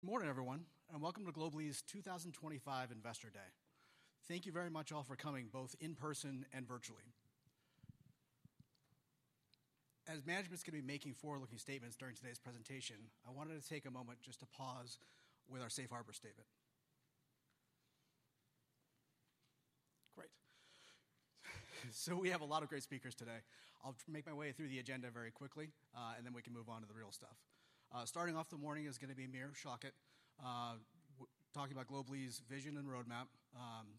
Good morning, everyone, and welcome to Global-e's 2025 Investor Day. Thank you very much, all, for coming, both in person and virtually. As management is going to be making forward-looking statements during today's presentation, I wanted to take a moment just to pause with our Safe Harbor statement. Great. We have a lot of great speakers today. I'll make my way through the agenda very quickly, and then we can move on to the real stuff. Starting off the morning is going to be Amir Schlachet, talking about Global-e's vision and roadmap.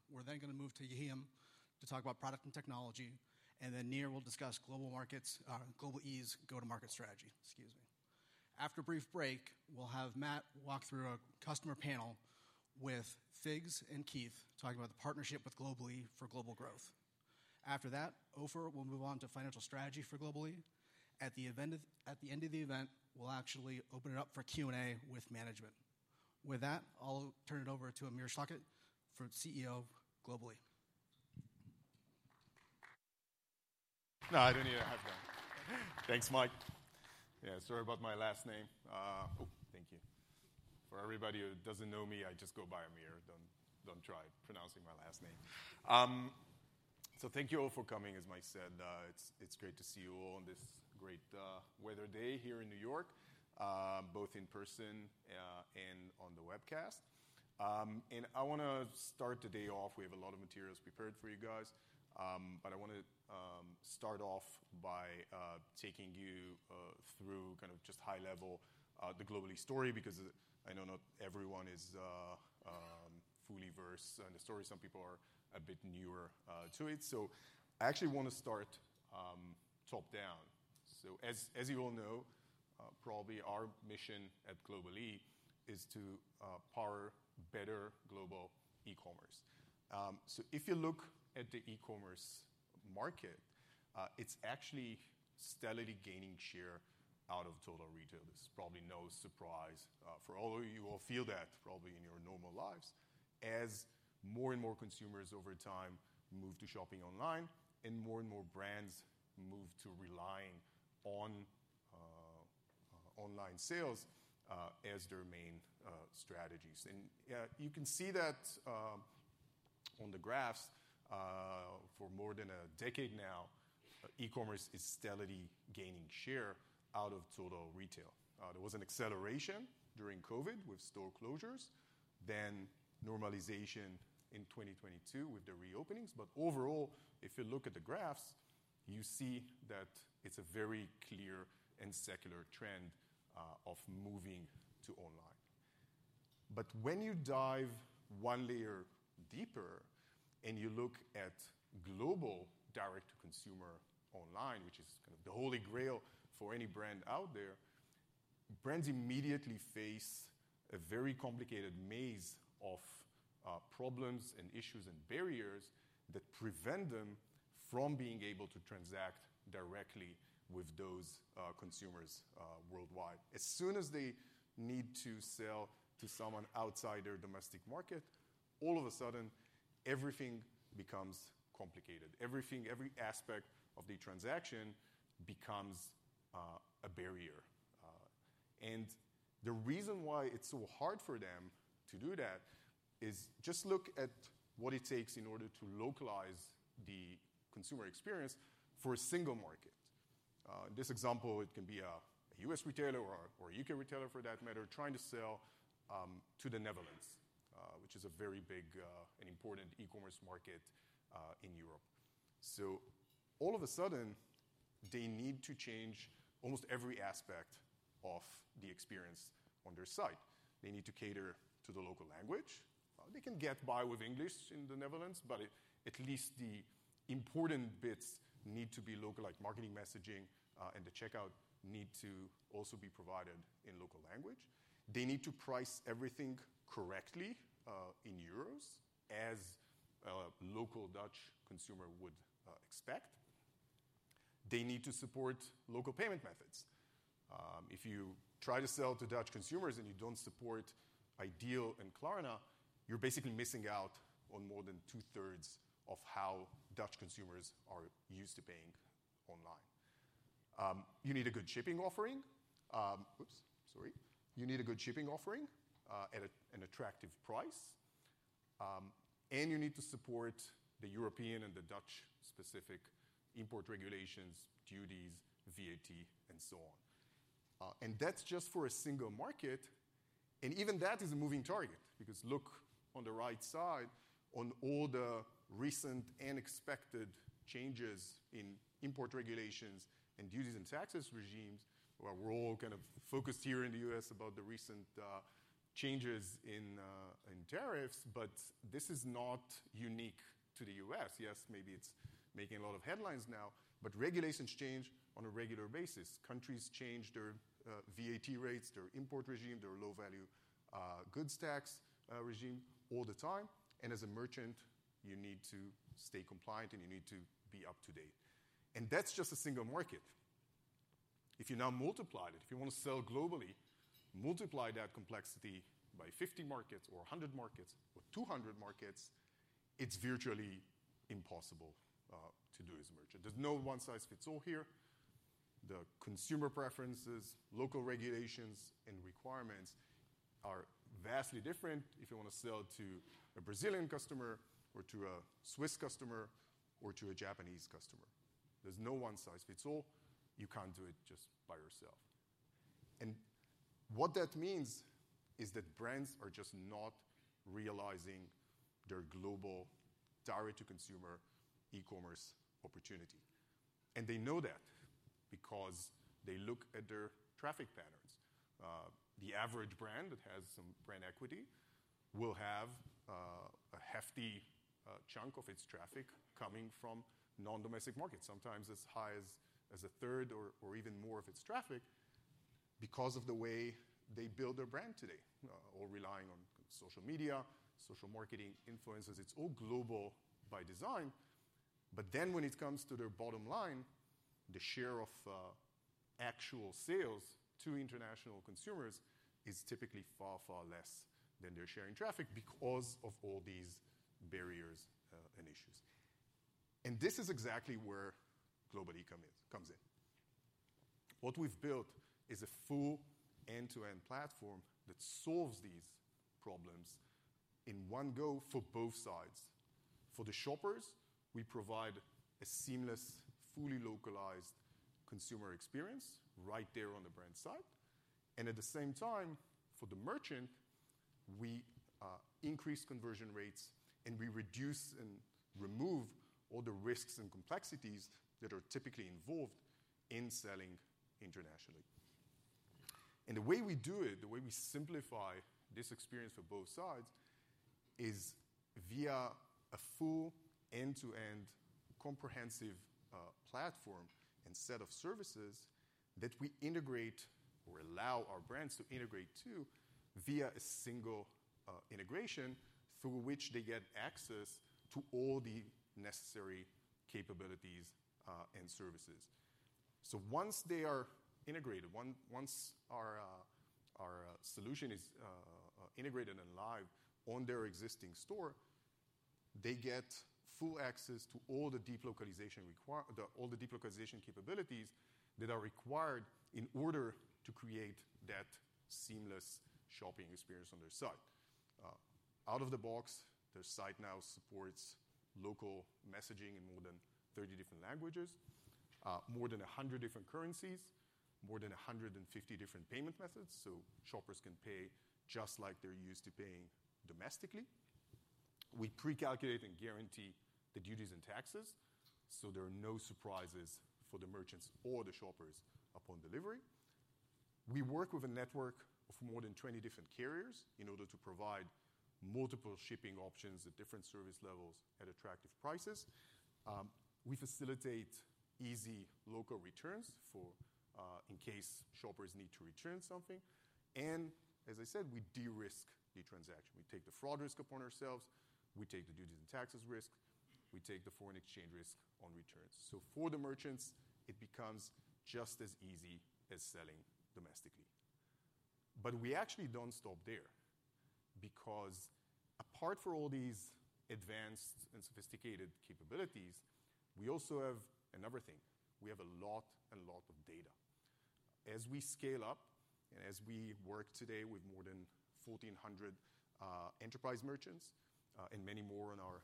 We're then going to move to Yehiam to talk about product and technology, and then Nir will discuss Global-e's go-to-market strategy. After a brief break, we'll have Matt walk through a customer panel with FIGS and Kith talking about the partnership with Global-e for global growth. After that, Ofer will move on to financial strategy for Global-e. At the end of the event, we'll actually open it up for Q&A with management. With that, I'll turn it over to Amir Schlachet, CEO of Global-e. No, I don't need a heart. Thanks, Mike. Yeah, sorry about my last name. Oh, thank you. For everybody who doesn't know me, I just go by Amir. Don't try pronouncing my last name. Thank you all for coming, as Mike said. It's great to see you all on this great weather day here in New York, both in person and on the webcast. I want to start the day off. We have a lot of materials prepared for you guys, but I want to start off by taking you through kind of just high-level the Global-e story because I know not everyone is fully versed in the story. Some people are a bit newer to it. I actually want to start top down. As you all know, probably our mission at Global-e is to power better global e-commerce. If you look at the e-commerce market, it's actually steadily gaining share out of total retail. This is probably no surprise for all of you. You all feel that probably in your normal lives as more and more consumers over time move to shopping online and more and more brands move to relying on online sales as their main strategies. You can see that on the graphs for more than a decade now, e-commerce is steadily gaining share out of total retail. There was an acceleration during COVID with store closures, then normalization in 2022 with the reopenings. Overall, if you look at the graphs, you see that it's a very clear and secular trend of moving to online. When you dive one layer deeper and you look at global direct-to-consumer online, which is kind of the holy grail for any brand out there, brands immediately face a very complicated maze of problems and issues and barriers that prevent them from being able to transact directly with those consumers worldwide. As soon as they need to sell to someone outside their domestic market, all of a sudden, everything becomes complicated. Everything, every aspect of the transaction becomes a barrier. The reason why it's so hard for them to do that is just look at what it takes in order to localize the consumer experience for a single market. In this example, it can be a U.S. retailer or a U.K. retailer for that matter trying to sell to the Netherlands, which is a very big and important e-commerce market in Europe. All of a sudden, they need to change almost every aspect of the experience on their site. They need to cater to the local language. They can get by with English in the Netherlands, but at least the important bits need to be localized. Marketing messaging and the checkout need to also be provided in local language. They need to price everything correctly in euros as a local Dutch consumer would expect. They need to support local payment methods. If you try to sell to Dutch consumers and you do not support iDEAL and Klarna, you are basically missing out on more than two-thirds of how Dutch consumers are used to paying online. You need a good shipping offering. Sorry. You need a good shipping offering at an attractive price, and you need to support the European and the Dutch-specific import regulations, duties, VAT, and so on. That's just for a single market, and even that is a moving target because look on the right side on all the recent and expected changes in import regulations and duties and taxes regimes. We're all kind of focused here in the U.S. about the recent changes in tariffs, but this is not unique to the U.S. Yes, maybe it's making a lot of headlines now, but regulations change on a regular basis. Countries change their VAT rates, their import regime, their low-value goods tax regime all the time. As a merchant, you need to stay compliant and you need to be up to date. That's just a single market. If you now multiply it, if you want to sell globally, multiply that complexity by 50 markets or 100 markets or 200 markets, it's virtually impossible to do as a merchant. There's no one-size-fits-all here. The consumer preferences, local regulations, and requirements are vastly different if you want to sell to a Brazilian customer or to a Swiss customer or to a Japanese customer. There is no one-size-fits-all. You can't do it just by yourself. What that means is that brands are just not realizing their global direct-to-consumer e-commerce opportunity. They know that because they look at their traffic patterns. The average brand that has some brand equity will have a hefty chunk of its traffic coming from non-domestic markets, sometimes as high as a third or even more of its traffic because of the way they build their brand today. All relying on social media, social marketing influences. It's all global by design. When it comes to their bottom line, the share of actual sales to international consumers is typically far, far less than their share in traffic because of all these barriers and issues. This is exactly where Global-e comes in. What we've built is a full end-to-end platform that solves these problems in one go for both sides. For the shoppers, we provide a seamless, fully localized consumer experience right there on the brand side. At the same time, for the merchant, we increase conversion rates and we reduce and remove all the risks and complexities that are typically involved in selling internationally. The way we do it, the way we simplify this experience for both sides is via a full end-to-end comprehensive platform and set of services that we integrate or allow our brands to integrate to via a single integration through which they get access to all the necessary capabilities and services. Once they are integrated, once our solution is integrated and live on their existing store, they get full access to all the deep localization capabilities that are required in order to create that seamless shopping experience on their site. Out of the box, their site now supports local messaging in more than 30 different languages, more than 100 different currencies, more than 150 different payment methods, so shoppers can pay just like they're used to paying domestically. We pre-calculate and guarantee the duties and taxes, so there are no surprises for the merchants or the shoppers upon delivery. We work with a network of more than 20 different carriers in order to provide multiple shipping options at different service levels at attractive prices. We facilitate easy local returns in case shoppers need to return something. As I said, we de-risk the transaction. We take the fraud risk upon ourselves. We take the duties and taxes risk. We take the foreign exchange risk on returns. For the merchants, it becomes just as easy as selling domestically. We actually do not stop there because apart from all these advanced and sophisticated capabilities, we also have another thing. We have a lot and lot of data. As we SCAYLE up and as we work today with more than 1,400 enterprise merchants and many more on on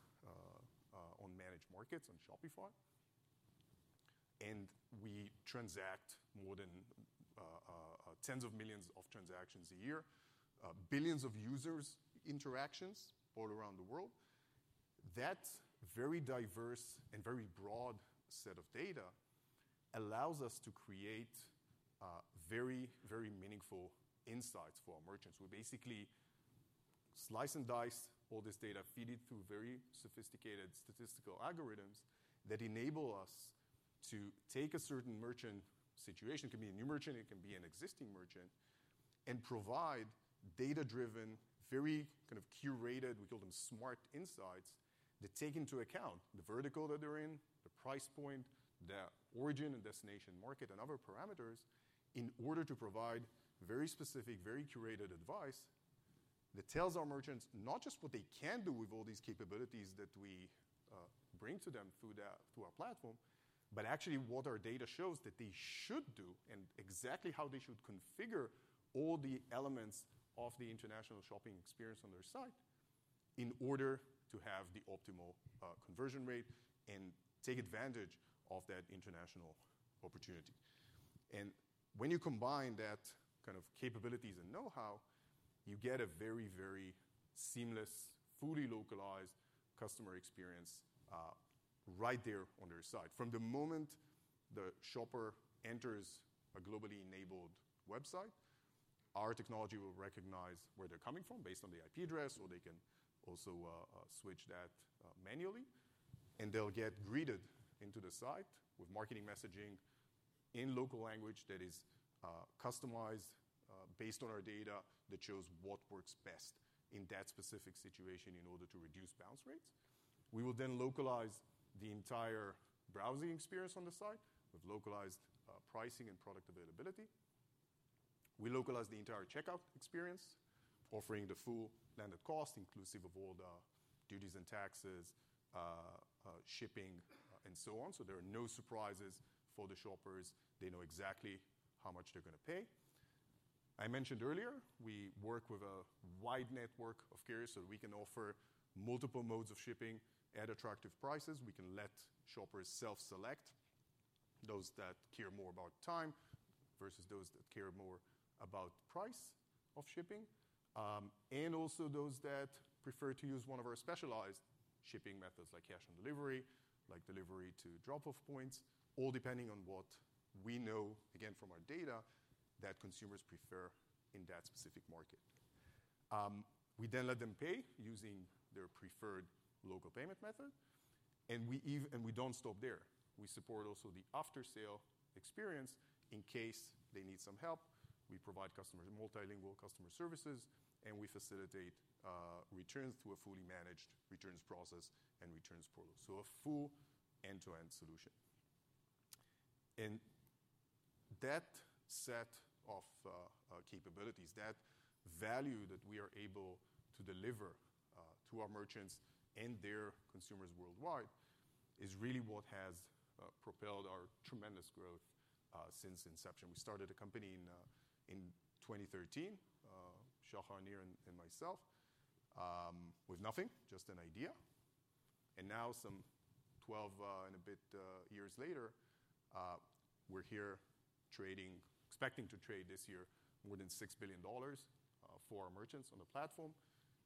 Shopify, and we transact more than tens of millions of transactions a year, billions of users' interactions all around the world, that very diverse and very broad set of data allows us to create very, very meaningful insights for our merchants. We basically slice and dice all this data, feed it through very sophisticated statistical algorithms that enable us to take a certain merchant situation. It can be a new merchant. It can be an existing merchant and provide data-driven, very kind of curated, we call them Smart Insights that take into account the vertical that they're in, the price point, the origin and destination market, and other parameters in order to provide very specific, very curated advice that tells our merchants not just what they can do with all these capabilities that we bring to them through our platform, but actually what our data shows that they should do and exactly how they should configure all the elements of the international shopping experience on their site in order to have the optimal conversion rate and take advantage of that international opportunity. When you combine that kind of capabilities and know-how, you get a very, very seamless, fully localized customer experience right there on their site. From the moment the shopper enters a Global-e enabled website, our technology will recognize where they're coming from based on the IP address, or they can also switch that manually, and they'll get greeted into the site with marketing messaging in local language that is customized based on our data that shows what works best in that specific situation in order to reduce bounce rates. We will then localize the entire browsing experience on the site with localized pricing and product availability. We localize the entire checkout experience, offering the full landed cost, inclusive of all the duties and taxes, shipping, and so on. There are no surprises for the shoppers. They know exactly how much they're going to pay. I mentioned earlier, we work with a wide network of carriers so that we can offer multiple modes of shipping at attractive prices. We can let shoppers self-select those that care more about time versus those that care more about price of shipping, and also those that prefer to use one of our specialized shipping methods like cash on delivery, like delivery to drop-off points, all depending on what we know, again, from our data that consumers prefer in that specific market. We then let them pay using their preferred local payment method. We do not stop there. We support also the after-sale experience in case they need some help. We provide multilingual customer services, and we facilitate returns through a fully managed returns process and returns portal. A full end-to-end solution. That set of capabilities, that value that we are able to deliver to our merchants and their consumers worldwide is really what has propelled our tremendous growth since inception. We started a company in 2013, Shahar, Nir and myself, with nothing, just an idea. Now, some 12 and a bit years later, we're here trading, expecting to trade this year more than $6 billion for our merchants on the platform,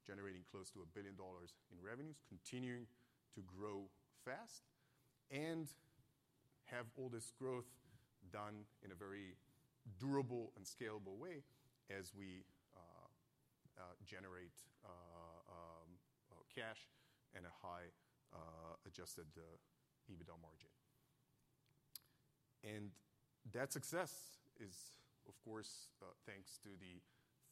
generating close to $1 billion in revenues, continuing to grow fast and have all this growth done in a very durable and scalable way as we generate cash and a high adjusted EBITDA margin. That success is, of course, thanks to the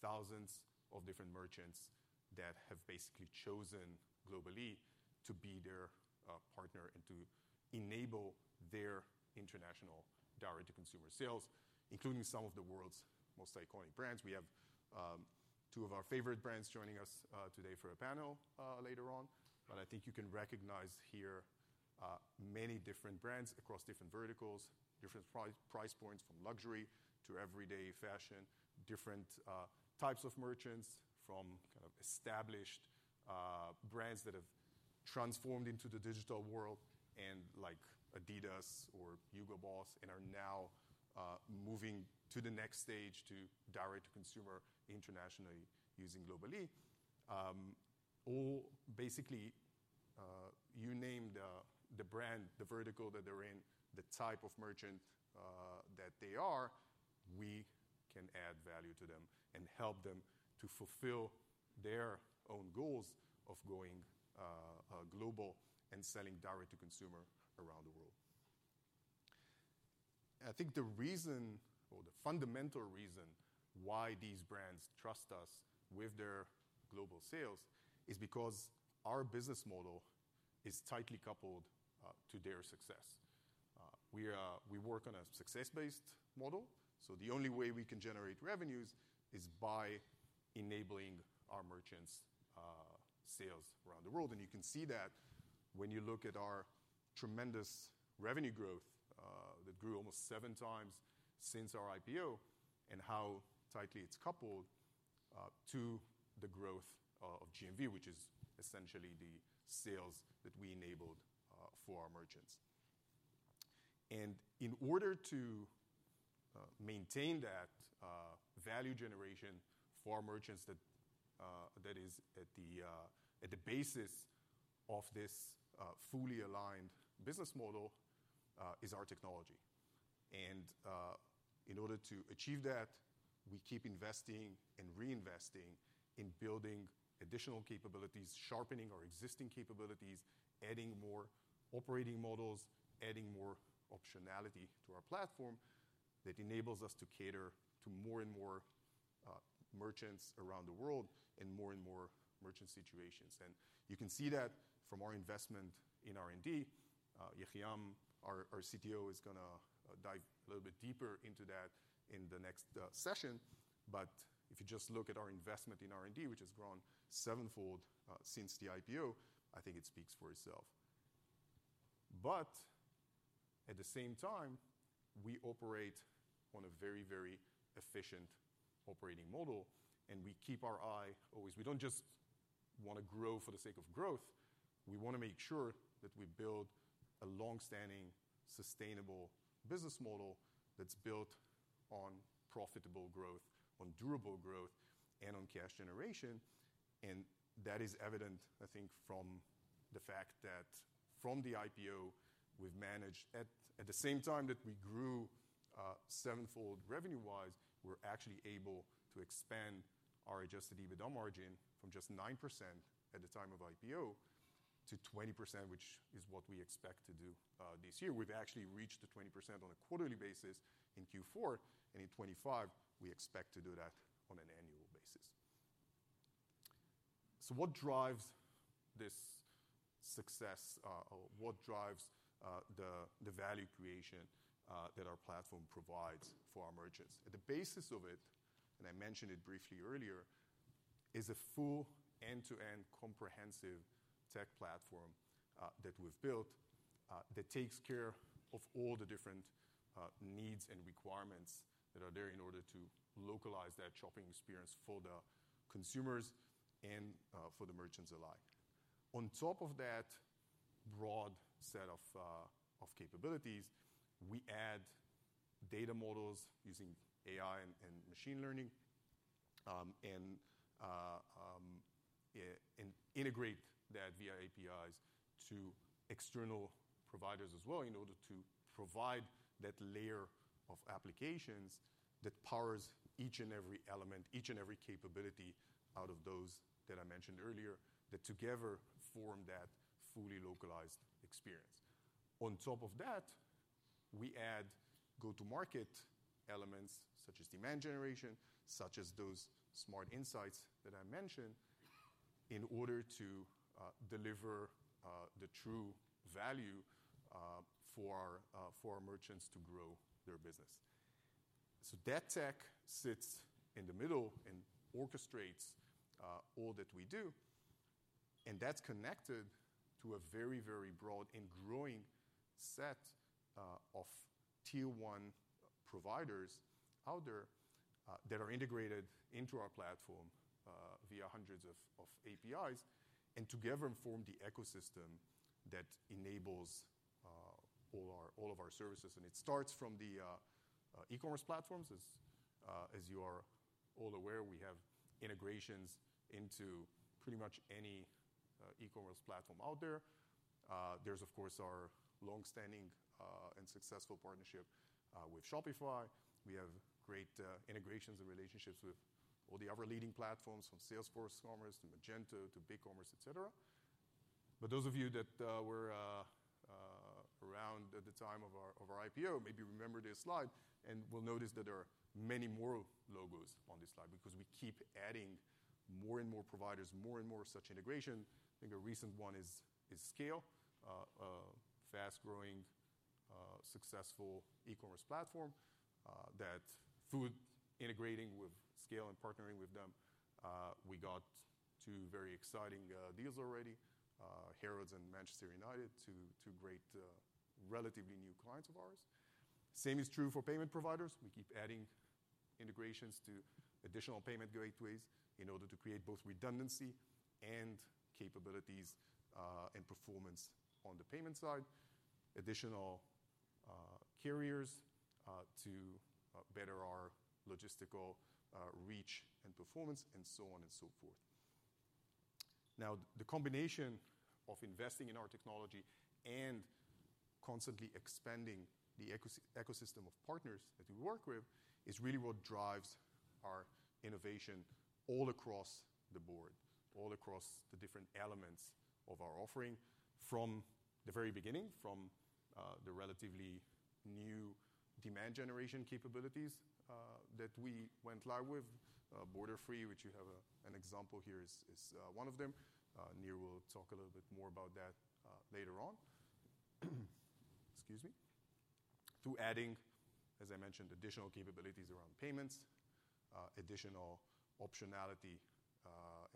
thousands of different merchants that have basically chosen Global-e to be their partner and to enable their international direct-to-consumer sales, including some of the world's most iconic brands. We have two of our favorite brands joining us today for a panel later on, but I think you can recognize here many different brands across different verticals, different price points from luxury to everyday fashion, different types of merchants from kind of established brands that have transformed into the digital world and like Adidas or Hugo Boss and are now moving to the next stage to direct-to-consumer internationally using Global-e. All basically, you name the brand, the vertical that they're in, the type of merchant that they are, we can add value to them and help them to fulfill their own goals of going global and selling direct-to-consumer around the world. I think the reason, or the fundamental reason why these brands trust us with their global sales is because our business model is tightly coupled to their success. We work on a success-based model, so the only way we can generate revenues is by enabling our merchants' sales around the world. You can see that when you look at our tremendous revenue growth that grew almost seven times since our IPO and how tightly it's coupled to the growth of GMV, which is essentially the sales that we enabled for our merchants. In order to maintain that value generation for our merchants that is at the basis of this fully aligned business model is our technology. In order to achieve that, we keep investing and reinvesting in building additional capabilities, sharpening our existing capabilities, adding more operating models, adding more optionality to our platform that enables us to cater to more and more merchants around the world and more and more merchant situations. You can see that from our investment in R&D. Yehiam, our CTO, is going to dive a little bit deeper into that in the next session. If you just look at our investment in R&D, which has grown seven-fold since the IPO, I think it speaks for itself. At the same time, we operate on a very, very efficient operating model, and we keep our eye always. We do not just want to grow for the sake of growth. We want to make sure that we build a long-standing, sustainable business model that is built on profitable growth, on durable growth, and on cash generation. That is evident, I think, from the fact that from the IPO, we have managed at the same time that we grew seven-fold revenue-wise, we are actually able to expand our adjusted EBITDA margin from just 9% at the time of IPO to 20%, which is what we expect to do this year. We've actually reached the 20% on a quarterly basis in Q4, and in 2025, we expect to do that on an annual basis. What drives this success? What drives the value creation that our platform provides for our merchants? At the basis of it, and I mentioned it briefly earlier, is a full end-to-end comprehensive tech platform that we've built that takes care of all the different needs and requirements that are there in order to localize that shopping experience for the consumers and for the merchants alike. On top of that broad set of capabilities, we add data models using AI and machine learning and integrate that via APIs to external providers as well in order to provide that layer of applications that powers each and every element, each and every capability out of those that I mentioned earlier that together form that fully localized experience. On top of that, we add go-to-market elements such as demand generation, such as those Smart Insights that I mentioned in order to deliver the true value for our merchants to grow their business. That tech sits in the middle and orchestrates all that we do, and that's connected to a very, very broad and growing set of Tier 1 providers out there that are integrated into our platform via hundreds of APIs and together form the ecosystem that enables all of our services. It starts from the e-commerce platforms. As you are all aware, we have integrations into pretty much any e-commerce platform out there. There's, of course, our long-standing and successful partnership with Shopify. We have great integrations and relationships with all the other leading platforms from Salesforce Commerce to Magento to BigCommerce, etc. Those of you that were around at the time of our IPO maybe remember this slide, and you'll notice that there are many more logos on this slide because we keep adding more and more providers, more and more such integration. I think a recent one is SCAYLE, a fast-growing, successful e-commerce platform that, through integrating with SCAYLE and partnering with them, we got two very exciting deals already, Harrods and Manchester United, two great, relatively new clients of ours. Same is true for payment providers. We keep adding integrations to additional payment gateways in order to create both redundancy and capabilities and performance on the payment side, additional carriers to better our logistical reach and performance, and so on and so forth. Now, the combination of investing in our technology and constantly expanding the ecosystem of partners that we work with is really what drives our innovation all across the board, all across the different elements of our offering from the very beginning, from the relatively new demand generation capabilities that we went live with, Borderfree, which you have an example here is one of them. Nir will talk a little bit more about that later on. Excuse me. To adding, as I mentioned, additional capabilities around payments, additional optionality,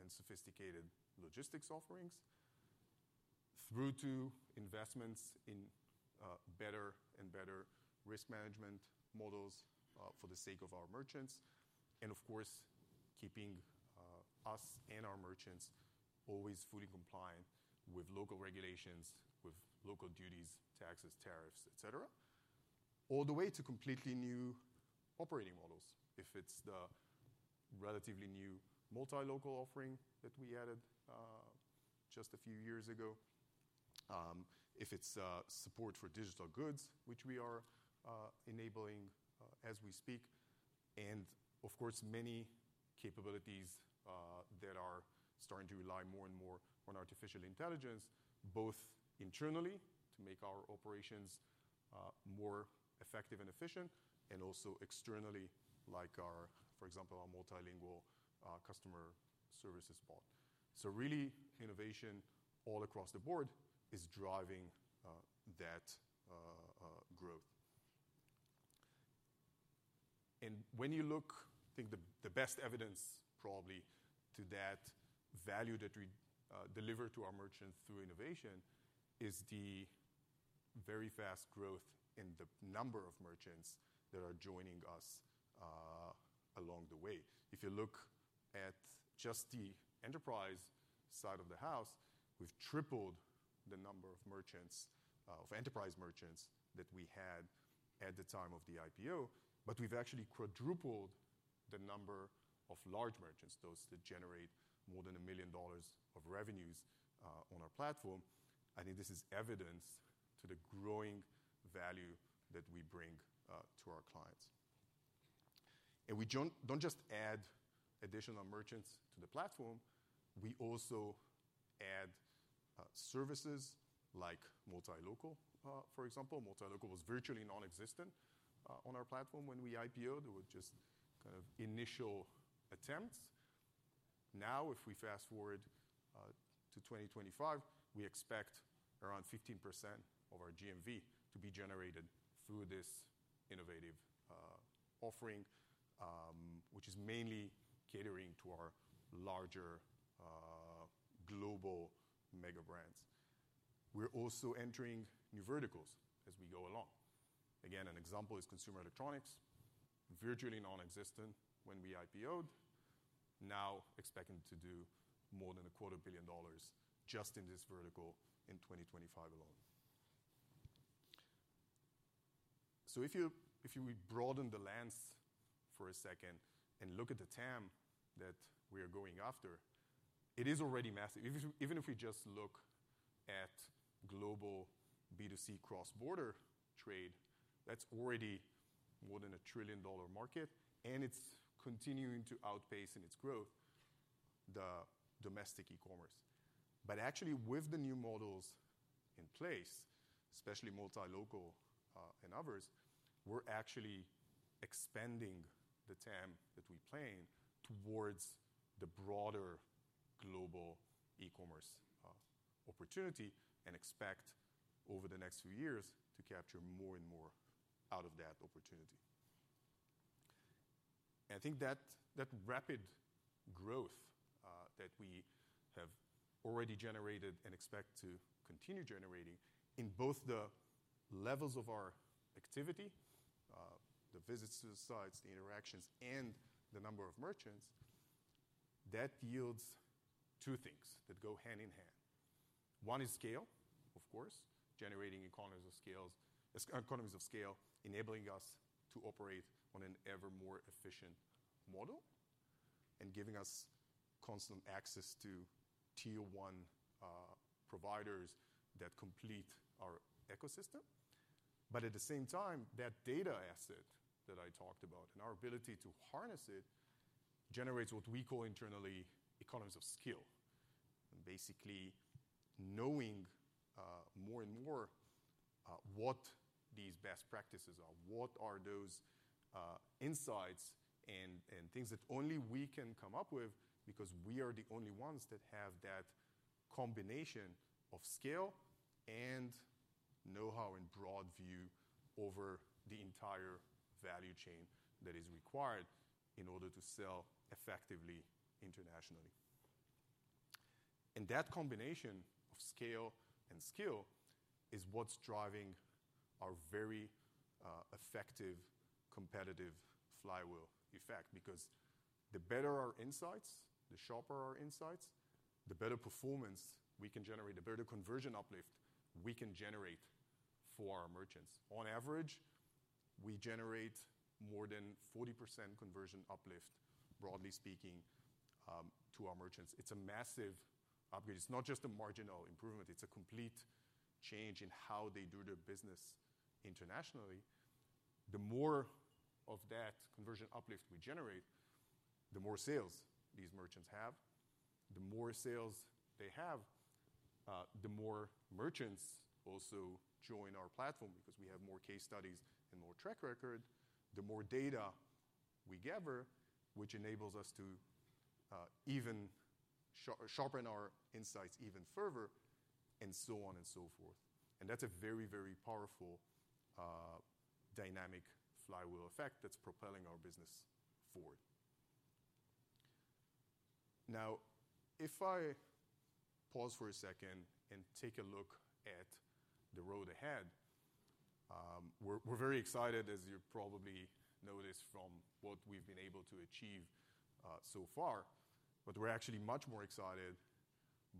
and sophisticated logistics offerings through to investments in better and better risk management models for the sake of our merchants, and of course, keeping us and our merchants always fully compliant with local regulations, with local duties, taxes, tariffs, etc., all the way to completely new operating models. If it's the relatively new Multi-Local offering that we added just a few years ago, if it's support for digital goods, which we are enabling as we speak, and of course, many capabilities that are starting to rely more and more on artificial intelligence, both internally to make our operations more effective and efficient and also externally, like our, for example, our multilingual customer services bot. Really, innovation all across the board is driving that growth. When you look, I think the best evidence probably to that value that we deliver to our merchants through innovation is the very fast growth in the number of merchants that are joining us along the way. If you look at just the enterprise side of the house, we've tripled the number of merchants, of enterprise merchants that we had at the time of the IPO, but we've actually quadrupled the number of large merchants, those that generate more than $1 million of revenues on our platform. I think this is evidence to the growing value that we bring to our clients. We don't just add additional merchants to the platform. We also add services like Multi-Local, for example. Multi-Local was virtually nonexistent on our platform when we IPOed. It was just kind of initial attempts. Now, if we fast forward to 2025, we expect around 15% of our GMV to be generated through this innovative offering, which is mainly catering to our larger global mega brands. We're also entering new verticals as we go along. Again, an example is consumer electronics, virtually nonexistent when we IPOed, now expecting to do more than a quarter billion dollars just in this vertical in 2025 alone. If you broaden the lens for a second and look at the TAM that we are going after, it is already massive. Even if we just look at global B2C cross-border trade, that's already more than a trillion-dollar market, and it's continuing to outpace in its growth the domestic e-commerce. Actually, with the new models in place, especially Multi-Local and others, we're actually expanding the TAM that we planned towards the broader global e-commerce opportunity and expect over the next few years to capture more and more out of that opportunity. I think that rapid growth that we have already generated and expect to continue generating in both the levels of our activity, the visits to the sites, the interactions, and the number of merchants, that yields two things that go hand in hand. One is SCAYLE, of course, generating economies of SCAYLE, enabling us to operate on an ever more efficient model and giving us constant access to Tier 1 providers that complete our ecosystem. At the same time, that data asset that I talked about and our ability to harness it generates what we call internally economies of SCAYLE, basically knowing more and more what these best practices are, what are those insights and things that only we can come up with because we are the only ones that have that combination of SCAYLE and know-how and broad view over the entire value chain that is required in order to sell effectively internationally. That combination of SCAYLE and skill is what's driving our very effective, competitive flywheel effect because the better our insights, the sharper our insights, the better performance we can generate, the better conversion uplift we can generate for our merchants. On average, we generate more than 40% conversion uplift, broadly speaking, to our merchants. It's a massive upgrade. It's not just a marginal improvement. It's a complete change in how they do their business internationally. The more of that conversion uplift we generate, the more sales these merchants have. The more sales they have, the more merchants also join our platform because we have more case studies and more track record, the more data we gather, which enables us to even sharpen our insights even further and so on and so forth. That is a very, very powerful dynamic flywheel effect that is propelling our business forward. Now, if I pause for a second and take a look at the road ahead, we're very excited, as you probably noticed from what we've been able to achieve so far, but we're actually much more excited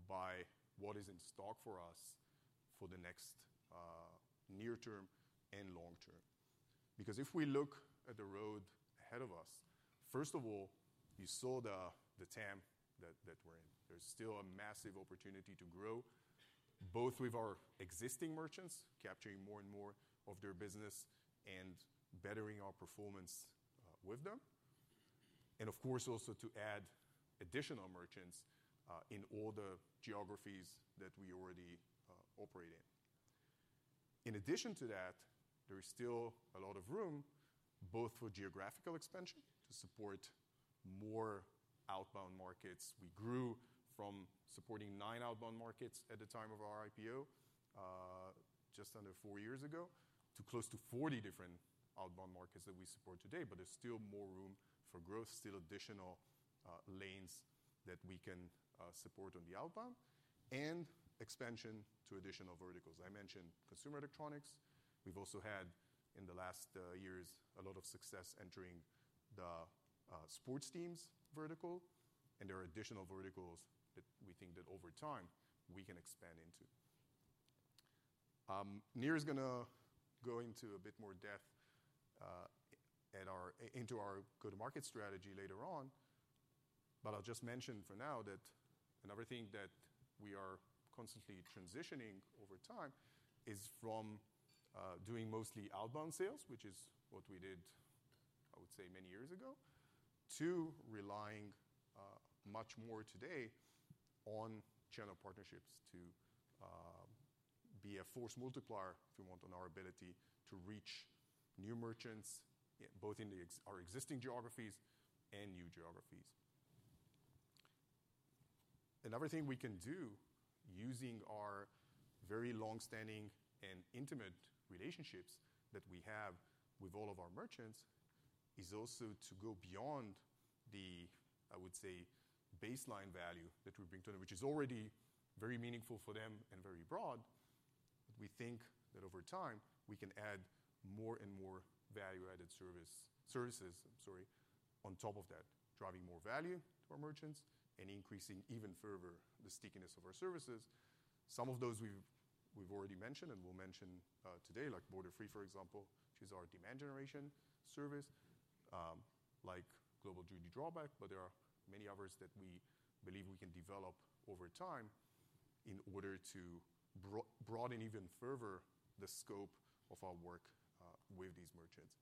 by what is in stock for us for the next near term and long term. Because if we look at the road ahead of us, first of all, you saw the TAM that we're in. There's still a massive opportunity to grow both with our existing merchants, capturing more and more of their business and bettering our performance with them, and of course, also to add additional merchants in all the geographies that we already operate in. In addition to that, there is still a lot of room both for geographical expansion to support more outbound markets. We grew from supporting nine outbound markets at the time of our IPO just under four years ago to close to 40 different outbound markets that we support today, but there's still more room for growth, still additional lanes that we can support on the outbound and expansion to additional verticals. I mentioned consumer electronics. We've also had, in the last years, a lot of success entering the sports teams vertical, and there are additional verticals that we think that over time we can expand into. Nir is going to go into a bit more depth into our go-to-market strategy later on, but I'll just mention for now that another thing that we are constantly transitioning over time is from doing mostly outbound sales, which is what we did, I would say, many years ago, to relying much more today on channel partnerships to be a force multiplier, if you want, on our ability to reach new merchants both in our existing geographies and new geographies. Another thing we can do using our very long-standing and intimate relationships that we have with all of our merchants is also to go beyond the, I would say, baseline value that we bring to them, which is already very meaningful for them and very broad. We think that over time we can add more and more value-added services, I'm sorry, on top of that, driving more value to our merchants and increasing even further the stickiness of our services. Some of those we've already mentioned and we'll mention today, like Borderfree, for example, which is our demand generation service, like Global Duty Drawback, but there are many others that we believe we can develop over time in order to broaden even further the scope of our work with these merchants.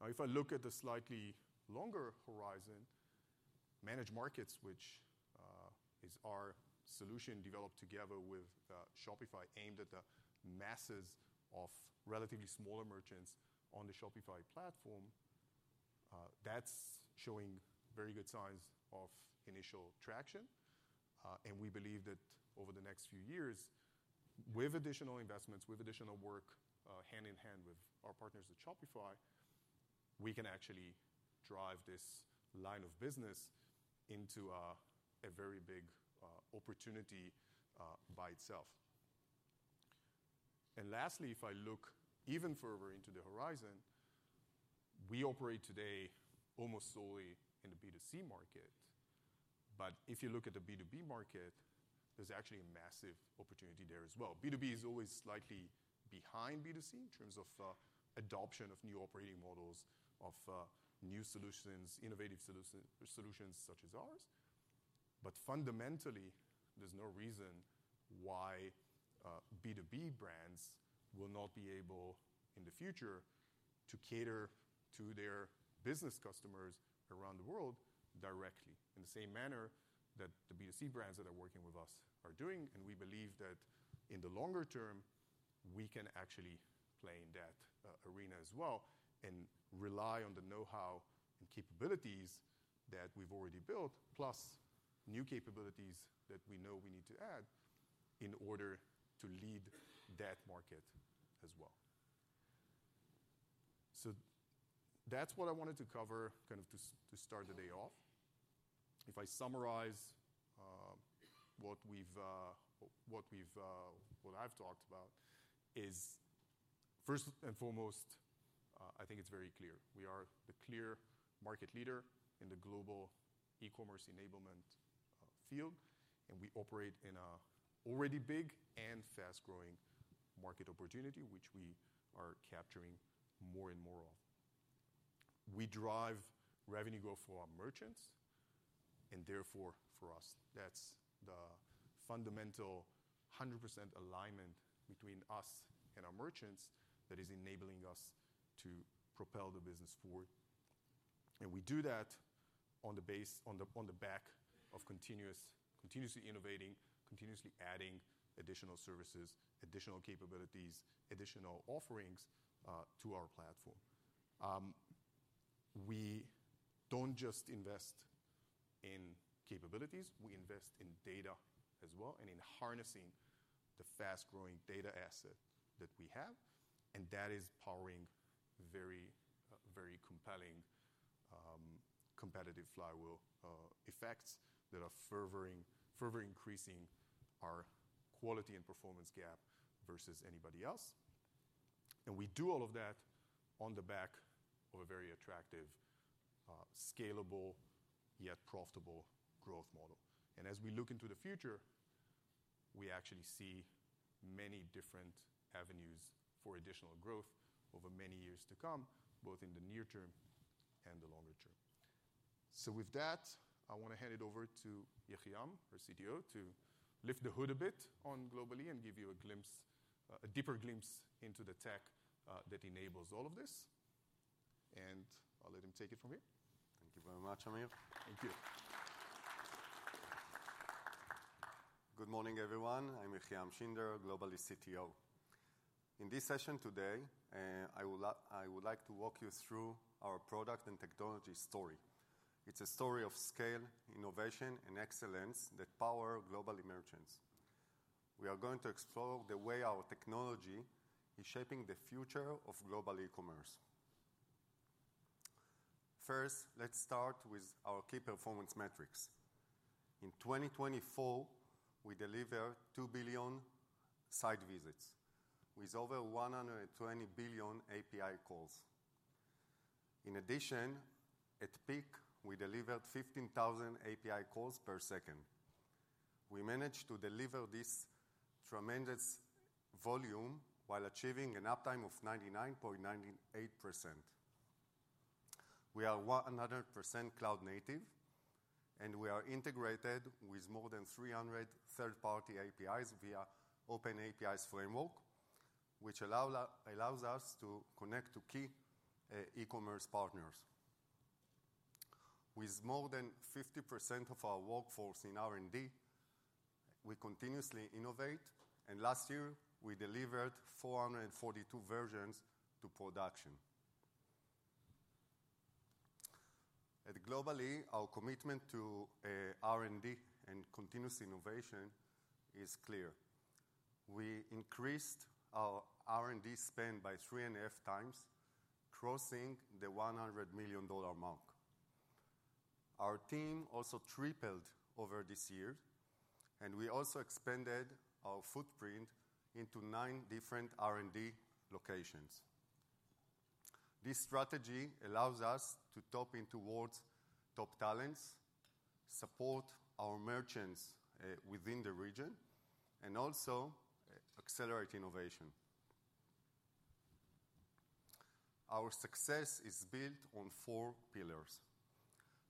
Now, if I look at the slightly longer horizon,, which is our solution developed together with Shopify, aimed at the masses of relatively smaller merchants on the Shopify platform, that's showing very good signs of initial traction. We believe that over the next few years, with additional investments, with additional work hand in hand with our partners at Shopify, we can actually drive this line of business into a very big opportunity by itself. Lastly, if I look even further into the horizon, we operate today almost solely in the B2C market, but if you look at the B2B market, there's actually a massive opportunity there as well. B2B is always slightly behind B2C in terms of adoption of new operating models, of new solutions, innovative solutions such as ours, but fundamentally, there is no reason why B2B brands will not be able in the future to cater to their business customers around the world directly in the same manner that the B2C brands that are working with us are doing. We believe that in the longer term, we can actually play in that arena as well and rely on the know-how and capabilities that we have already built, plus new capabilities that we know we need to add in order to lead that market as well. That is what I wanted to cover kind of to start the day off. If I summarize what I have talked about, first and foremost, I think it is very clear. We are the clear market leader in the global e-commerce enablement field, and we operate in an already big and fast-growing market opportunity, which we are capturing more and more of. We drive revenue growth for our merchants, and therefore, for us, that's the fundamental 100% alignment between us and our merchants that is enabling us to propel the business forward. We do that on the back of continuously innovating, continuously adding additional services, additional capabilities, additional offerings to our platform. We do not just invest in capabilities. We invest in data as well and in harnessing the fast-growing data asset that we have, and that is powering very compelling competitive flywheel effects that are further increasing our quality and performance gap versus anybody else. We do all of that on the back of a very attractive, scalable, yet profitable growth model. As we look into the future, we actually see many different avenues for additional growth over many years to come, both in the near term and the longer term. With that, I want to hand it over to Yehiam, our CTO, to lift the hood a bit on Global-e and give you a deeper glimpse into the tech that enables all of this. I'll let him take it from here. Thank you very much, Amir. Thank you. Good morning, everyone. I'm Yehiam Shinder, Global-e CTO. In this session today, I would like to walk you through our product and technology story. It's a story of SCAYLE, innovation, and excellence that power global emergence. We are going to explore the way our technology is shaping the future of global e-commerce. First, let's start with our key performance metrics. In 2024, we delivered two billion site visits with over 120 billion API calls. In addition, at peak, we delivered 15,000 API calls per second. We managed to deliver this tremendous volume while achieving an uptime of 99.98%. We are 100% cloud native, and we are integrated with more than 300 third-party APIs via Open APIs framework, which allows us to connect to key e-commerce partners. With more than 50% of our workforce in R&D, we continuously innovate, and last year, we delivered 442 versions to production. At Global-e, our commitment to R&D and continuous innovation is clear. We increased our R&D spend by three and a half times, crossing the $100 million mark. Our team also tripled over this year, and we also expanded our footprint into nine different R&D locations. This strategy allows us to tap into world's top talents, support our merchants within the region, and also accelerate innovation. Our success is built on four pillars.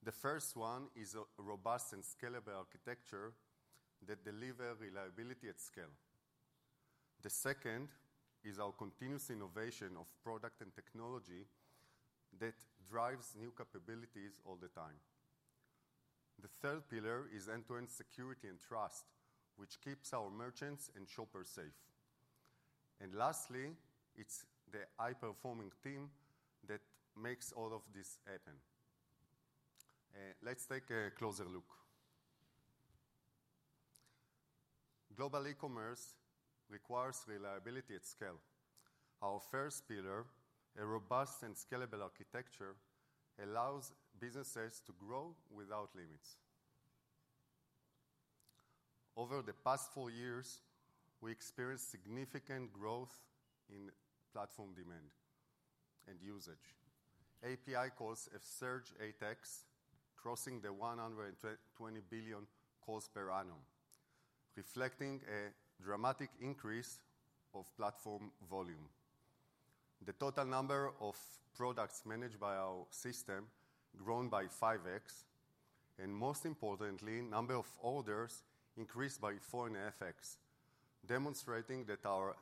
The first one is a robust and scalable architecture that delivers reliability at SCAYLE. The second is our continuous innovation of product and technology that drives new capabilities all the time. The third pillar is end-to-end security and trust, which keeps our merchants and shoppers safe. Lastly, it is the high-performing team that makes all of this happen. Let's take a closer look. Global e-commerce requires reliability at SCAYLE. Our first pillar, a robust and scalable architecture, allows businesses to grow without limits. Over the past four years, we experienced significant growth in platform demand and usage. API calls have surged 8x, crossing the 120 billion calls per annum, reflecting a dramatic increase of platform volume. The total number of products managed by our system has grown by 5x, and most importantly, the number of orders has increased by 4.5x, demonstrating that our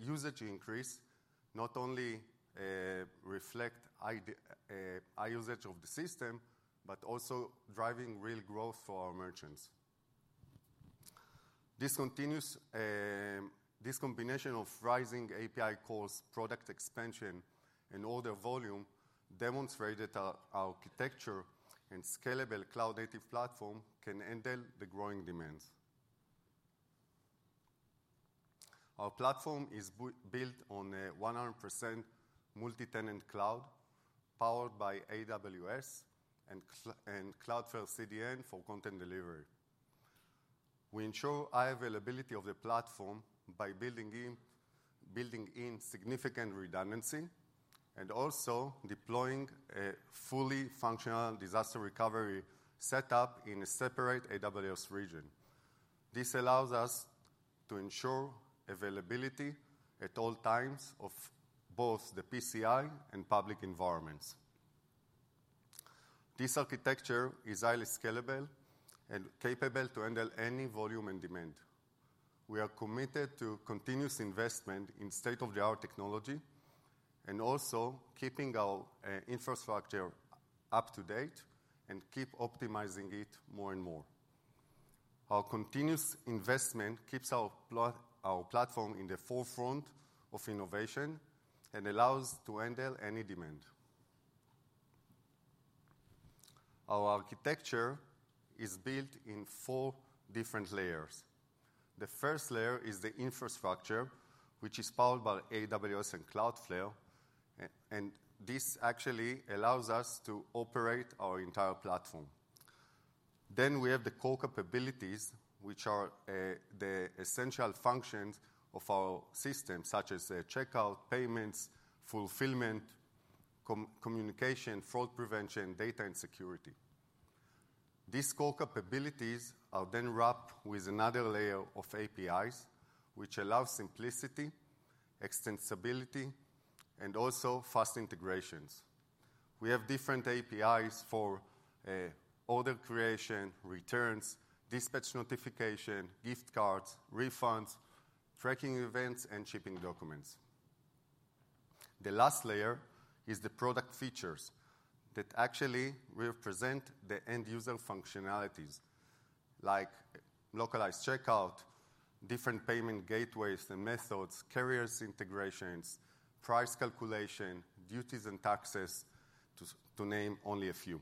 usage increase not only reflects high usage of the system, but also drives real growth for our merchants. This combination of rising API calls, product expansion, and order volume demonstrates that our architecture and scalable cloud-native platform can handle the growing demands. Our platform is built on a 100% multi-tenant cloud powered by AWS and Cloudflare CDN for content delivery. We ensure high availability of the platform by building in significant redundancy and also deploying a fully functional disaster recovery setup in a separate AWS region. This allows us to ensure availability at all times of both the PCI and public environments. This architecture is highly scalable and capable of handling any volume and demand. We are committed to continuous investment in state-of-the-art technology and also keeping our infrastructure up to date and keep optimizing it more and more. Our continuous investment keeps our platform in the forefront of innovation and allows us to handle any demand. Our architecture is built in four different layers. The first layer is the infrastructure, which is powered by AWS and Cloudflare, and this actually allows us to operate our entire platform. We have the core capabilities, which are the essential functions of our system, such as checkout, payments, fulfillment, communication, fraud prevention, data, and security. These core capabilities are then wrapped with another layer of APIs, which allow simplicity, extensibility, and also fast integrations. We have different APIs for order creation, returns, dispatch notification, gift cards, refunds, tracking events, and shipping documents. The last layer is the product features that actually represent the end-user functionalities, like localized checkout, different payment gateways and methods, carrier integrations, price calculation, duties, and taxes, to name only a few.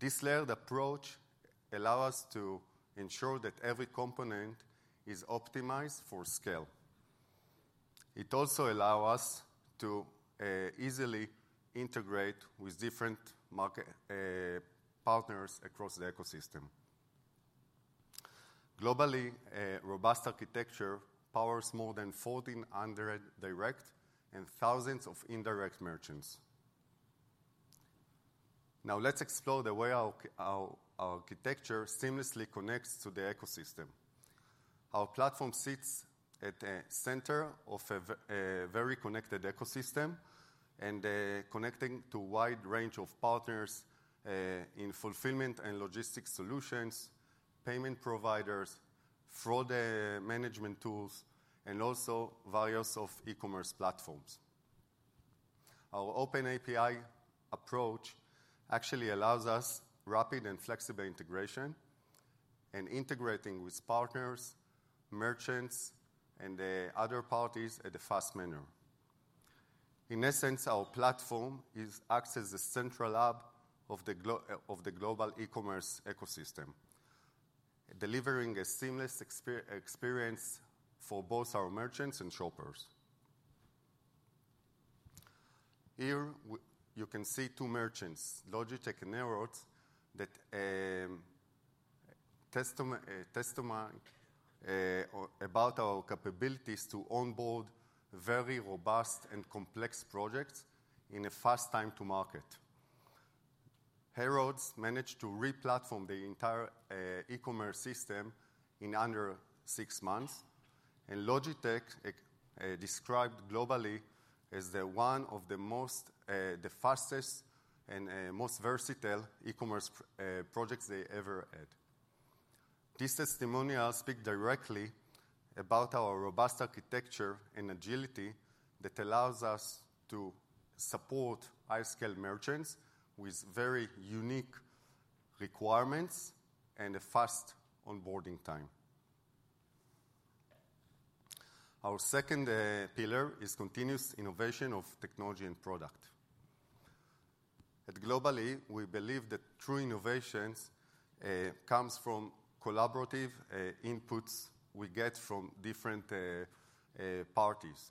This layered approach allows us to ensure that every component is optimized for SCAYLE. It also allows us to easily integrate with different partners across the ecosystem. Globally, a robust architecture powers more than 1,400 direct and thousands of indirect merchants. Now, let's explore the way our architecture seamlessly connects to the ecosystem. Our platform sits at the center of a very connected ecosystem and connects to a wide range of partners in fulfillment and logistics solutions, payment providers, fraud management tools, and also various e-commerce platforms. Our Open API approach actually allows us rapid and flexible integration and integration with partners, merchants, and other parties in a fast manner. In essence, our platform acts as the central hub of the global e-commerce ecosystem, delivering a seamless experience for both our merchants and shoppers. Here, you can see two merchants, Logitech and Xerox, that testify about our capabilities to onboard very robust and complex projects in a fast time to market. Harrods managed to replatform the entire e-commerce system in under six months, and Logitech is described Global-e as one of the fastest and most versatile e-commerce projects they ever had. This testimonial speaks directly about our robust architecture and agility that allows us to support high-SCAYLE merchants with very unique requirements and a fast onboarding time. Our second pillar is continuous innovation of technology and product. At Global-e, we believe that true innovation comes from collaborative inputs we get from different parties.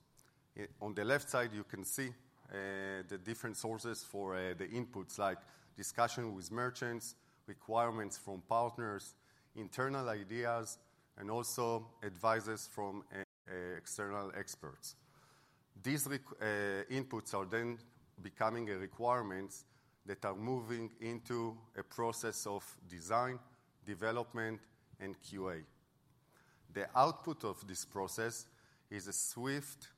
On the left side, you can see the different sources for the inputs, like discussions with merchants, requirements from partners, internal ideas, and also advice from external experts. These inputs are then becoming requirements that are moving into a process of design, development, and QA. The output of this process is a swift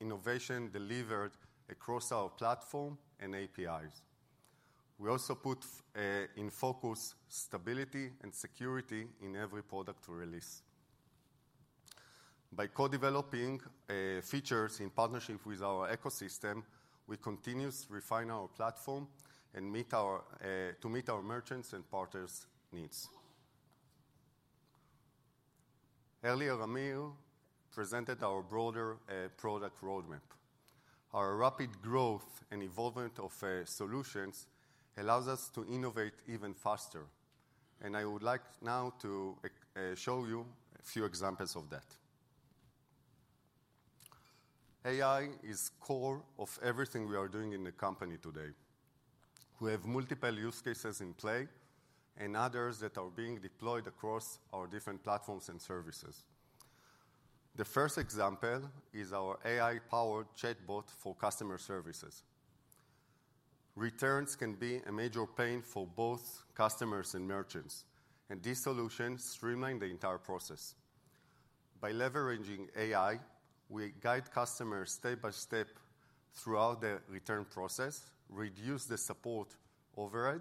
innovation delivered across our platform and APIs. We also put in focus stability and security in every product release. By co-developing features in partnership with our ecosystem, we continuously refine our platform to meet our merchants' and partners' needs. Earlier, Amir presented our broader product roadmap. Our rapid growth and evolvement of solutions allows us to innovate even faster, and I would like now to show you a few examples of that. AI is the core of everything we are doing in the company today. We have multiple use cases in play and others that are being deployed across our different platforms and services. The first example is our AI-powered chatbot for customer services. Returns can be a major pain for both customers and merchants, and these solutions streamline the entire process. By leveraging AI, we guide customers step by step throughout the return process, reduce the support overhead,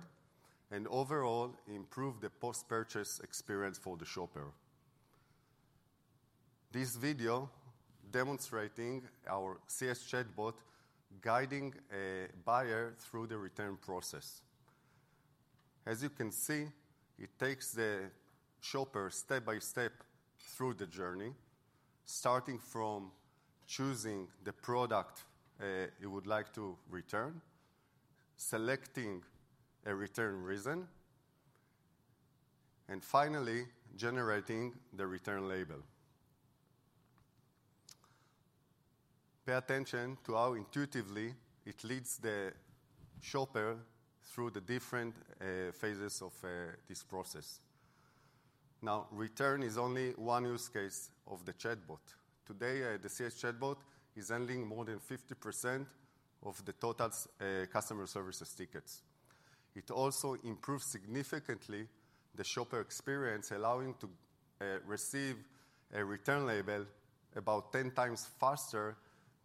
and overall improve the post-purchase experience for the shopper. This video demonstrating our CS chatbot guiding a buyer through the return process. As you can see, it takes the shopper step by step through the journey, starting from choosing the product he would like to return, selecting a return reason, and finally generating the return label. Pay attention to how intuitively it leads the shopper through the different phases of this process. Now, return is only one use case of the chatbot. Today, the CS chatbot is handling more than 50% of the total customer service tickets. It also improves significantly the shopper experience, allowing him to receive a return label about 10 times faster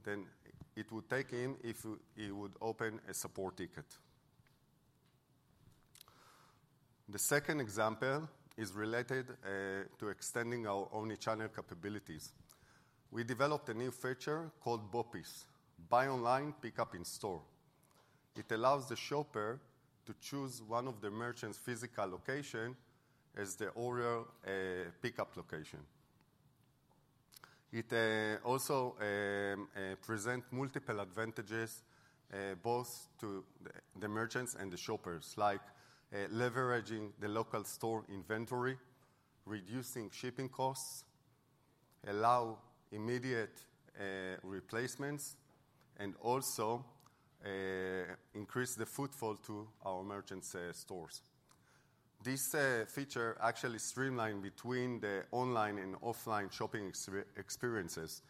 than it would take him if he would open a support ticket. The second example is related to extending our omnichannel capabilities. We developed a new feature called BOPIS, Buy Online, Pick Up In Store. It allows the shopper to choose one of the merchants' physical locations as the order pickup location. It also presents multiple advantages both to the merchants and the shoppers, like leveraging the local store inventory, reducing shipping costs, allowing immediate replacements, and also increasing the footfall to our merchants' stores. This feature actually streamlines between the online and offline shopping experiences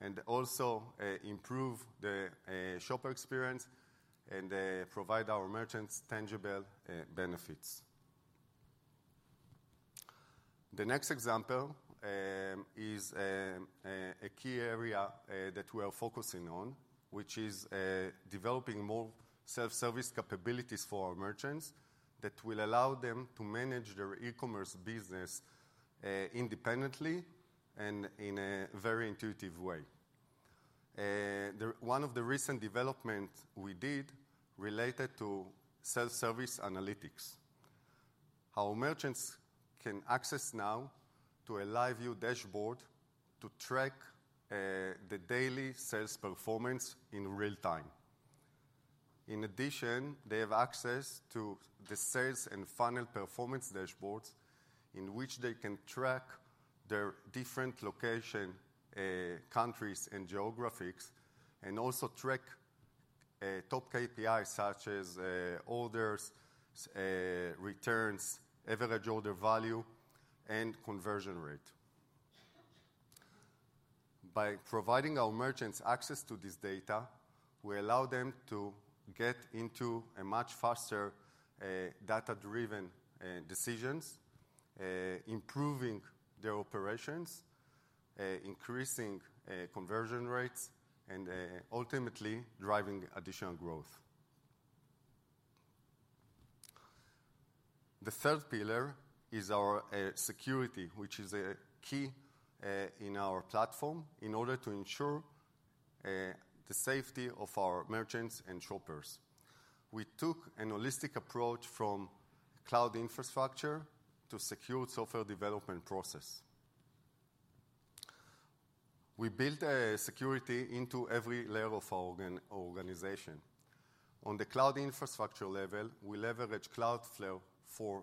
and also improves the shopper experience and provides our merchants tangible benefits. The next example is a key area that we are focusing on, which is developing more self-service capabilities for our merchants that will allow them to manage their e-commerce business independently and in a very intuitive way. One of the recent developments we did related to self-service analytics. Our merchants can access now a live view dashboard to track the daily sales performance in real time. In addition, they have access to the sales and funnel performance dashboards, in which they can track their different location countries and geographies and also track top KPIs such as orders, returns, average order value, and conversion rate. By providing our merchants access to this data, we allow them to get into much faster data-driven decisions, improving their operations, increasing conversion rates, and ultimately driving additional growth. The third pillar is our security, which is a key in our platform in order to ensure the safety of our merchants and shoppers. We took a holistic approach from cloud infrastructure to secure software development process. We built security into every layer of our organization. On the cloud infrastructure level, we leverage Cloudflare for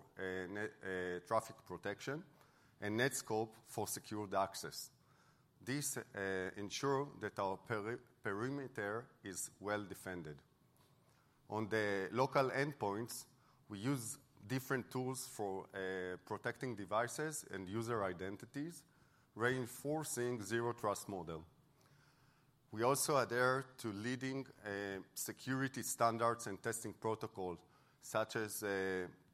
traffic protection and Netskope for secure access. This ensures that our perimeter is well defended. On the local endpoints, we use different tools for protecting devices and user identities, reinforcing the zero trust model. We also adhere to leading security standards and testing protocols such as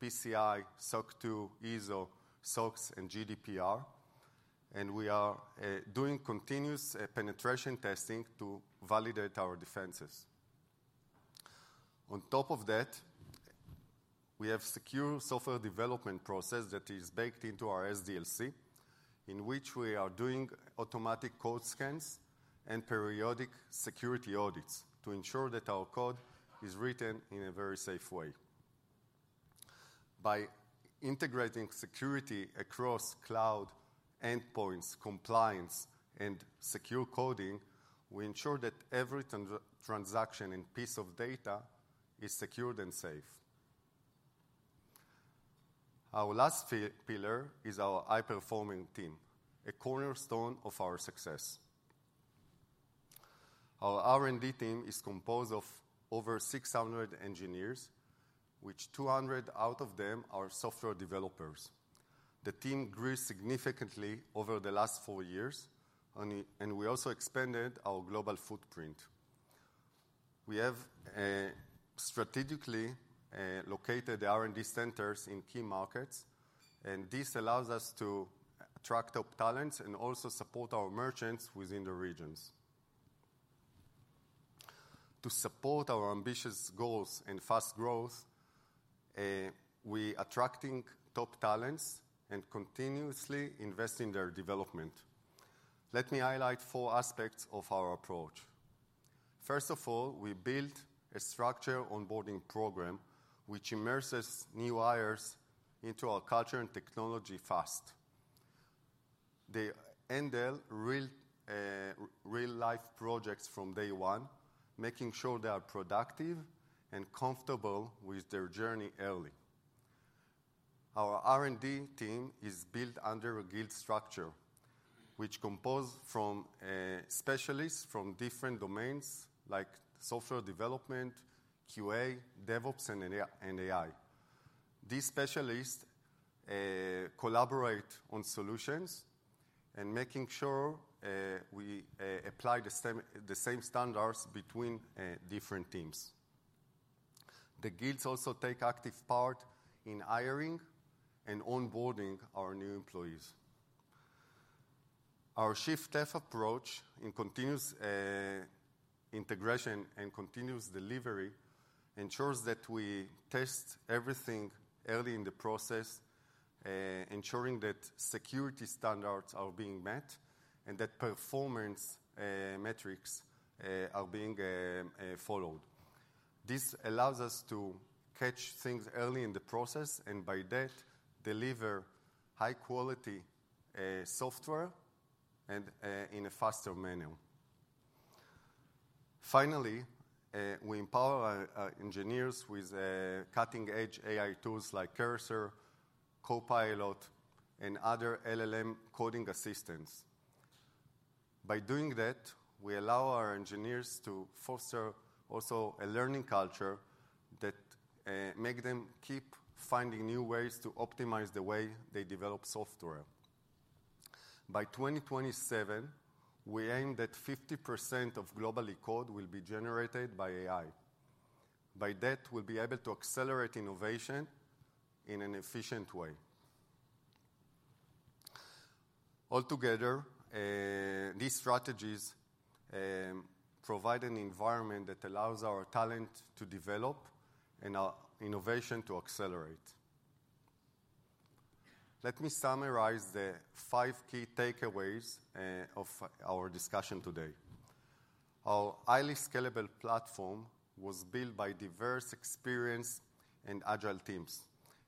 PCI, SOC 2, ISO, SOX, and GDPR, and we are doing continuous penetration testing to validate our defenses. On top of that, we have a secure software development process that is baked into our SDLC, in which we are doing automatic code scans and periodic security audits to ensure that our code is written in a very safe way. By integrating security across cloud endpoints, compliance, and secure coding, we ensure that every transaction and piece of data is secured and safe. Our last pillar is our high-performing team, a cornerstone of our success. Our R&D team is composed of over 600 engineers, which 200 out of them are software developers. The team grew significantly over the last four years, and we also expanded our global footprint. We have strategically located the R&D centers in key markets, and this allows us to attract top talents and also support our merchants within the regions. To support our ambitious goals and fast growth, we are attracting top talents and continuously investing in their development. Let me highlight four aspects of our approach. First of all, we built a structured onboarding program which immerses new hires into our culture and technology fast. They handle real-life projects from day one, making sure they are productive and comfortable with their journey early. Our R&D team is built under a guild structure, which is composed of specialists from different domains like software development, QA, DevOps, and AI. These specialists collaborate on solutions and make sure we apply the same standards between different teams. The guilds also take an active part in hiring and onboarding our new employees. Our shift-left approach in continuous integration and continuous delivery ensures that we test everything early in the process, ensuring that security standards are being met and that performance metrics are being followed. This allows us to catch things early in the process and, by that, deliver high-quality software in a faster manner. Finally, we empower our engineers with cutting-edge AI tools like Cursor, Copilot, and other LLM coding assistants. By doing that, we allow our engineers to foster also a learning culture that makes them keep finding new ways to optimize the way they develop software. By 2027, we aim that 50% of global code will be generated by AI. By that, we'll be able to accelerate innovation in an efficient way. Altogether, these strategies provide an environment that allows our talent to develop and our innovation to accelerate. Let me summarize the five key takeaways of our discussion today. Our highly scalable platform was built by diverse, experienced, and agile teams,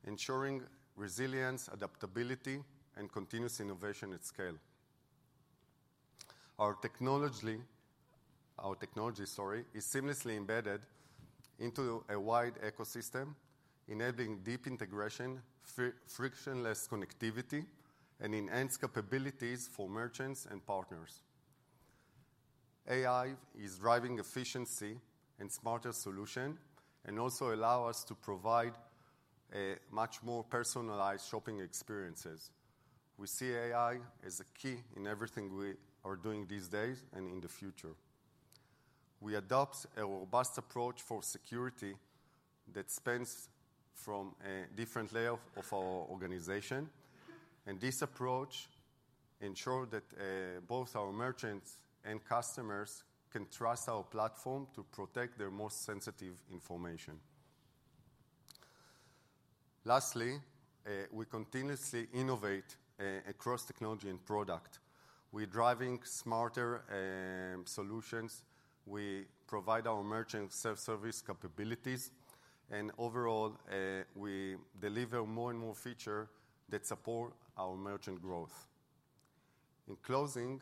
ensuring resilience, adaptability, and continuous innovation at SCAYLE. Our technology is seamlessly embedded into a wide ecosystem, enabling deep integration, frictionless connectivity, and enhanced capabilities for merchants and partners. AI is driving efficiency and smarter solutions and also allows us to provide much more personalized shopping experiences. We see AI as a key in everything we are doing these days and in the future. We adopt a robust approach for security that spans from different layers of our organization, and this approach ensures that both our merchants and customers can trust our platform to protect their most sensitive information. Lastly, we continuously innovate across technology and product. We are driving smarter solutions. We provide our merchants' self-service capabilities, and overall, we deliver more and more features that support our merchant growth. In closing,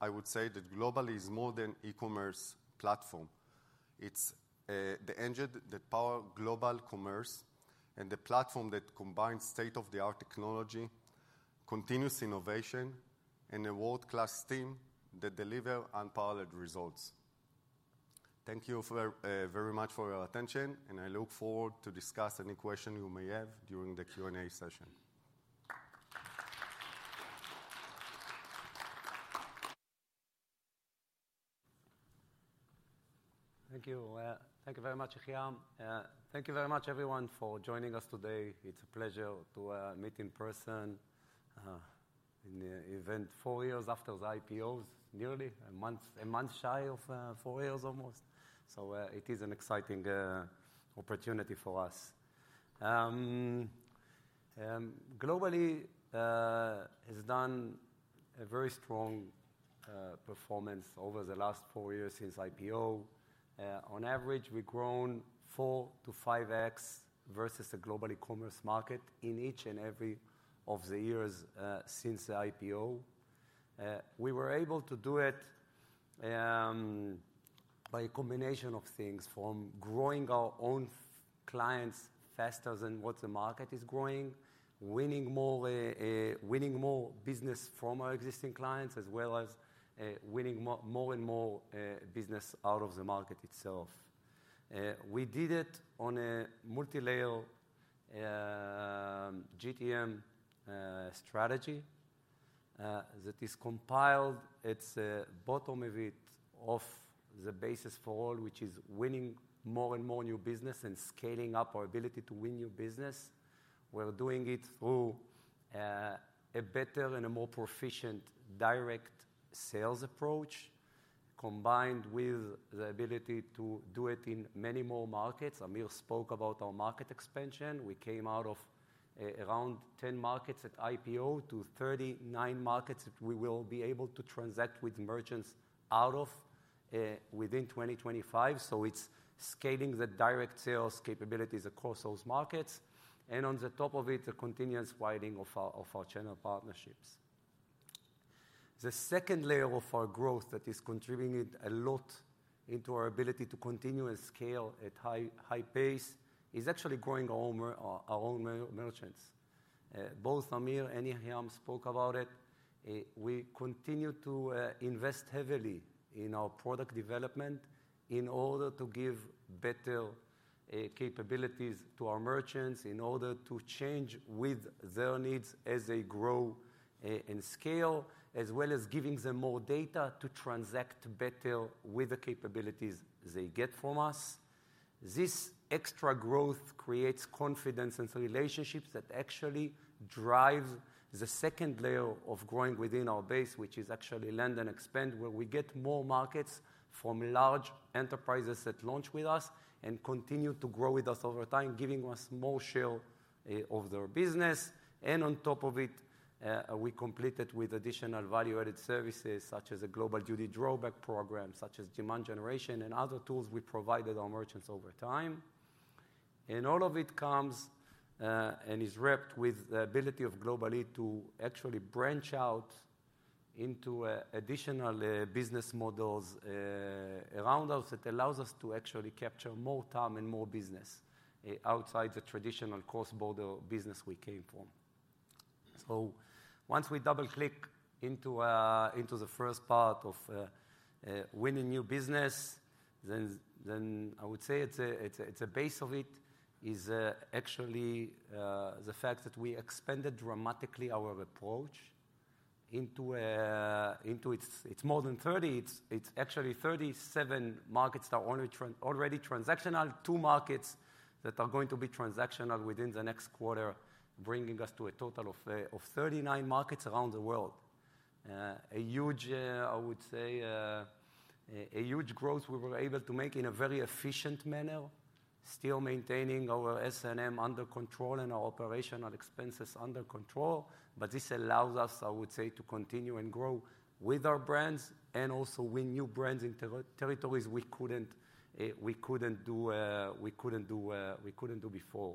I would say that Global-e is more than an e-commerce platform. It's the engine that powers global commerce and the platform that combines state-of-the-art technology, continuous innovation, and a world-class team that delivers unparalleled results. Thank you very much for your attention, and I look forward to discussing any questions you may have during the Q&A session. Thank you. Thank you very much, Yehiam. Thank you very much, everyone, for joining us today. It's a pleasure to meet in person in the event four years after the IPO, nearly a month shy of four years almost. It is an exciting opportunity for us. Global-e has done a very strong performance over the last four years since IPO. On average, we've grown four to five x versus the global e-commerce market in each and every one of the years since the IPO. We were able to do it by a combination of things: from growing our own clients faster than what the market is growing, winning more business from our existing clients, as well as winning more and more business out of the market itself. We did it on a multi-layer GTM strategy that is compiled at the bottom of it of the basis for all, which is winning more and more new business and scaling up our ability to win new business. We're doing it through a better and a more proficient direct sales approach, combined with the ability to do it in many more markets. Amir spoke about our market expansion. We came out of around 10 markets at IPO to 39 markets that we will be able to transact with merchants out of within 2025. It is scaling the direct sales capabilities across those markets. On the top of it, the continuous widening of our channel partnerships. The second layer of our growth that is contributing a lot to our ability to continue and SCAYLE at a high pace is actually growing our own merchants. Both Amir and Yehiam spoke about it. We continue to invest heavily in our product development in order to give better capabilities to our merchants in order to change with their needs as they grow and SCAYLE, as well as giving them more data to transact better with the capabilities they get from us. This extra growth creates confidence and relationships that actually drive the second layer of growing within our base, which is actually land and expand, where we get more markets from large enterprises that launch with us and continue to grow with us over time, giving us more share of their business. On top of it, we complete it with additional value-added services such as a Global Duty Drawback program, such as demand generation and other tools we provided our merchants over time. All of it comes and is wrapped with the ability of Global-e to actually branch out into additional business models around us that allow us to actually capture more TAM and more business outside the traditional cross-border business we came from. Once we double-click into the first part of winning new business, I would say at the base of it is actually the fact that we expanded dramatically our approach into its more than 30. It's actually 37 markets that are already transactional, two markets that are going to be transactional within the next quarter, bringing us to a total of 39 markets around the world. A huge, I would say, a huge growth we were able to make in a very efficient manner, still maintaining our S&M under control and our operational expenses under control. This allows us, I would say, to continue and grow with our brands and also win new brands in territories we couldn't do before.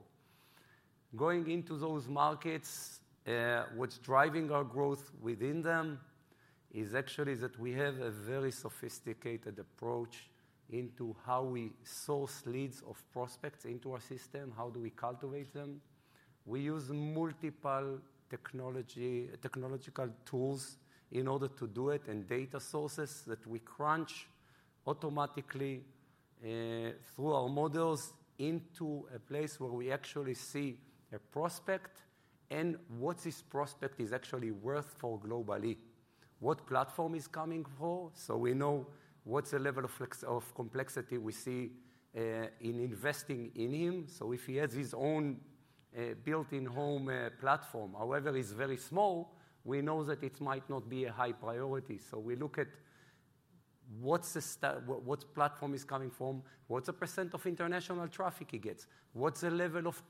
Going into those markets, what's driving our growth within them is actually that we have a very sophisticated approach into how we source leads of prospects into our system, how do we cultivate them. We use multiple technological tools in order to do it and data sources that we crunch automatically through our models into a place where we actually see a prospect and what this prospect is actually worth for Global-e, what platform he's coming for. We know what's the level of complexity we see in investing in him. If he has his own built-in home platform, however, he's very small, we know that it might not be a high priority. We look at what platform he's coming from, what's the % of international traffic he gets, what's the level of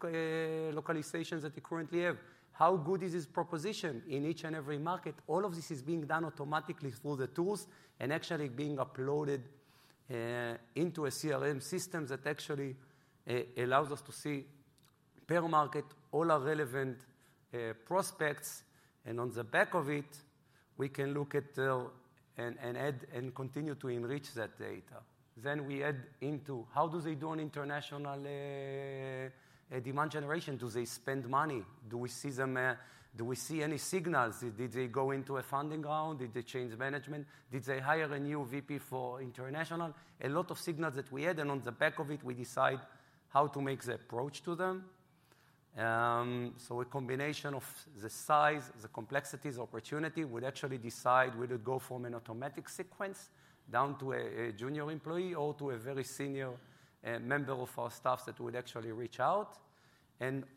localization that he currently has, how good is his proposition in each and every market. All of this is being done automatically through the tools and actually being uploaded into a CRM system that actually allows us to see per market all our relevant prospects. On the back of it, we can look at and continue to enrich that data. We add into how do they do on international demand generation? Do they spend money? Do we see them? Do we see any signals? Did they go into a funding round? Did they change management? Did they hire a new VP for international? A lot of signals that we had, and on the back of it, we decide how to make the approach to them. A combination of the size, the complexities, the opportunity would actually decide whether to go from an automatic sequence down to a junior employee or to a very senior member of our staff that would actually reach out.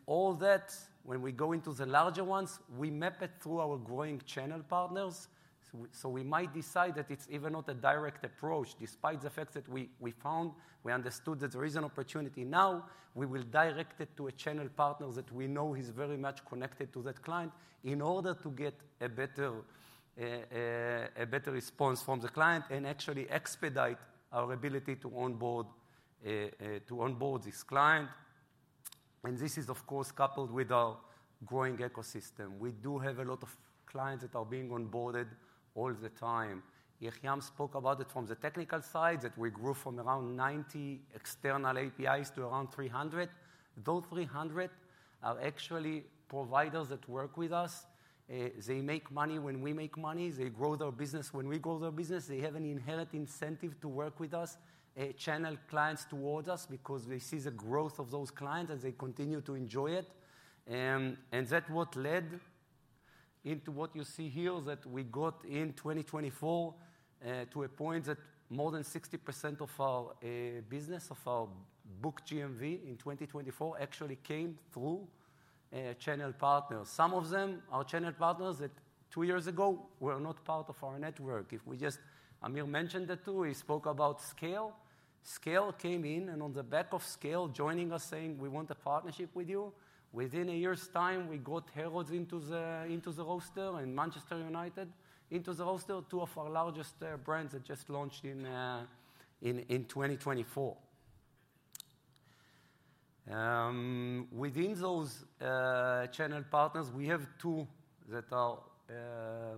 All that, when we go into the larger ones, we map it through our growing channel partners. We might decide that it is even not a direct approach. Despite the fact that we found, we understood that there is an opportunity now, we will direct it to a channel partner that we know is very much connected to that client in order to get a better response from the client and actually expedite our ability to onboard this client. This is, of course, coupled with our growing ecosystem. We do have a lot of clients that are being onboarded all the time. Yehiam spoke about it from the technical side that we grew from around 90 external APIs to around 300. Those 300 are actually providers that work with us. They make money when we make money. They grow their business when we grow their business. They have an inherent incentive to work with us, channel clients towards us because they see the growth of those clients and they continue to enjoy it. That is what led into what you see here that we got in 2024 to a point that more than 60% of our business, of our booked GMV in 2024, actually came through channel partners. Some of them, our channel partners that two years ago were not part of our network. If we just, Amir mentioned that too. He spoke about SCAYLE. SCAYLE came in, and on the back of SCAYLE, joining us, saying, "We want a partnership with you." Within a year's time, we got Harrods into the roster and Manchester United into the roster, two of our largest brands that just launched in 2024. Within those channel partners, we have two that are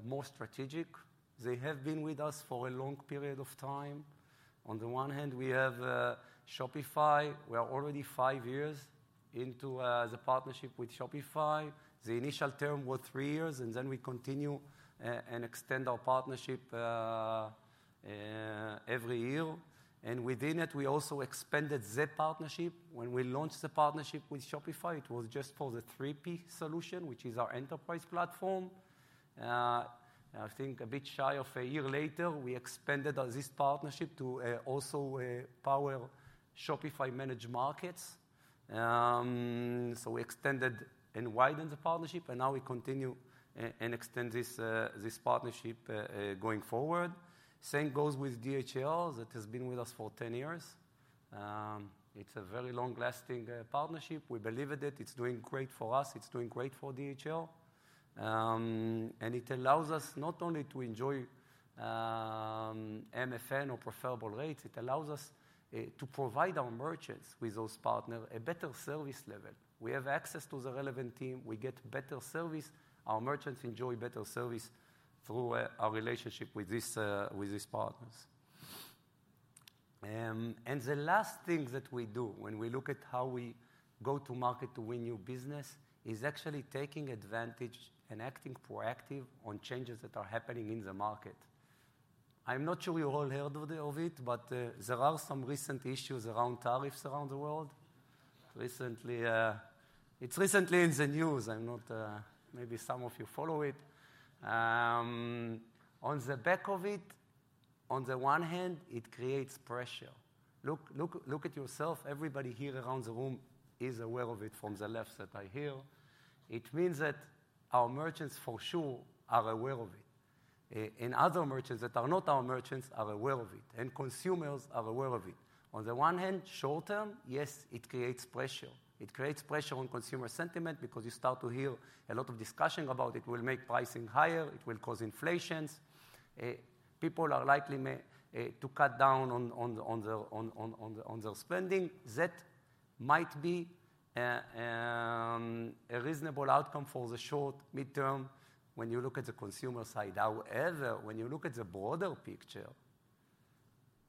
more strategic. They have been with us for a long period of time. On the one hand, we have Shopify. We are already five years into the partnership with Shopify. The initial term was three years, and we continue and extend our partnership every year. Within it, we also expanded Zip partnership. When we launched the partnership with Shopify, it was just for the 3P solution, which is our enterprise platform. I think a bit shy of a year later, we expanded this partnership to also power Shopify. We extended and widened the partnership, and now we continue and extend this partnership going forward. The same goes with DHL that has been with us for 10 years. It is a very long-lasting partnership. We believe in it. It is doing great for us. It is doing great for DHL. It allows us not only to enjoy MFN or preferable rates, it allows us to provide our merchants with those partners a better service level. We have access to the relevant team. We get better service. Our merchants enjoy better service through our relationship with these partners. The last thing that we do when we look at how we go to market to win new business is actually taking advantage and acting proactive on changes that are happening in the market. I am not sure you all heard of it, but there are some recent issues around tariffs around the world. It's recently in the news. Maybe some of you follow it. On the back of it, on the one hand, it creates pressure. Look at yourself. Everybody here around the room is aware of it from the left that I hear. It means that our merchants for sure are aware of it. And other merchants that are not our merchants are aware of it, and consumers are aware of it. On the one hand, short term, yes, it creates pressure. It creates pressure on consumer sentiment because you start to hear a lot of discussion about it. It will make pricing higher. It will cause inflations. People are likely to cut down on their spending. That might be a reasonable outcome for the short, midterm when you look at the consumer side. However, when you look at the broader picture,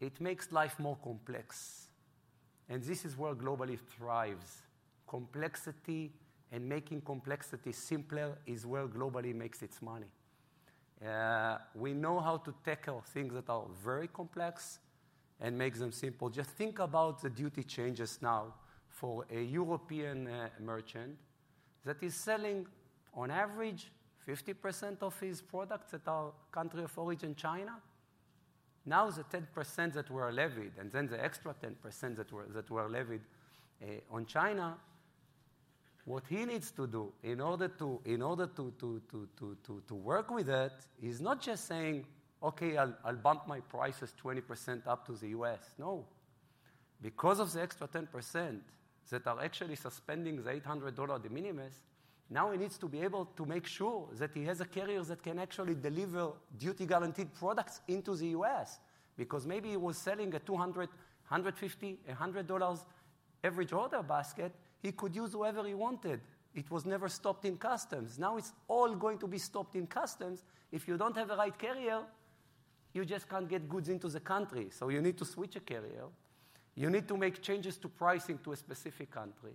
it makes life more complex. This is where Global-e thrives. Complexity and making complexity simpler is where Global-e makes its money. We know how to tackle things that are very complex and make them simple. Just think about the duty changes now for a European merchant that is selling on average 50% of his products at our country of origin, China. Now the 10% that were levied and then the extra 10% that were levied on China, what he needs to do in order to work with that is not just saying, "Okay, I'll bump my prices 20% up to the U.S." No. Because of the extra 10% that are actually suspending the $800 de minimis, now he needs to be able to make sure that he has a carrier that can actually deliver duty-guaranteed products into the U.S. Because maybe he was selling a $200, $150, $100 average order basket. He could use whoever he wanted. It was never stopped in customs. Now it's all going to be stopped in customs. If you don't have the right carrier, you just can't get goods into the country. You need to switch a carrier. You need to make changes to pricing to a specific country.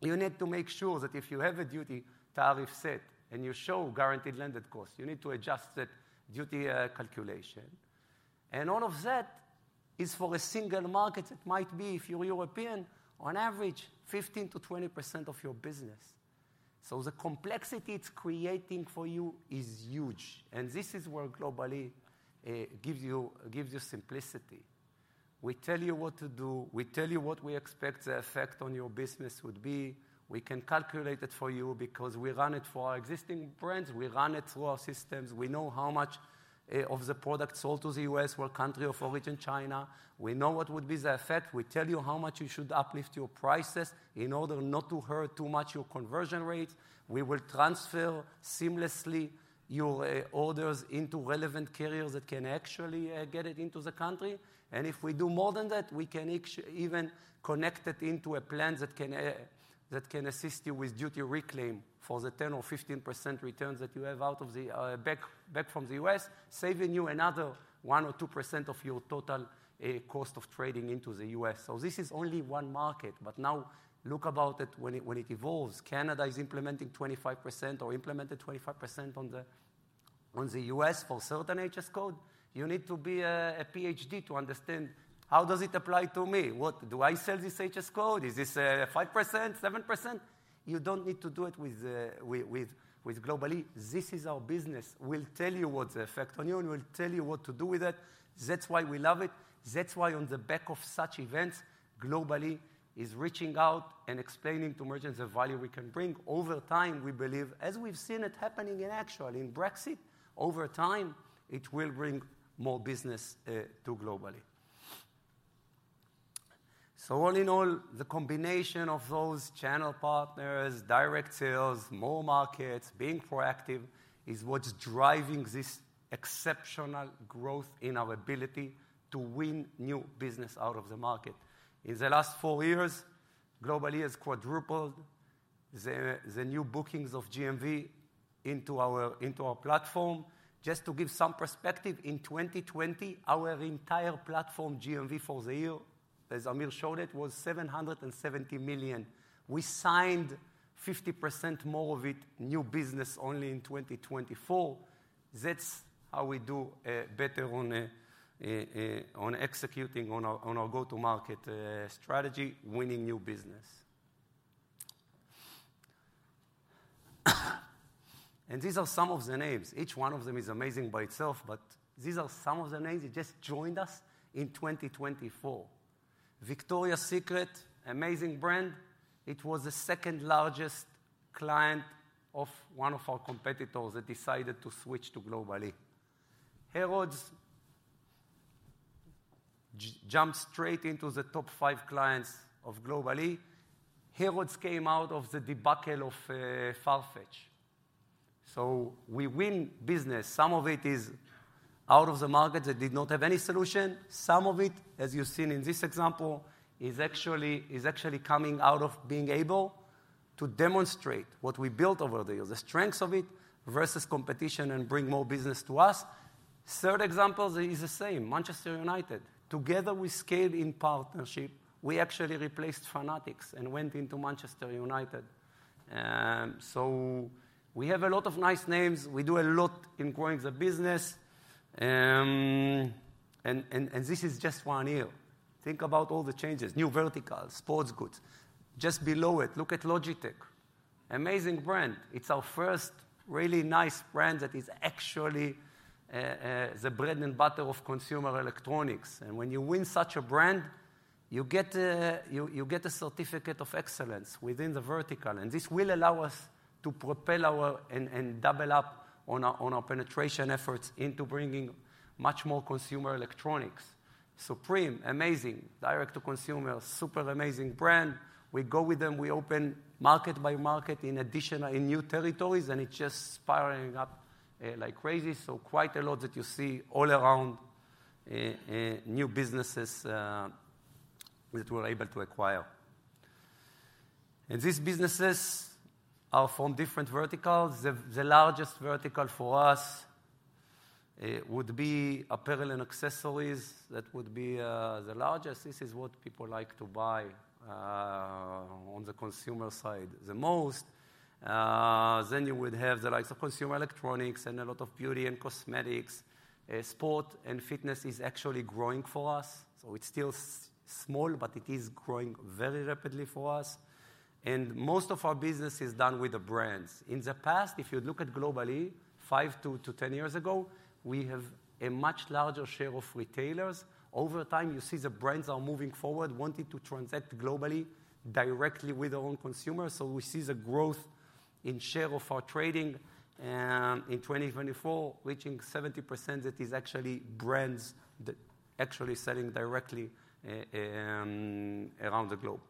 You need to make sure that if you have a duty tariff set and you show guaranteed landed cost, you need to adjust that duty calculation. All of that is for a single market that might be, if you're European, on average 15%-20% of your business. The complexity it's creating for you is huge. This is where Global-e gives you simplicity. We tell you what to do. We tell you what we expect the effect on your business would be. We can calculate it for you because we run it for our existing brands. We run it through our systems. We know how much of the product sold to the U.S. were country of origin, China. We know what would be the effect. We tell you how much you should uplift your prices in order not to hurt too much your conversion rates. We will transfer seamlessly your orders into relevant carriers that can actually get it into the country. If we do more than that, we can even connect it into a plan that can assist you with duty reclaim for the 10% or 15% returns that you have out of the back from the U.S., saving you another 1% or 2% of your total cost of trading into the U.S. This is only one market. Now look about it when it evolves. Canada is implementing 25% or implemented 25% on the U.S. for certain HS code. You need to be a PhD to understand how does it apply to me. Do I sell this HS code? Is this 5%, 7%? You don't need to do it with Global-e. This is our business. We'll tell you what's the effect on you, and we'll tell you what to do with it. That's why we love it. That's why on the back of such events, Global-e is reaching out and explaining to merchants the value we can bring. Over time, we believe, as we've seen it happening in actual in Brexit, over time, it will bring more business to Global-e. All in all, the combination of those channel partners, direct sales, more markets, being proactive is what's driving this exceptional growth in our ability to win new business out of the market. In the last four years, Global-e has quadrupled the new bookings of GMV into our platform. Just to give some perspective, in 2020, our entire platform GMV for the year, as Amir showed it, was $770 million. We signed 50% more of it new business only in 2024. That is how we do better on executing on our go-to-market strategy, winning new business. These are some of the names. Each one of them is amazing by itself, but these are some of the names that just joined us in 2024. Victoria's Secret, amazing brand. It was the second largest client of one of our competitors that decided to switch to Global-e. Harrods jumped straight into the top five clients of Global-e. Harrods came out of the debacle of Farfetch. We win business. Some of it is out of the market that did not have any solution. Some of it, as you've seen in this example, is actually coming out of being able to demonstrate what we built over the years, the strengths of it versus competition and bring more business to us. Third example is the same, Manchester United. Together, we SCAYLEd in partnership. We actually replaced Fanatics and went into Manchester United. We have a lot of nice names. We do a lot in growing the business. This is just one year. Think about all the changes, new verticals, sports goods. Just below it, look at Logitech. Amazing brand. It's our first really nice brand that is actually the bread and butter of consumer electronics. When you win such a brand, you get a certificate of excellence within the vertical. This will allow us to propel our and double up on our penetration efforts into bringing much more consumer electronics. Supreme, amazing, direct-to-consumer, super amazing brand. We go with them. We open market by market in new territories, and it's just spiraling up like crazy. Quite a lot that you see all around new businesses that we're able to acquire. These businesses are from different verticals. The largest vertical for us would be apparel and accessories. That would be the largest. This is what people like to buy on the consumer side the most. You would have the likes of consumer electronics and a lot of beauty and cosmetics. Sport and fitness is actually growing for us. It is still small, but it is growing very rapidly for us. Most of our business is done with the brands. In the past, if you look at Global-e, five to 10 years ago, we have a much larger share of retailers. Over time, you see the brands are moving forward, wanting to transact globally directly with our own consumers. You see the growth in share of our trading in 2024, reaching 70% that is actually brands that are actually selling directly around the globe.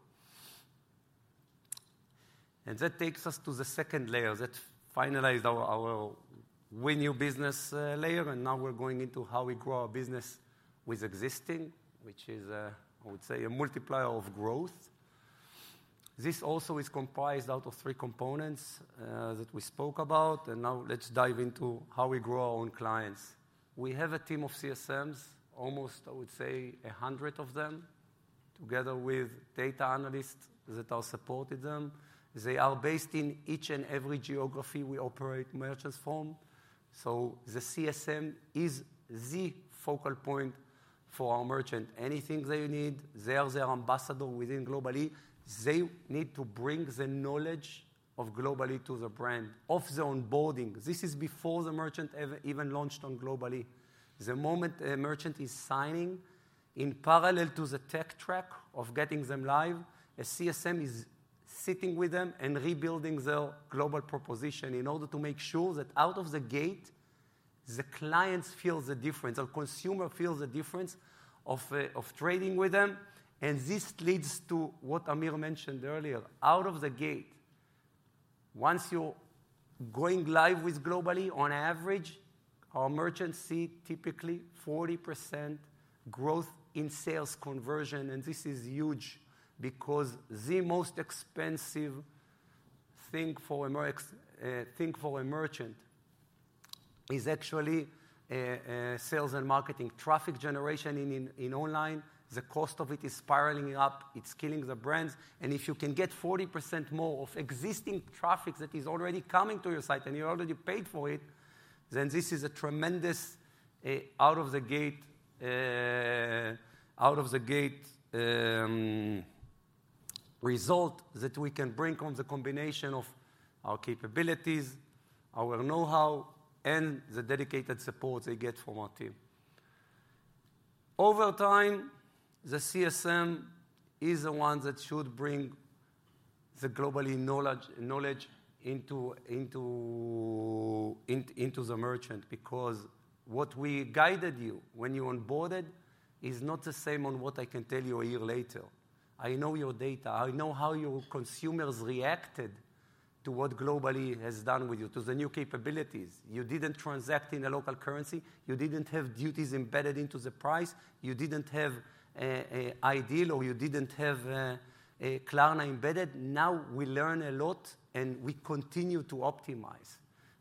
That takes us to the second layer that finalized our win new business layer. Now we are going into how we grow our business with existing, which is, I would say, a multiplier of growth. This also is comprised out of three components that we spoke about. Now let's dive into how we grow our own clients. We have a team of CSMs, almost, I would say, 100 of them, together with data analysts that support them. They are based in each and every geography we operate merchants from. The CSM is the focal point for our merchant. Anything they need, they are their ambassador within Global-e. They need to bring the knowledge of Global-e to the brand of their onboarding. This is before the merchant even launched on Global-e. The moment a merchant is signing in parallel to the tech track of getting them live, a CSM is sitting with them and rebuilding their global proposition in order to make sure that out of the gate, the clients feel the difference or consumer feels the difference of trading with them. This leads to what Amir mentioned earlier. Out of the gate, once you're going live with Global-e, on average, our merchants see typically 40% growth in sales conversion. This is huge because the most expensive thing for a merchant is actually sales and marketing traffic generation in online. The cost of it is spiraling up. It's killing the brands. If you can get 40% more of existing traffic that is already coming to your site and you already paid for it, this is a tremendous out-of-the-gate result that we can bring from the combination of our capabilities, our know-how, and the dedicated support they get from our team. Over time, the CSM is the one that should bring the Global-e knowledge into the merchant because what we guided you when you onboarded is not the same on what I can tell you a year later. I know your data. I know how your consumers reacted to what Global-e has done with you, to the new capabilities. You did not transact in a local currency. You did not have duties embedded into the price. You did not have iDEAL or you did not have Klarna embedded. Now we learn a lot, and we continue to optimize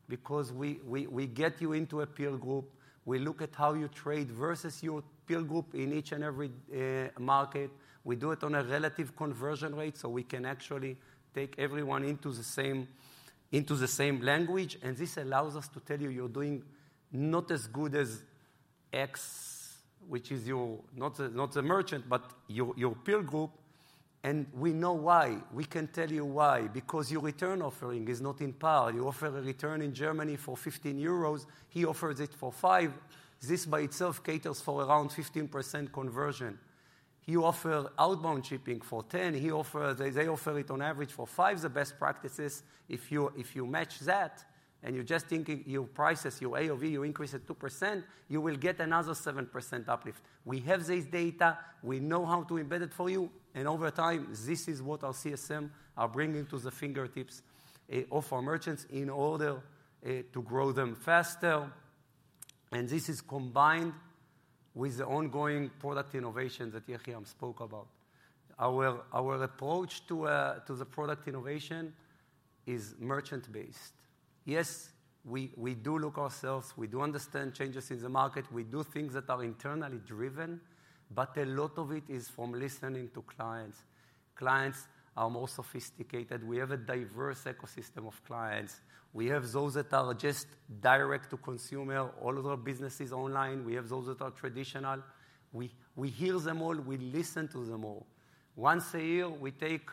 because we get you into a peer group. We look at how you trade versus your peer group in each and every market. We do it on a relative conversion rate so we can actually take everyone into the same language. This allows us to tell you you're doing not as good as x, which is not the merchant, but your peer group. We know why. We can tell you why. Because your return offering is not in par. You offer a return in Germany for 15 euros. He offers it for 5. This by itself caters for around 15% conversion. You offer outbound shipping for 10. They offer it on average for 5. The best practices, if you match that and you just think your prices, your AOV, you increase it 2%, you will get another 7% uplift. We have this data. We know how to embed it for you. Over time, this is what our CSM are bringing to the fingertips of our merchants in order to grow them faster. This is combined with the ongoing product innovation that Yehiam spoke about. Our approach to the product innovation is merchant-based. Yes, we do look ourselves. We do understand changes in the market. We do things that are internally driven, but a lot of it is from listening to clients. Clients are more sophisticated. We have a diverse ecosystem of clients. We have those that are just direct-to-consumer, all of our business is online. We have those that are traditional. We hear them all. We listen to them all. Once a year, we take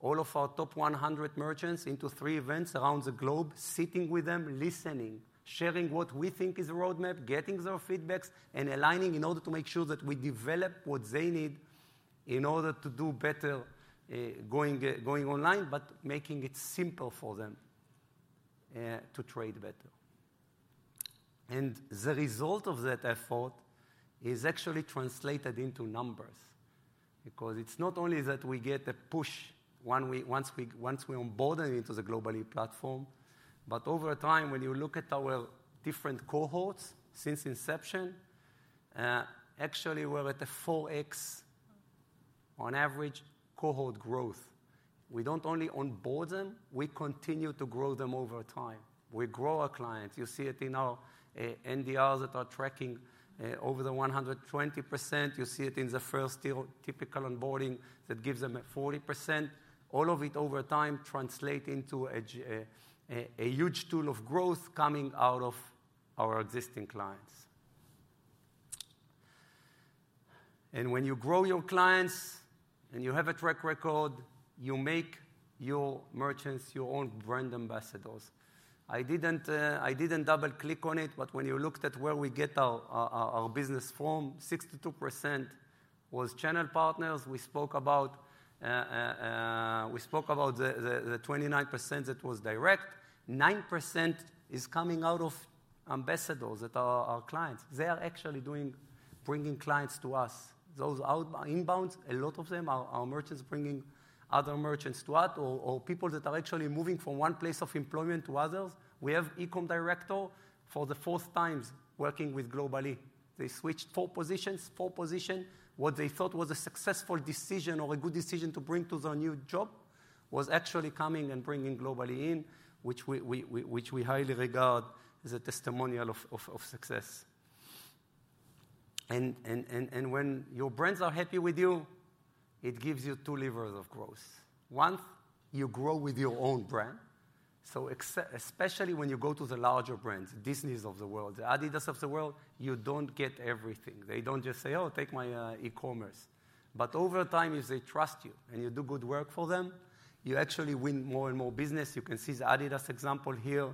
all of our top 100 merchants into three events around the globe, sitting with them, listening, sharing what we think is a roadmap, getting their feedback, and aligning in order to make sure that we develop what they need in order to do better going online, but making it simple for them to trade better. The result of that effort is actually translated into numbers because it's not only that we get a push once we onboard them into the Global-e platform, but over time, when you look at our different cohorts since inception, actually, we're at a 4x on average cohort growth. We don't only onboard them. We continue to grow them over time. We grow our clients. You see it in our NDRs that are tracking over the 120%. You see it in the first typical onboarding that gives them a 40%. All of it over time translates into a huge tool of growth coming out of our existing clients. When you grow your clients and you have a track record, you make your merchants your own brand ambassadors. I did not double-click on it, but when you looked at where we get our business from, 62% was channel partners. We spoke about the 29% that was direct. 9% is coming out of ambassadors that are our clients. They are actually bringing clients to us. Those inbounds, a lot of them, are our merchants bringing other merchants to us or people that are actually moving from one place of employment to others. We have ecom director for the fourth time working with Global-e. They switched four positions. Four positions. What they thought was a successful decision or a good decision to bring to their new job was actually coming and bringing Global-e in, which we highly regard as a testimonial of success. When your brands are happy with you, it gives you two levers of growth. One, you grow with your own brand. Especially when you go to the larger brands, Disney of the world, the Adidas of the world, you do not get everything. They do not just say, "Oh, take my e-commerce." Over time, if they trust you and you do good work for them, you actually win more and more business. You can see the Adidas example here.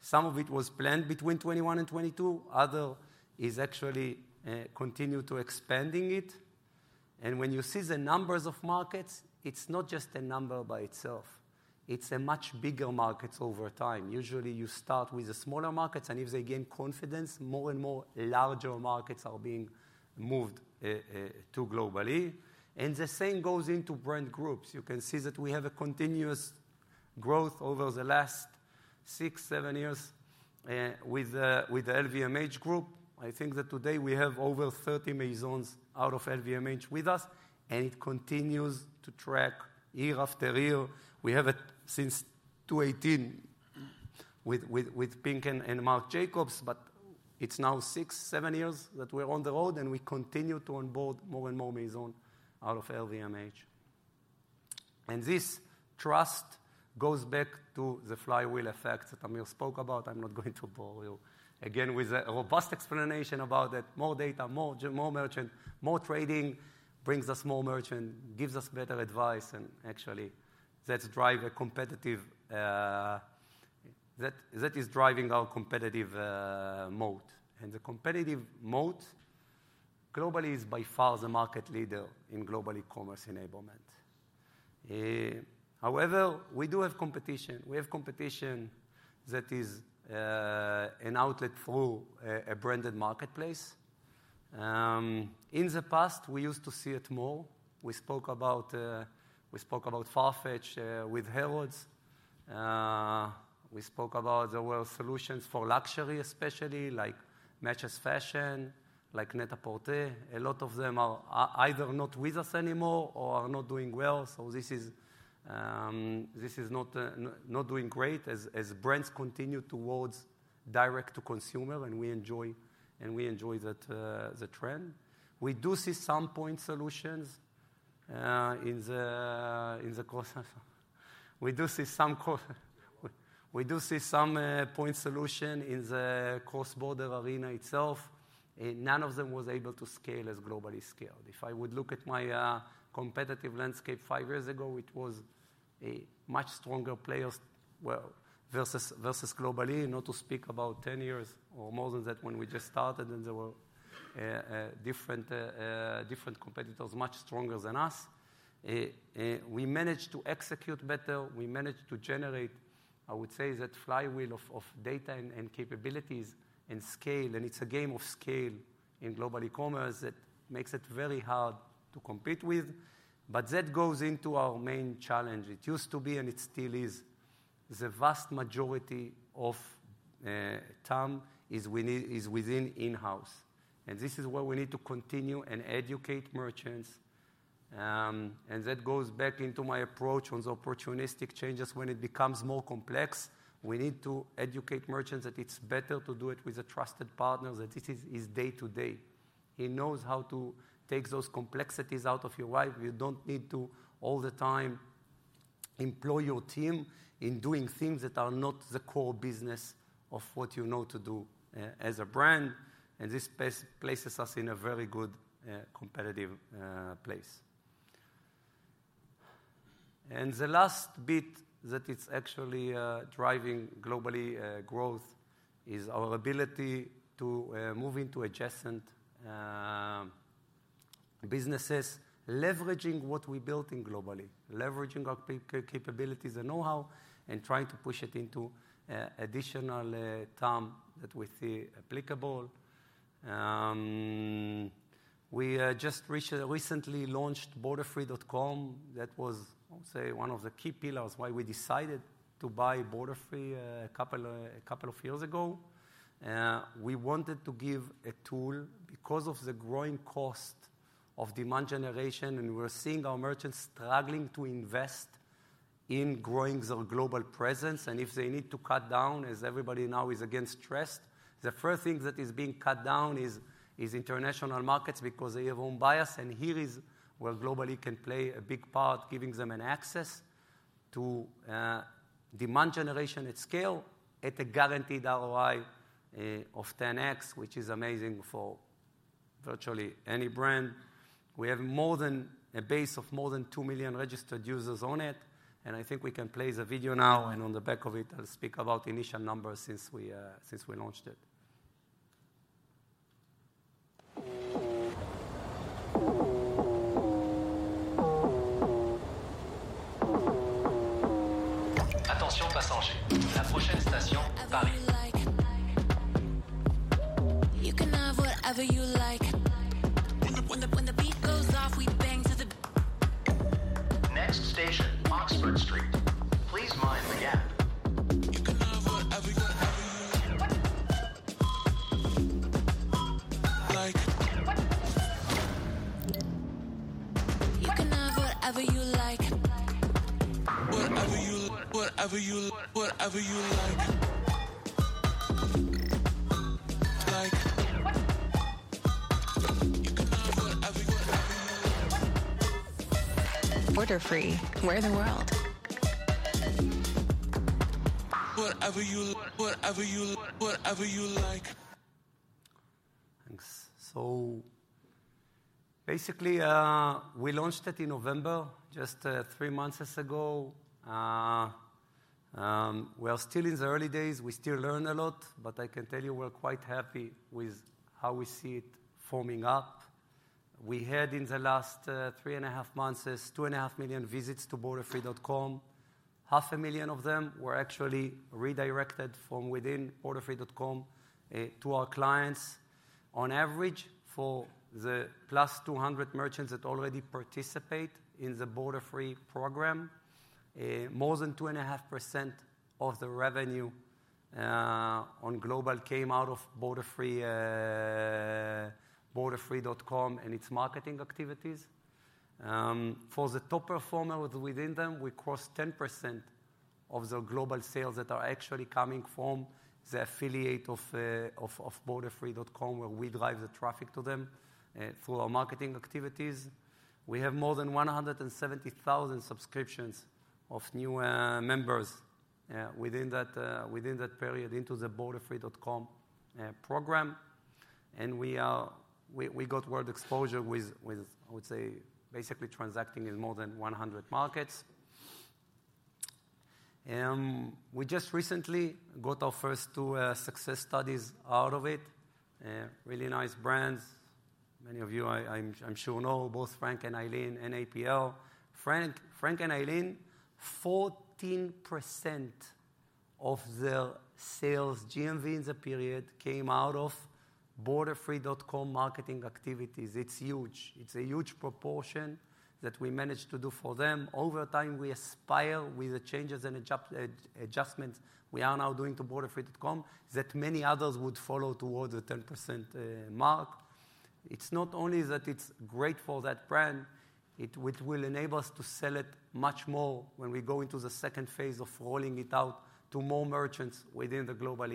Some of it was planned between 2021 and 2022. Other is actually continuing to expand it. When you see the numbers of markets, it is not just a number by itself. It's a much bigger market over time. Usually, you start with the smaller markets, and if they gain confidence, more and more larger markets are being moved to Global-e. The same goes into brand groups. You can see that we have a continuous growth over the last six, seven years with the LVMH group. I think that today we have over 30 Maisons out of LVMH with us, and it continues to track year after year. We have it since 2018 with Pink and Marc Jacobs, but it's now six, seven years that we're on the road, and we continue to onboard more and more Maison out of LVMH. This trust goes back to the flywheel effect that Amir spoke about. I'm not going to bore you. Again, with a robust explanation about it, more data, more merchant, more trading brings us more merchant, gives us better advice, and actually, that's driving our competitive moat. The competitive moat, Global-e is by far the market leader in global e-commerce enablement. However, we do have competition. We have competition that is an outlet through a branded marketplace. In the past, we used to see it more. We spoke about Farfetch with Harrods. We spoke about the world solutions for luxury, especially like Matches Fashion, like Net-a-Porter. A lot of them are either not with us anymore or are not doing well. This is not doing great as brands continue towards direct-to-consumer, and we enjoy that trend. We do see some point solutions in the cross-. We do see some point solution in the cross-border arena itself. None of them was able to SCAYLE as Global-e SCAYLEd. If I would look at my competitive landscape five years ago, it was a much stronger player versus Global-e, not to speak about 10 years or more than that when we just started. There were different competitors, much stronger than us. We managed to execute better. We managed to generate, I would say, that flywheel of data and capabilities and SCAYLE. It is a game of SCAYLE in Global-e commerce that makes it very hard to compete with. That goes into our main challenge. It used to be, and it still is, the vast majority of time is within in-house. This is where we need to continue and educate merchants. That goes back into my approach on the opportunistic changes. When it becomes more complex, we need to educate merchants that it is better to do it with a trusted partner, that this is day-to-day. He knows how to take those complexities out of your life. You don't need to all the time employ your team in doing things that are not the core business of what you know to do as a brand. This places us in a very good competitive place. The last bit that is actually driving Global-e growth is our ability to move into adjacent businesses, leveraging what we built in Global-e, leveraging our capabilities and know-how, and trying to push it into additional TAM that we see applicable. We just recently launched Borderfree.com. That was, I would say, one of the key pillars why we decided to buy Borderfree a couple of years ago. We wanted to give a tool because of the growing cost of demand generation, and we're seeing our merchants struggling to invest in growing their global presence. If they need to cut down, as everybody now is against stress, the first thing that is being cut down is international markets because they have own bias. Here is where Global-e can play a big part, giving them access to demand generation at SCAYLE at a guaranteed ROI of 10%, which is amazing for virtually any brand. We have a base of more than two million registered users on it. I think we can play the video now, and on the back of it, I'll speak about initial numbers since we launched it. Attention, passagers. La prochaine station, Paris. You can have whatever you like. When the beat goes off, we bang to the. Next station, Oxford Street. Please mind the gap. You can have whatever you like. You can have whatever you like. Whatever you like. Whatever you like. You can have whatever you like. Borderfree. Where in the world? Whatever you like. Whatever you like. Thanks. Basically, we launched it in November, just three months ago. We are still in the early days. We still learn a lot, but I can tell you we're quite happy with how we see it forming up. We had, in the last three and a half months, 2.5 million visits to Borderfree.com. 500,000 of them were actually redirected from within Borderfree.com to our clients. On average, for the more than 200 merchants that already participate in the Borderfree program, more than 2.5% of the revenue on Global-e came out of Borderfree.com and its marketing activities. For the top performer within them, we crossed 10% of the global sales that are actually coming from the affiliate of Borderfree.com, where we drive the traffic to them through our marketing activities. We have more than 170,000 subscriptions of new members within that period into the Borderfree.com program. We got world exposure with, I would say, basically transacting in more than 100 markets. We just recently got our first two success studies out of it. Really nice brands. Many of you, I'm sure, know both Frank & Eileen and APL. Frank & Eileen, 14% of their sales, GMV in the period, came out of Borderfree.com marketing activities. It's huge. It's a huge proportion that we managed to do for them. Over time, we aspire with the changes and adjustments we are now doing to Borderfree.com that many others would follow towards the 10% mark. It's not only that it's great for that brand. It will enable us to sell it much more when we go into the second phase of rolling it out to more merchants within the global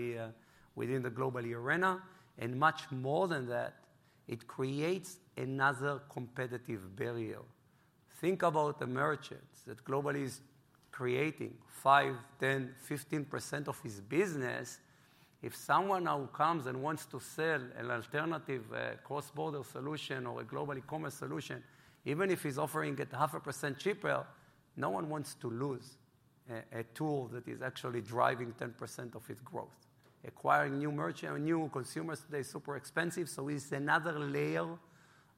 arena. Much more than that, it creates another competitive barrier. Think about the merchants that Global-e is creating: 5%, 10%, 15% of his business. If someone now comes and wants to sell an alternative cross-border solution or a global e-commerce solution, even if he's offering it half a percent cheaper, no one wants to lose a tool that is actually driving 10% of his growth. Acquiring new merchants, new consumers today is super expensive. It is another layer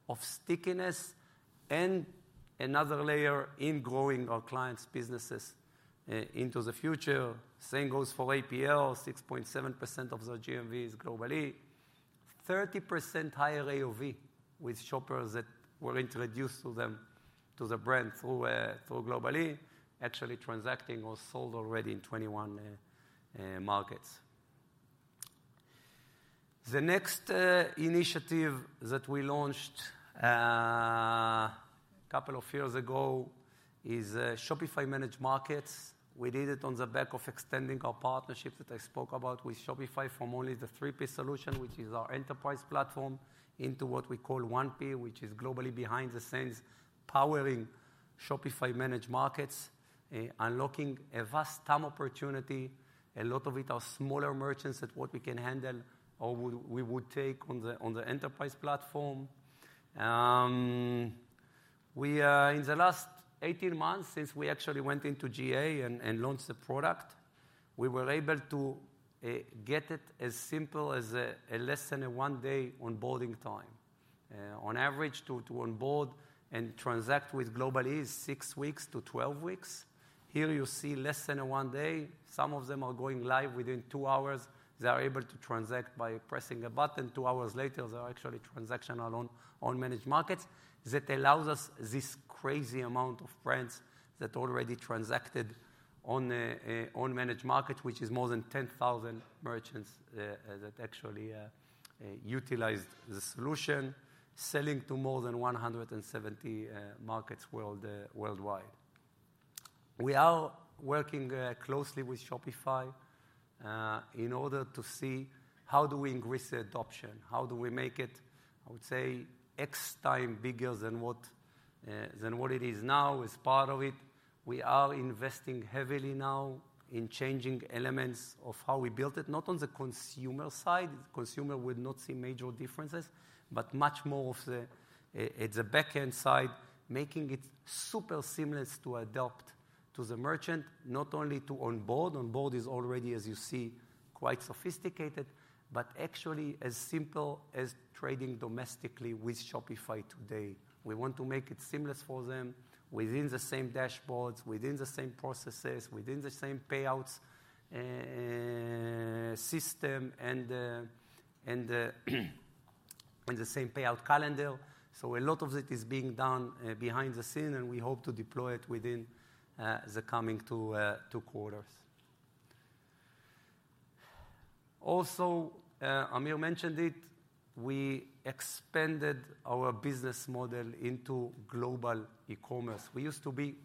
of stickiness and another layer in growing our clients' businesses into the future. Same goes for APL: 6.7% of their GMV is Global-e. 30% higher AOV with shoppers that were introduced to the brand through Global-e, actually transacting or sold already in 21 markets. The next initiative that we launched a couple of years ago is Shopify. We did it on the back of extending our partnership that I spoke about with Shopify from only the 3P solution, which is our enterprise platform, into what we call 1P, which is Global-e behind the scenes powering Shopify, unlocking a vast TAM opportunity. A lot of it are smaller merchants than what we can handle or we would take on the enterprise platform. In the last 18 months, since we actually went into GA and launched the product, we were able to get it as simple as less than a one-day onboarding time. On average, to onboard and transact with Global-e is six weeks to 12 weeks. Here you see less than a one-day. Some of them are going live within two hours. They are able to transact by pressing a button. Two hours later, they are actually transactional on. That allows us this crazy amount of brands that already transacted on, which is more than 10,000 merchants that actually utilized the solution, selling to more than 170 markets worldwide. We are working closely with Shopify in order to see how do we increase the adoption. How do we make it, I would say, x time bigger than what it is now as part of it? We are investing heavily now in changing elements of how we built it, not on the consumer side. Consumer would not see major differences, but much more of the backend side, making it super seamless to adopt to the merchant, not only to onboard. Onboard is already, as you see, quite sophisticated, but actually as simple as trading domestically with Shopify today. We want to make it seamless for them within the same dashboards, within the same processes, within the same payouts system, and the same payout calendar. A lot of it is being done behind the scene, and we hope to deploy it within the coming two quarters. Also, Amir mentioned it. We expanded our business model into global e-commerce. We used to be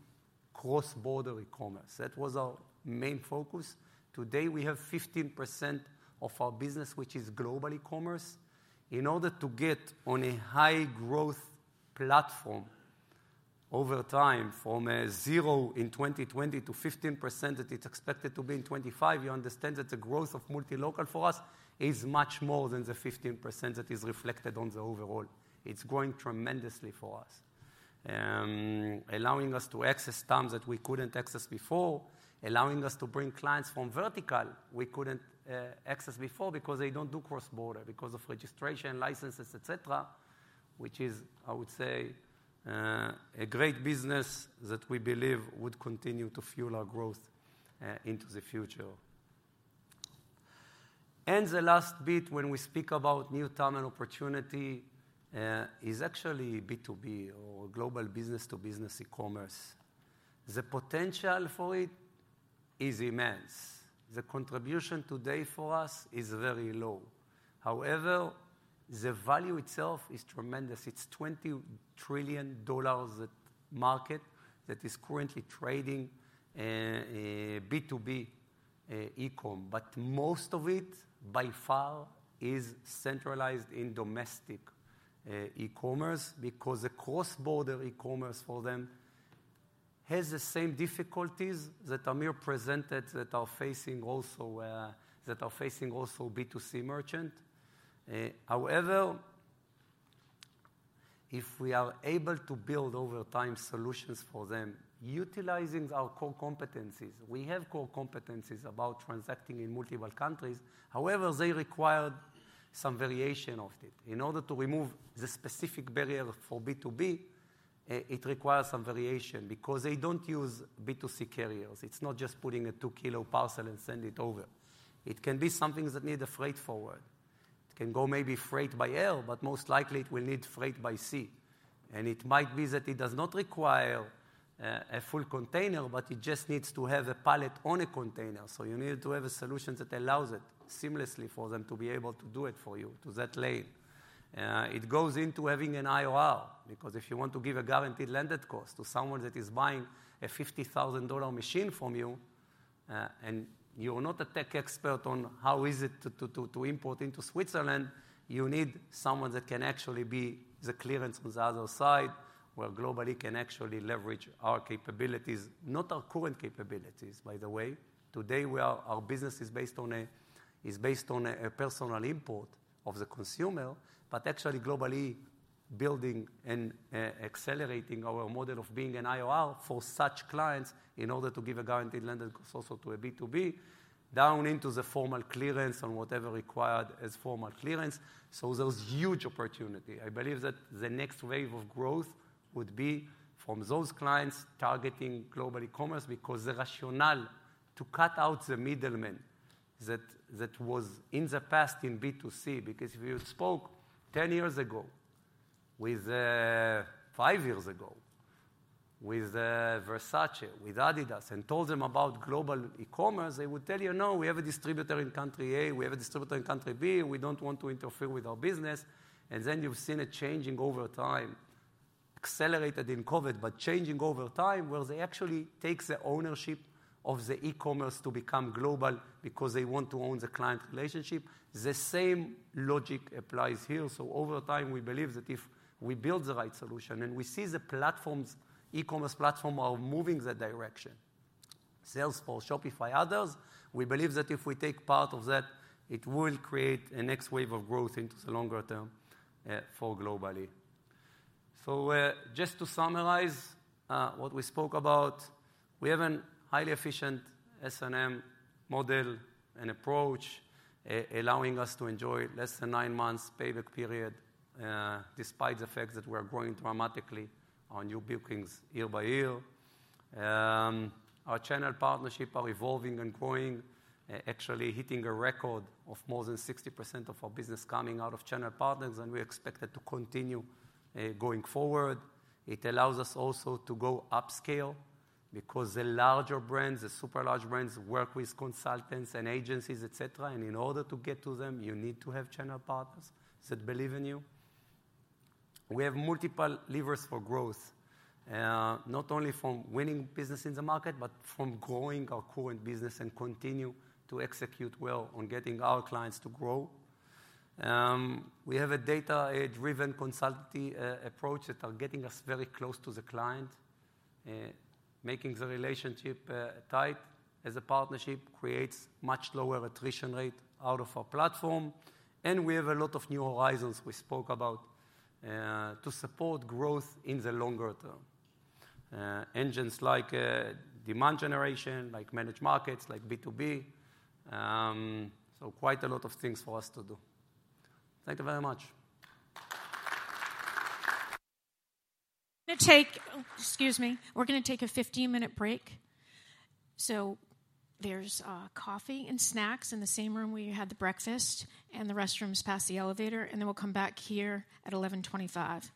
cross-border e-commerce. That was our main focus. Today, we have 15% of our business, which is Global-e commerce. In order to get on a high-growth platform over time from zero in 2020 to 15% that it's expected to be in 2025, you understand that the growth of Multi-Local for us is much more than the 15% that is reflected on the overall. It's growing tremendously for us, allowing us to access terms that we couldn't access before, allowing us to bring clients from verticals we couldn't access before because they don't do cross-border because of registration, licenses, etc., which is, I would say, a great business that we believe would continue to fuel our growth into the future. The last bit, when we speak about new time and opportunity, is actually B2B or global business-to-business e-commerce. The potential for it is immense. The contribution today for us is very low. However, the value itself is tremendous. It's a $20 trillion market that is currently trading B2B e-comm, but most of it, by far, is centralized in domestic e-commerce because the cross-border e-commerce for them has the same difficulties that Amir presented that are facing also B2C merchants. However, if we are able to build over time solutions for them, utilizing our core competencies, we have core competencies about transacting in multiple countries. However, they require some variation of it. In order to remove the specific barrier for B2B, it requires some variation because they do not use B2C carriers. It is not just putting a two-kilo parcel and sending it over. It can be something that needs a freight forward. It can go maybe freight by air, but most likely it will need freight by sea. It might be that it does not require a full container, but it just needs to have a pallet on a container. You need to have a solution that allows it seamlessly for them to be able to do it for you to that lane. It goes into having an IOR because if you want to give a guaranteed landing cost to someone that is buying a $50,000 machine from you and you're not a tech expert on how is it to import into Switzerland, you need someone that can actually be the clearance on the other side where Global-e can actually leverage our capabilities, not our current capabilities, by the way. Today, our business is based on a personal import of the consumer, but actually Global-e building and accelerating our model of being an IOR for such clients in order to give a guaranteed landing cost also to a B2B, down into the formal clearance on whatever required as formal clearance. There is huge opportunity. I believe that the next wave of growth would be from those clients targeting Global-e commerce because the rationale to cut out the middleman that was in the past in B2C, because if you spoke 10 years ago with five years ago with Versace, with Adidas, and told them about Global-e commerce, they would tell you, "No, we have a distributor in country A. We have a distributor in country B. We don't want to interfere with our business." You have seen it changing over time, accelerated in COVID, but changing over time where they actually take the ownership of the e-commerce to become global because they want to own the client relationship. The same logic applies here. Over time, we believe that if we build the right solution and we see the e-commerce platforms are moving in that direction, Salesforce, Shopify, others, we believe that if we take part of that, it will create a next wave of growth into the longer term for Global-e. Just to summarize what we spoke about, we have a highly efficient S&M model and approach allowing us to enjoy less than nine months payback period despite the fact that we are growing dramatically on new bookings year-by-year. Our channel partnerships are evolving and growing, actually hitting a record of more than 60% of our business coming out of channel partners, and we expect that to continue going forward. It allows us also to go up SCAYLE because the larger brands, the super large brands, work with consultants and agencies, etc. In order to get to them, you need to have channel partners that believe in you. We have multiple levers for growth, not only from winning business in the market, but from growing our current business and continue to execute well on getting our clients to grow. We have a data-driven consulting approach that is getting us very close to the client, making the relationship tight as a partnership creates much lower attrition rate out of our platform. We have a lot of new horizons we spoke about to support growth in the longer term. Engines like demand generation, like, like B2B. Quite a lot of things for us to do. Thank you very much. Excuse me. We're going to take a 15-minute break. There is coffee and snacks in the same room where you had the breakfast and the restrooms past the elevator. We will come back here at 11:25.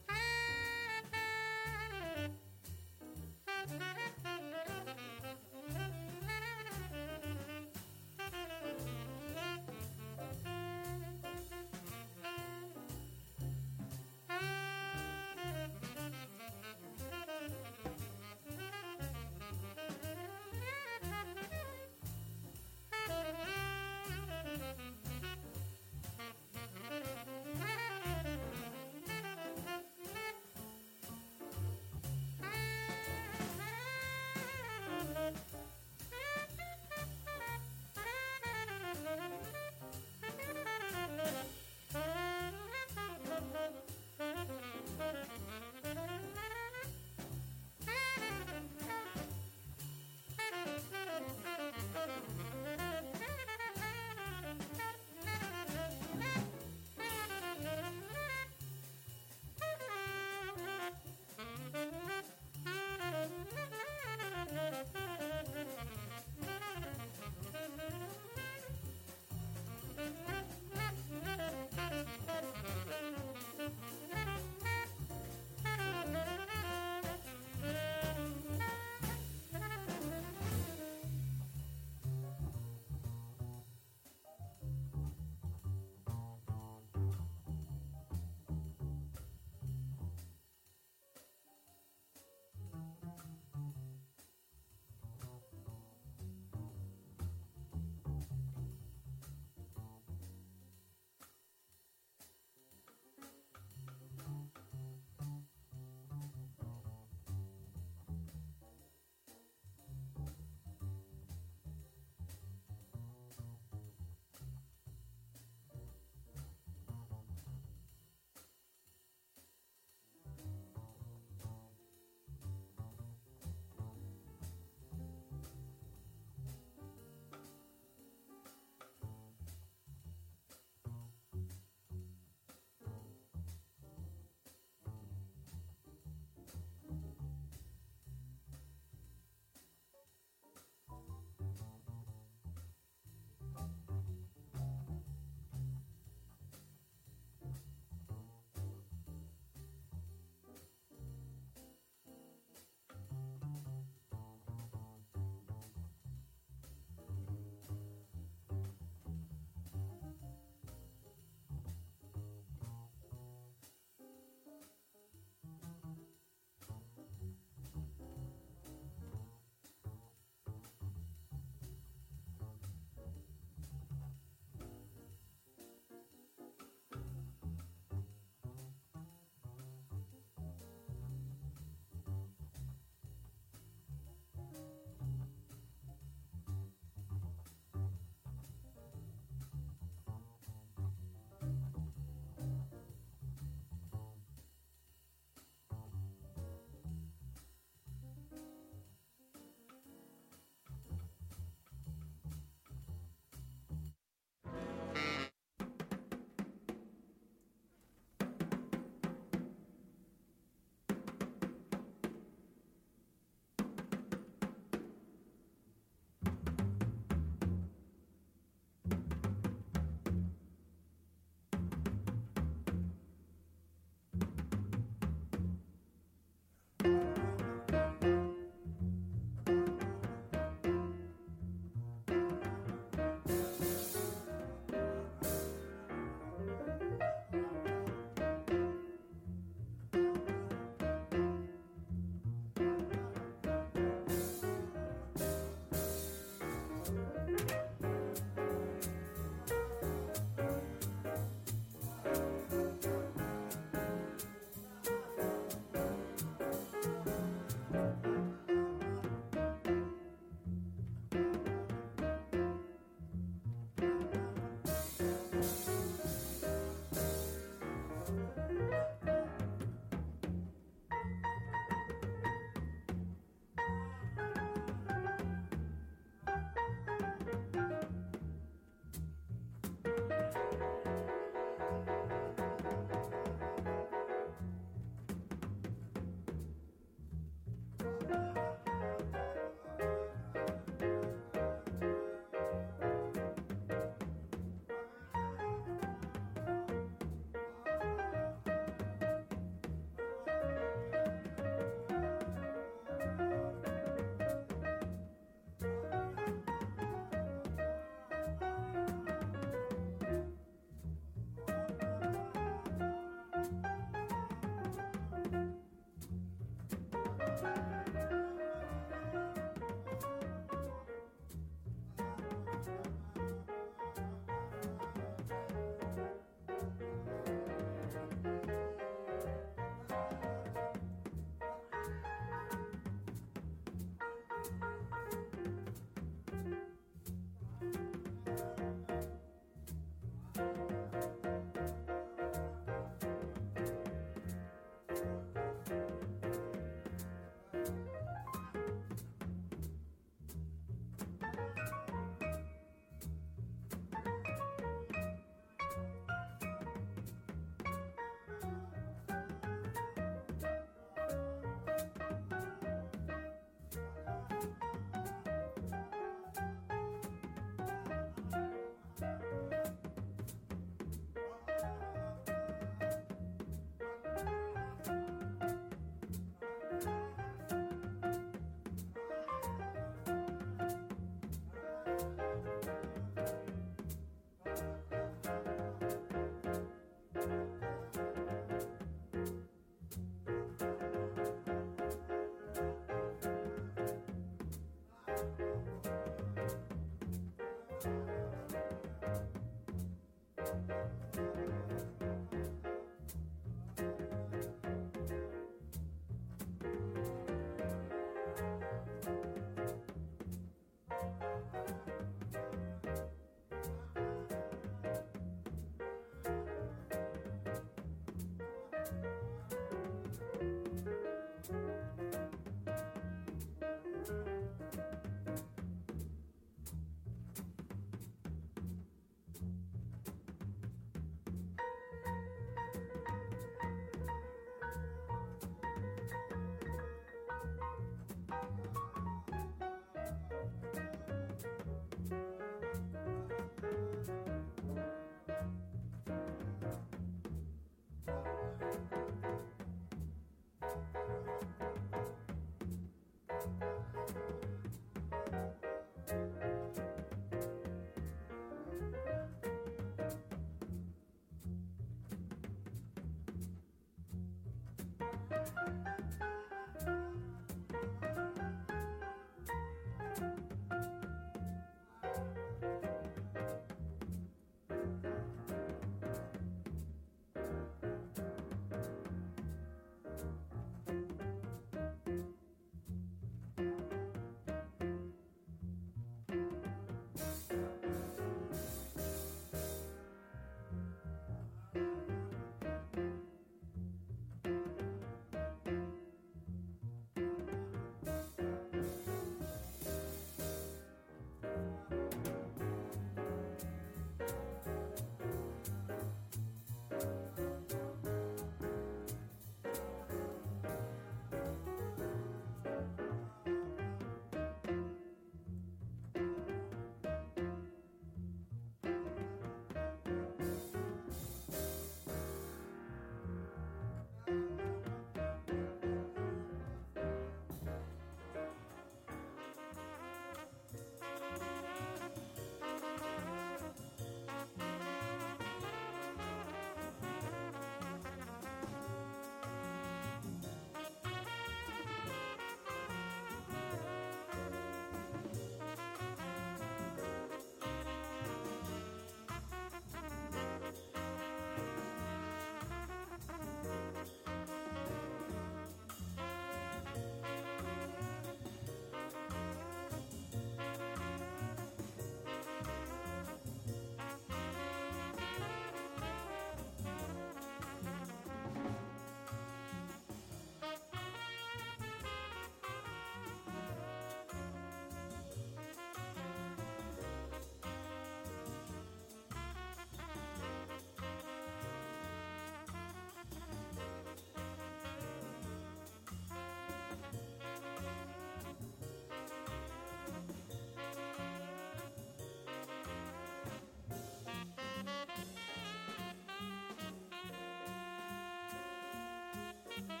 Thank you.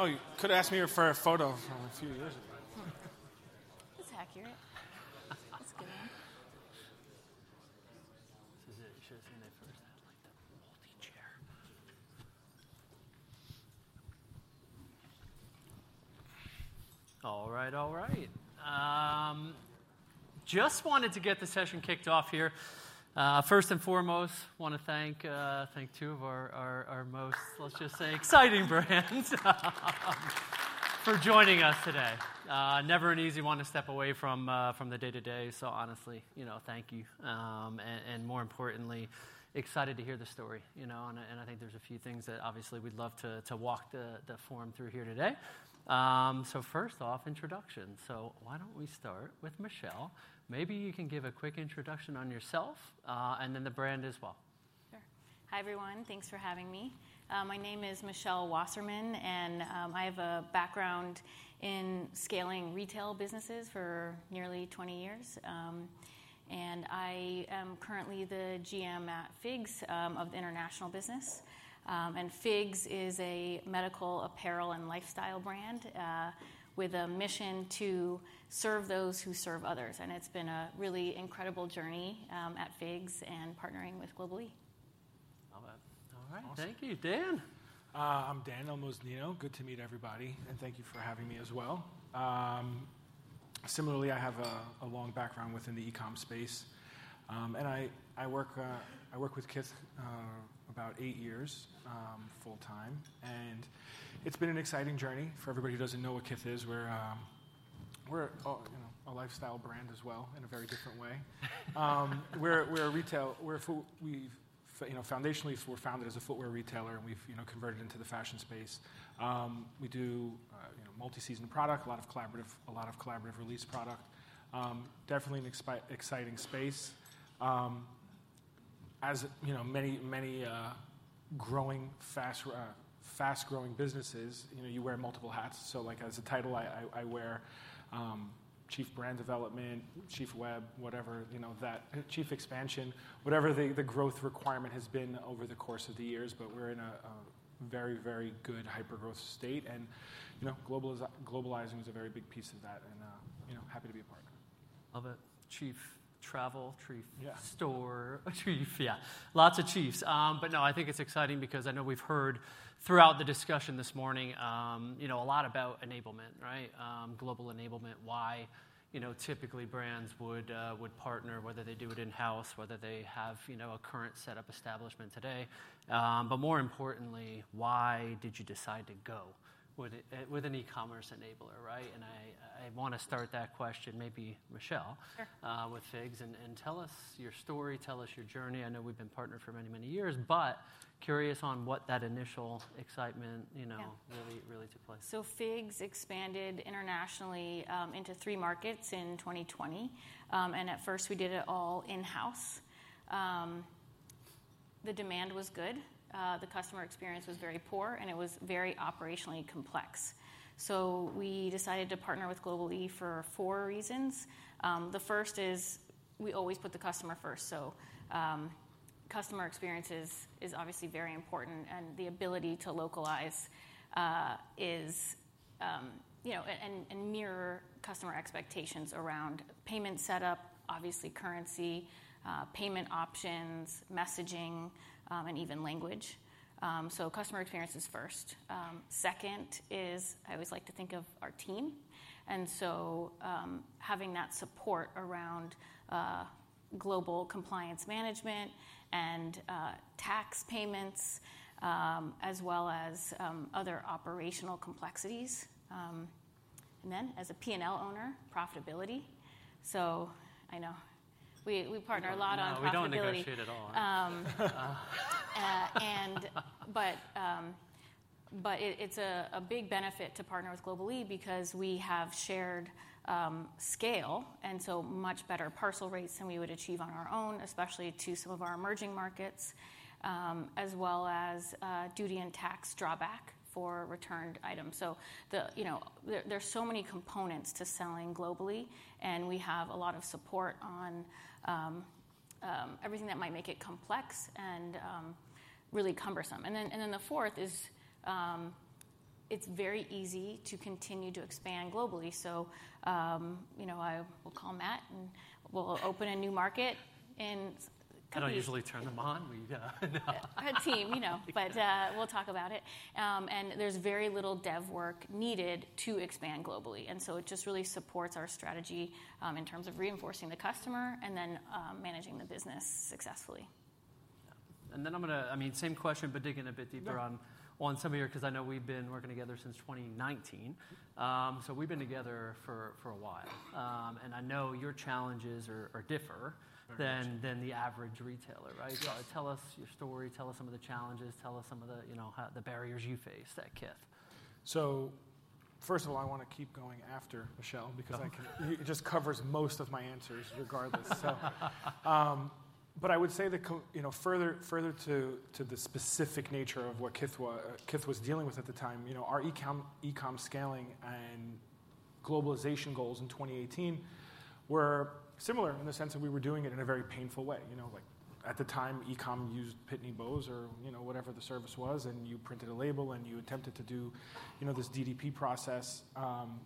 Oh, you could have asked me for a photo from a few years ago. That's accurate. That's a good one. This is it. You should have seen that first. I had, like, that multi-chair. All right, all right. Just wanted to get the session kicked off here. First and foremost, I want to thank two of our most, let's just say, exciting brands for joining us today. Never an easy one to step away from the day-to-day, so honestly, you know, thank you. More importantly, excited to hear the story. I think there's a few things that obviously we'd love to walk the forum through here today. First off, introductions. Why don't we start with Michelle? Maybe you can give a quick introduction on yourself and then the brand as well. Sure. Hi, everyone. Thanks for having me. My name is Michelle Wasserman, and I have a background in scaling retail businesses for nearly 20 years. I am currently the GM at FIGS of the international business. FIGS is a medical apparel and lifestyle brand with a mission to serve those who serve others. It's been a really incredible journey at FIGS and partnering with Global-e. Love it. All right. Thank you. Dan. I'm Dan Elmoznino. Good to meet everybody, and thank you for having me as well. Similarly, I have a long background within the e-com space. I work with Kith about eight years full-time. It's been an exciting journey. For everybody who doesn't know what Kith is, we're a lifestyle brand as well in a very different way. We're a retailer. You know, foundationally, we were founded as a footwear retailer, and we've converted into the fashion space. We do multi-season product, a lot of collaborative release product. Definitely an exciting space. As many growing, fast-growing businesses, you wear multiple hats. Like as a title, I wear Chief Brand Development, Chief Web, whatever, Chief Expansion, whatever the growth requirement has been over the course of the years. We are in a very, very good hyper-growth state. Globalizing is a very big piece of that, and happy to be a partner. Love it. Chief Travel, Chief Store, Chief. Yeah. Lots of chiefs. I think it is exciting because I know we have heard throughout the discussion this morning a lot about enablement, right? Global enablement, why typically brands would partner, whether they do it in-house, whether they have a current setup establishment today. More importantly, why did you decide to go with an e-commerce enabler, right? I want to start that question, maybe Michelle, with FIGS and tell us your story, tell us your journey. I know we've been partnered for many, many years, but curious on what that initial excitement really took place. FIGS expanded internationally into three markets in 2020. At first, we did it all in-house. The demand was good. The customer experience was very poor, and it was very operationally complex. We decided to partner with Global-e for four reasons. The first is we always put the customer first. Customer experience is obviously very important, and the ability to localize is and mirror customer expectations around payment setup, obviously currency, payment options, messaging, and even language. Customer experience is first. Second is I always like to think of our team. Having that support around global compliance management and tax payments, as well as other operational complexities. As a P&L owner, profitability. I know we partner a lot on profitability. We do not negotiate at all. It is a big benefit to partner with Global-e because we have shared SCAYLE, and much better parcel rates than we would achieve on our own, especially to some of our emerging markets, as well as duty and tax drawback for returned items. There are so many components to selling globally, and we have a lot of support on everything that might make it complex and really cumbersome. The fourth is it is very easy to continue to expand globally. I will call Matt, and we will open a new market in a couple of days. I do not usually turn them on. Our team, you know, but we'll talk about it. There is very little dev work needed to expand globally. It just really supports our strategy in terms of reinforcing the customer and then managing the business successfully. I'm going to, I mean, same question, but digging a bit deeper on some of your, because I know we've been working together since 2019. We have been together for a while. I know your challenges differ than the average retailer, right? Tell us your story, tell us some of the challenges, tell us some of the barriers you faced at Kith. First of all, I want to keep going after Michelle because it just covers most of my answers regardless. I would say that further to the specific nature of what Kith was dealing with at the time, our e-com scaling and globalization goals in 2018 were similar in the sense that we were doing it in a very painful way. At the time, e-com used Pitney Bowes or whatever the service was, and you printed a label, and you attempted to do this DDP process,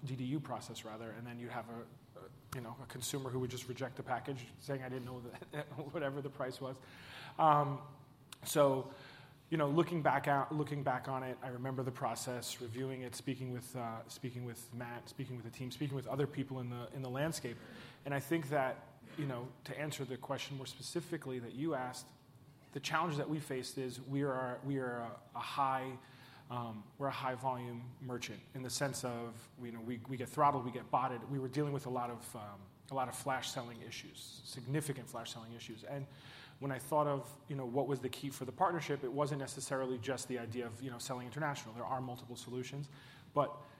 DDU process, rather. You'd have a consumer who would just reject the package saying, "I didn't know whatever the price was." Looking back on it, I remember the process, reviewing it, speaking with Matt, speaking with the team, speaking with other people in the landscape. I think that to answer the question more specifically that you asked, the challenge that we faced is we are a high-volume merchant in the sense of we get throttled, we get botted. We were dealing with a lot of flash-selling issues, significant flash-selling issues. When I thought of what was the key for the partnership, it was not necessarily just the idea of selling international. There are multiple solutions.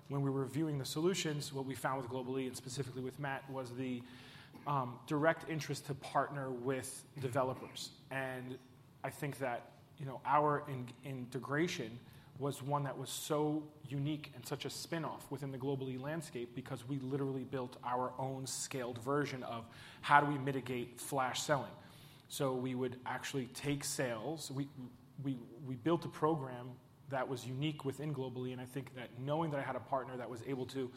When we were reviewing the solutions, what we found with Global-e and specifically with Matt was the direct interest to partner with developers. I think that our integration was one that was so unique and such a spinoff within the Global-e landscape because we literally built our own SCAYLEd version of how do we mitigate flash-selling. We would actually take sales. We built a program that was unique within Global-e. I think that knowing that I had a partner that was able to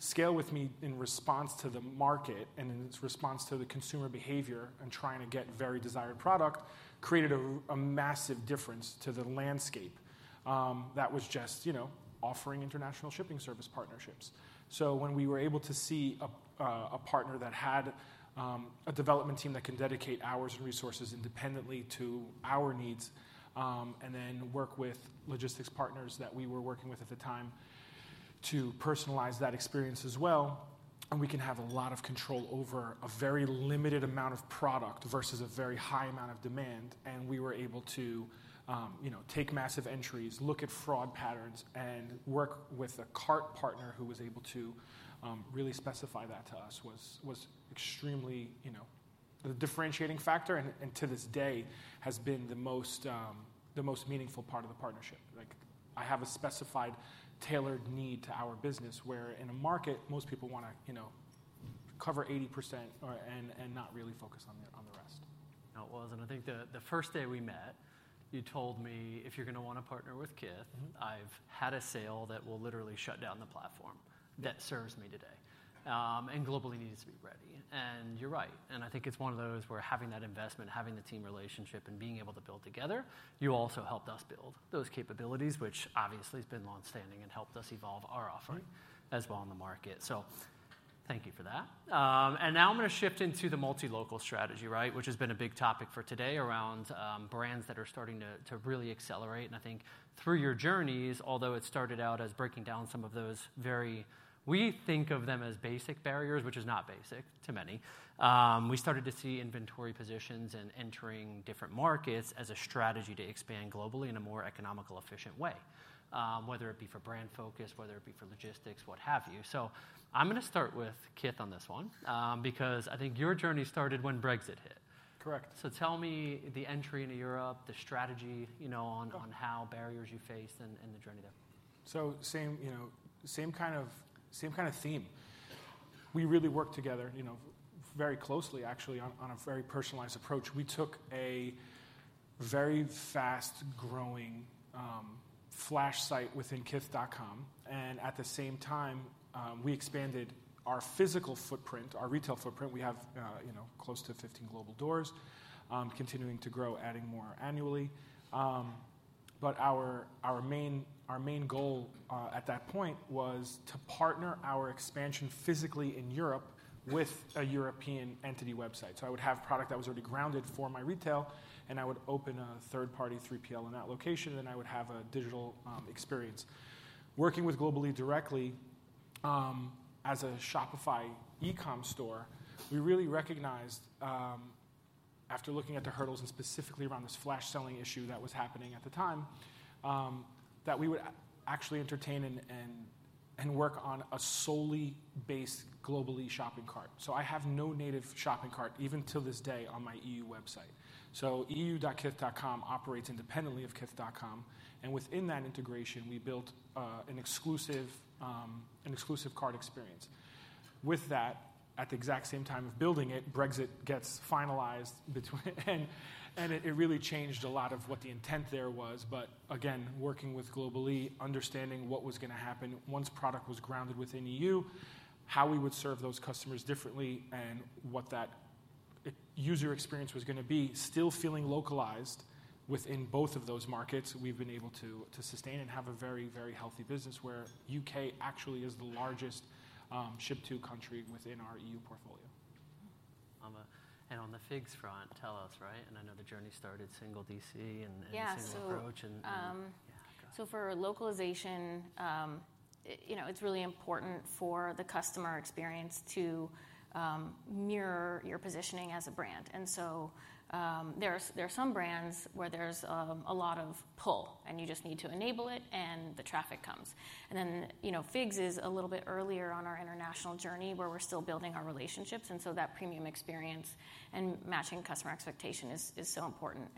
SCAYLE with me in response to the market and in response to the consumer behavior and trying to get very desired product created a massive difference to the landscape that was just offering international shipping service partnerships. When we were able to see a partner that had a development team that can dedicate hours and resources independently to our needs and then work with logistics partners that we were working with at the time to personalize that experience as well, and we can have a lot of control over a very limited amount of product versus a very high amount of demand, and we were able to take massive entries, look at fraud patterns, and work with a cart partner who was able to really specify that to us was extremely the differentiating factor and to this day has been the most meaningful part of the partnership. I have a specified, tailored need to our business where in a market, most people want to cover 80% and not really focus on the rest. It was. I think the first day we met, you told me, "If you're going to want to partner with Kith, I've had a sale that will literally shut down the platform that serves me today." Global-e needed to be ready. You're right. I think it's one of those where having that investment, having the team relationship, and being able to build together, you also helped us build those capabilities, which obviously has been long-standing and helped us evolve our offering as well in the market. Thank you for that. Now I'm going to shift into the Multi-Local strategy, which has been a big topic for today around brands that are starting to really accelerate. I think through your journeys, although it started out as breaking down some of those very, we think of them as basic barriers, which is not basic to many. We started to see inventory positions and entering different markets as a strategy to expand globally in a more economical, efficient way, whether it be for brand focus, whether it be for logistics, what have you. I am going to start with Kith on this one because I think your journey started when Brexit hit. Correct. Tell me the entry into Europe, the strategy on how barriers you faced and the journey there. Same kind of theme. We really worked together very closely, actually, on a very personalized approach. We took a very fast-growing flash site within kith.com. At the same time, we expanded our physical footprint, our retail footprint. We have close to 15 global doors, continuing to grow, adding more annually. Our main goal at that point was to partner our expansion physically in Europe with a European entity website. I would have product that was already grounded for my retail, and I would open a third-party 3PL in that location, and then I would have a digital experience. Working with Global-e directly as a Shopify e-com store, we really recognized, after looking at the hurdles and specifically around this flash-selling issue that was happening at the time, that we would actually entertain and work on a solely based Global-e shopping cart. I have no native shopping cart even to this day on my EU website. So eu.kith.com operates independently of kith.com. Within that integration, we built an exclusive cart experience. With that, at the exact same time of building it, Brexit gets finalized, and it really changed a lot of what the intent there was. Again, working with Global-e, understanding what was going to happen once product was grounded within the EU, how we would serve those customers differently, and what that user experience was going to be, still feeling localized within both of those markets, we've been able to sustain and have a very, very healthy business where the U.K. actually is the largest ship-to country within our EU portfolio. On the FIGS front, tell us, right? I know the journey started single DC and single approach. Yeah. For localization, it's really important for the customer experience to mirror your positioning as a brand. There are some brands where there's a lot of pull, and you just need to enable it, and the traffic comes. FIGS is a little bit earlier on our international journey where we're still building our relationships. That premium experience and matching customer expectation is so important.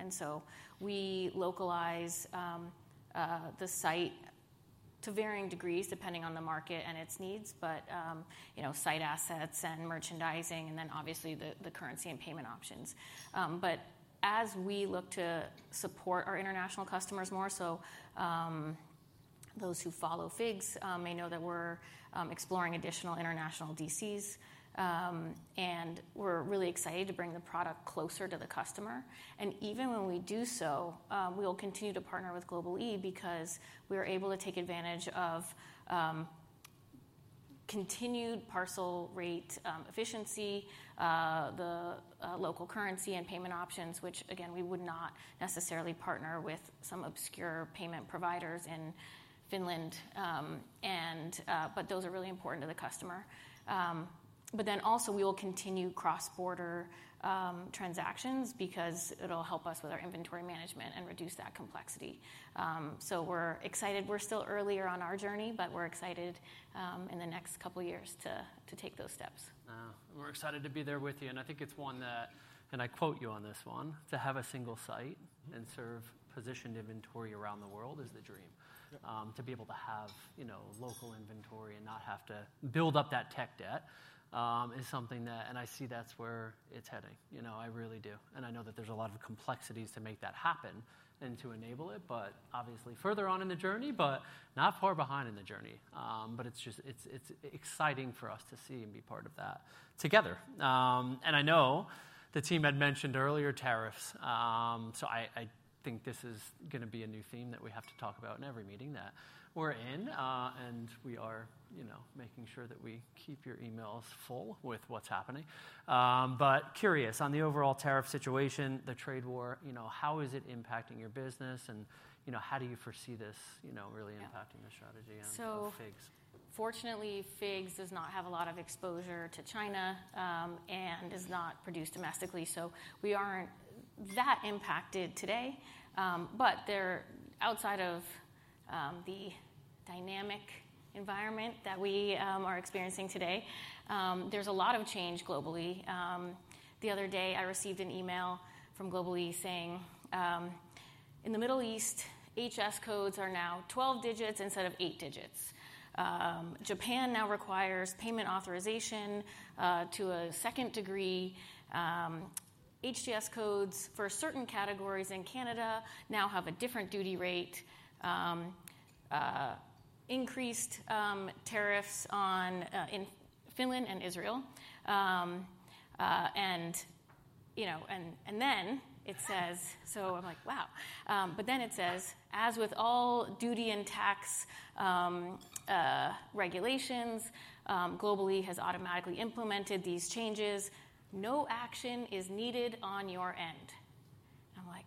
We localize the site to varying degrees depending on the market and its needs, site assets and merchandising, and then obviously the currency and payment options. As we look to support our international customers more, those who follow FIGS may know that we're exploring additional international DCs, and we're really excited to bring the product closer to the customer. Even when we do so, we will continue to partner with Global-e because we are able to take advantage of continued parcel rate efficiency, the local currency, and payment options, which again, we would not necessarily partner with some obscure payment providers in Finland. Those are really important to the customer. We will continue cross-border transactions because it'll help us with our inventory management and reduce that complexity. We're excited. We're still earlier on our journey, but we're excited in the next couple of years to take those steps. We're excited to be there with you. I think it's one that, and I quote you on this one, to have a single site and serve positioned inventory around the world is the dream. To be able to have local inventory and not have to build up that tech debt is something that, and I see that's where it's heading. I really do. I know that there's a lot of complexities to make that happen and to enable it, obviously further on in the journey, but not far behind in the journey. It's exciting for us to see and be part of that together. I know the team had mentioned earlier tariffs. I think this is going to be a new theme that we have to talk about in every meeting that we're in. We are making sure that we keep your emails full with what's happening. Curious on the overall tariff situation, the trade war, how is it impacting your business, and how do you foresee this really impacting the strategy and FIGS? Fortunately, FIGS does not have a lot of exposure to China and is not produced domestically. We aren't that impacted today. Outside of the dynamic environment that we are experiencing today, there's a lot of change globally. The other day, I received an email from Global-e saying, "In the Middle East, HS codes are now 12 digits instead of eight digits. Japan now requires payment authorization to a second degree. HS codes for certain categories in Canada now have a different duty rate. Increased tariffs in Finland and Israel. And then it says, so I'm like, "Wow." But then it says, "As with all duty and tax regulations, Global-e has automatically implemented these changes. No action is needed on your end." I'm like,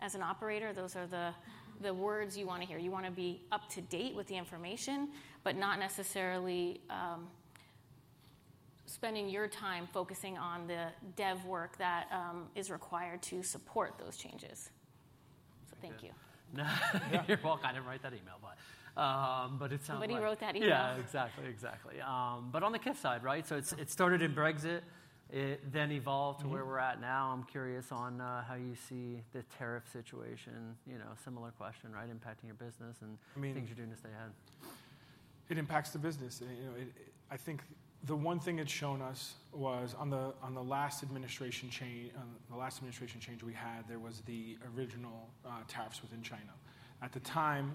"As an operator, those are the words you want to hear. You want to be up to date with the information, but not necessarily spending your time focusing on the dev work that is required to support those changes." Thank you. You're welcome. I didn't write that email, but it sounds like— Nobody wrote that email. Yeah, exactly. Exactly. On the Kith side, right? It started in Brexit, then evolved to where we're at now. I'm curious on how you see the tariff situation. Similar question, right? Impacting your business and things you're doing to stay ahead. It impacts the business. I think the one thing it's shown us was on the last administration change we had, there was the original tariffs within China. At the time,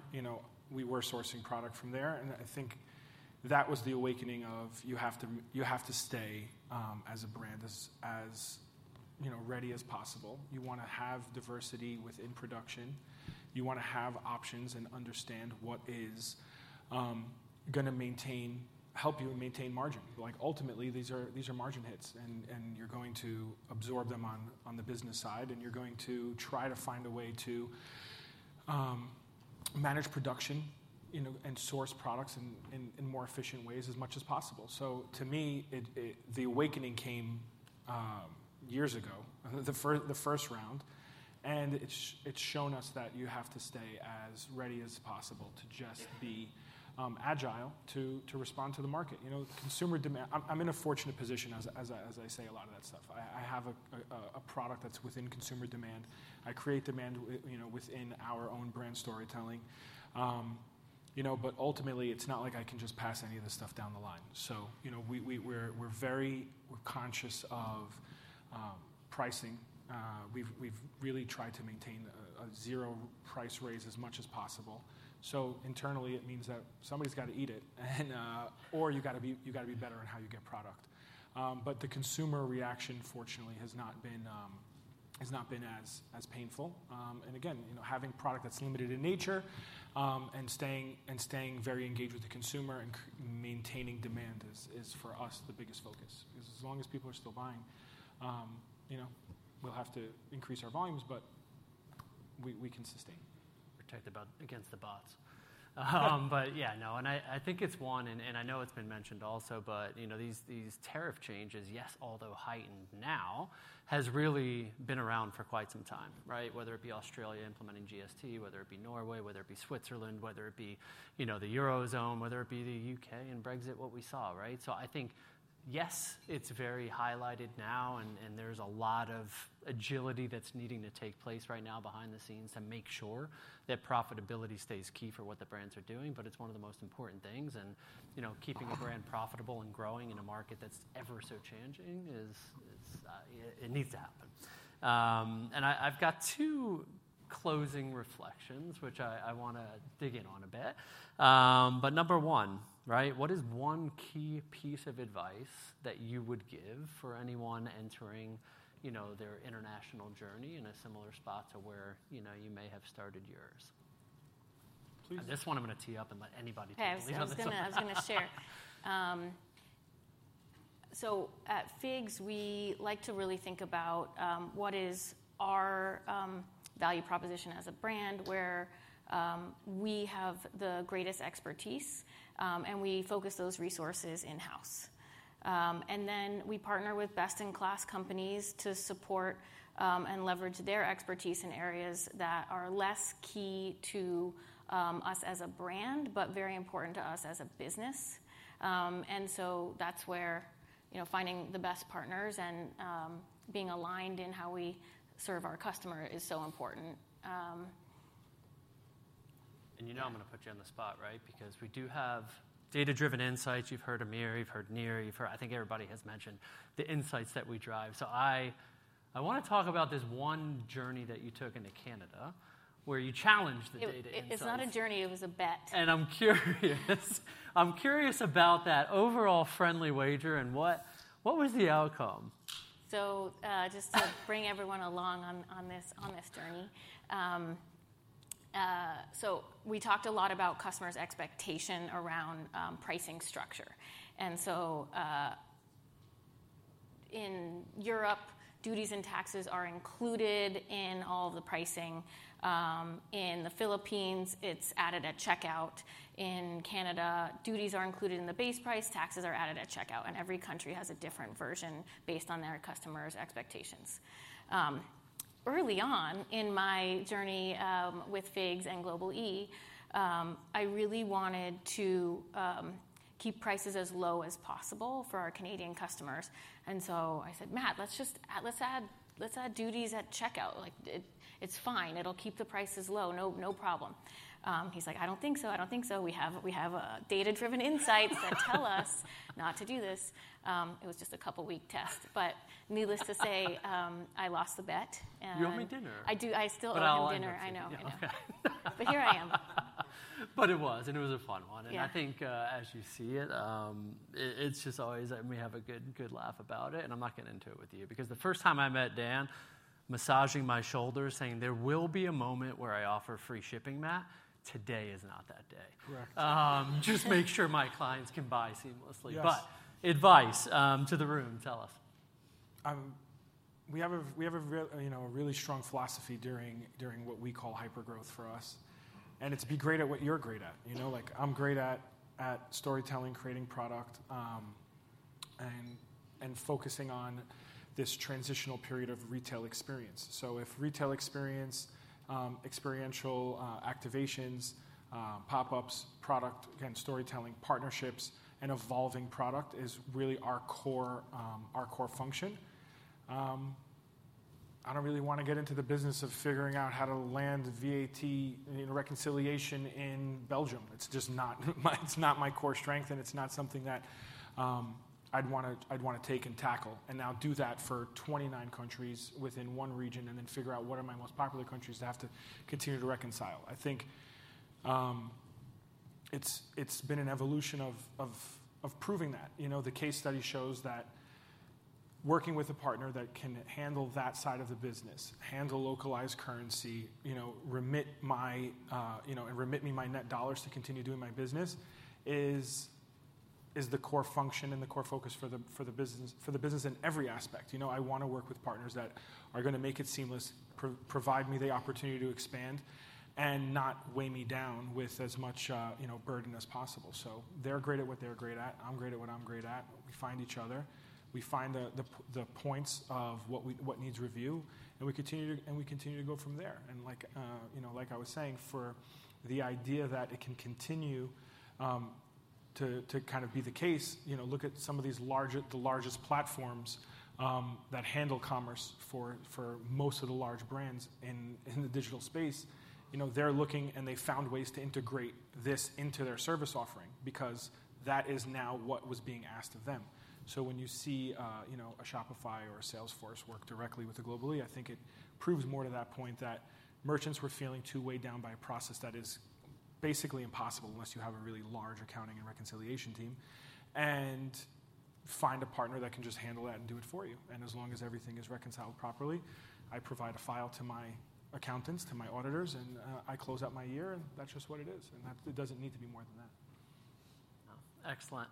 we were sourcing product from there. I think that was the awakening of you have to stay as a brand as ready as possible. You want to have diversity within production. You want to have options and understand what is going to help you maintain margin. Ultimately, these are margin hits, and you're going to absorb them on the business side, and you're going to try to find a way to manage production and source products in more efficient ways as much as possible. To me, the awakening came years ago, the first round. It's shown us that you have to stay as ready as possible to just be agile to respond to the market. I'm in a fortunate position, as I say a lot of that stuff. I have a product that's within consumer demand. I create demand within our own brand storytelling. Ultimately, it's not like I can just pass any of this stuff down the line. We're conscious of pricing. We've really tried to maintain a zero price raise as much as possible. Internally, it means that somebody's got to eat it, or you've got to be better on how you get product. The consumer reaction, fortunately, has not been as painful. Having product that's limited in nature and staying very engaged with the consumer and maintaining demand is, for us, the biggest focus. As long as people are still buying, we'll have to increase our volumes, but we can sustain. Protect against the bots. Yeah, no. I think it's one, and I know it's been mentioned also, but these tariff changes, yes, although heightened now, have really been around for quite some time, right? Whether it be Australia implementing GST, whether it be Norway, whether it be Switzerland, whether it be the Eurozone, whether it be the U.K. and Brexit, what we saw, right? I think, yes, it's very highlighted now, and there's a lot of agility that's needing to take place right now behind the scenes to make sure that profitability stays key for what the brands are doing. It's one of the most important things. Keeping a brand profitable and growing in a market that's ever so changing, it needs to happen. I've got two closing reflections, which I want to dig in on a bit. Number one, right? What is one key piece of advice that you would give for anyone entering their international journey in a similar spot to where you may have started yours? Please. This one I'm going to tee up and let anybody take it. Yeah, I was going to share. At FIGS, we like to really think about what is our value proposition as a brand where we have the greatest expertise, and we focus those resources in-house. We partner with best-in-class companies to support and leverage their expertise in areas that are less key to us as a brand, but very important to us as a business. That is where finding the best partners and being aligned in how we serve our customer is so important. You know I'm going to put you on the spot, right? Because we do have data-driven insights. You've heard Amir, you've heard Nir. I think everybody has mentioned the insights that we drive. I want to talk about this one journey that you took into Canada where you challenged the data insights. It's not a journey. It was a bet. I'm curious. I'm curious about that overall friendly wager and what was the outcome? Just to bring everyone along on this journey, we talked a lot about customers' expectation around pricing structure. In Europe, duties and taxes are included in all of the pricing. In the Philippines, it's added at checkout. In Canada, duties are included in the base price. Taxes are added at checkout. Every country has a different version based on their customer's expectations. Early on in my journey with FIGS and Global-e, I really wanted to keep prices as low as possible for our Canadian customers. I said, "Matt, let's add duties at checkout. It's fine. It'll keep the prices low. No problem." He's like, "I don't think so. I don't think so. We have data-driven insights that tell us not to do this." It was just a couple-week test. Needless to say, I lost the bet. You owe me dinner. I still owe you dinner. I know. Here I am. It was, and it was a fun one. I think as you see it, it's just always we have a good laugh about it. I'm not getting into it with you because the first time I met Dan, massaging my shoulders, saying, "There will be a moment where I offer free shipping, Matt." Today is not that day. Correct. Just make sure my clients can buy seamlessly. Advice to the room, tell us. We have a really strong philosophy during what we call hypergrowth for us. It's to be great at what you're great at. I'm great at storytelling, creating product, and focusing on this transitional period of retail experience. If retail experience, experiential activations, pop-ups, product, again, storytelling, partnerships, and evolving product is really our core function, I don't really want to get into the business of figuring out how to land VAT reconciliation in Belgium. It's not my core strength, and it's not something that I'd want to take and tackle. Now do that for 29 countries within one region and then figure out what are my most popular countries to have to continue to reconcile. I think it's been an evolution of proving that. The case study shows that working with a partner that can handle that side of the business, handle localized currency, remit me my net dollars to continue doing my business is the core function and the core focus for the business in every aspect. I want to work with partners that are going to make it seamless, provide me the opportunity to expand, and not weigh me down with as much burden as possible. They are great at what they are great at. I am great at what I am great at. We find each other. We find the points of what needs review, and we continue to go from there. Like I was saying, for the idea that it can continue to kind of be the case, look at some of the largest platforms that handle commerce for most of the large brands in the digital space. They're looking, and they found ways to integrate this into their service offering because that is now what was being asked of them. When you see a Shopify or a Salesforce work directly with a Global-e, I think it proves more to that point that merchants were feeling too weighed down by a process that is basically impossible unless you have a really large accounting and reconciliation team and find a partner that can just handle that and do it for you. As long as everything is reconciled properly, I provide a file to my accountants, to my auditors, and I close up my year, and that's just what it is. It doesn't need to be more than that. Excellent.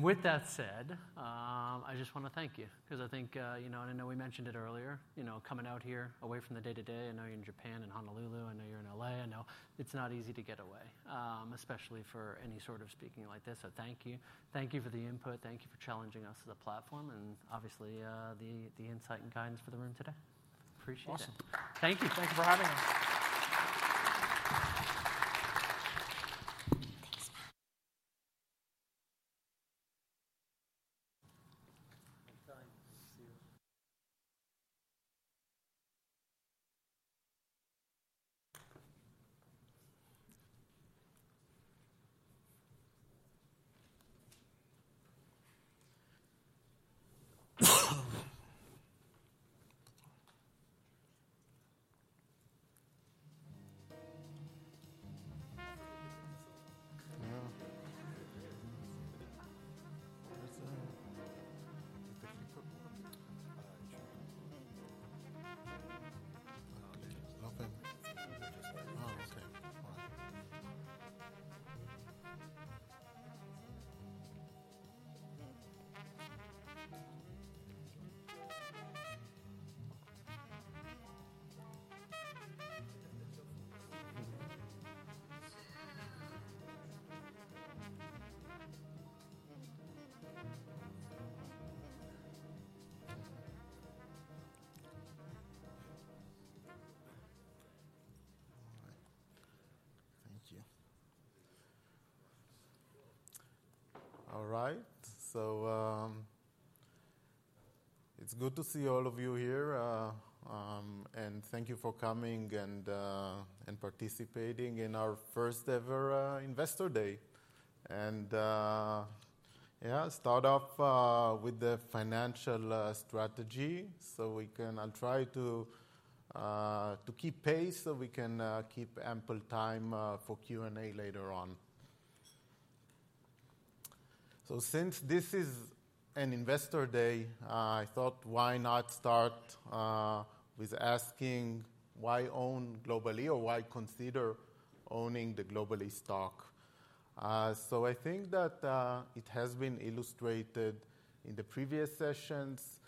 With that said, I just want to thank you because I think, and I know we mentioned it earlier, coming out here away from the day-to-day, I know you're in Japan and Honolulu. I know you're in LA. I know it's not easy to get away, especially for any sort of speaking like this. Thank you. Thank you for the input. Thank you for challenging us as a platform and obviously the insight and guidance for the room today. Appreciate it. Awesome. Thank you. Thank you for having us. Thanks, Matt. All right. Thank you. All right. It is good to see all of you here. Thank you for coming and participating in our first-ever investor day. Yeah, start off with the financial strategy so we can—I'll try to keep pace so we can keep ample time for Q&A later on. Since this is an investor day, I thought, why not start with asking why own Global-e or why consider owning the Global-e stock? I think that it has been illustrated in the previous sessions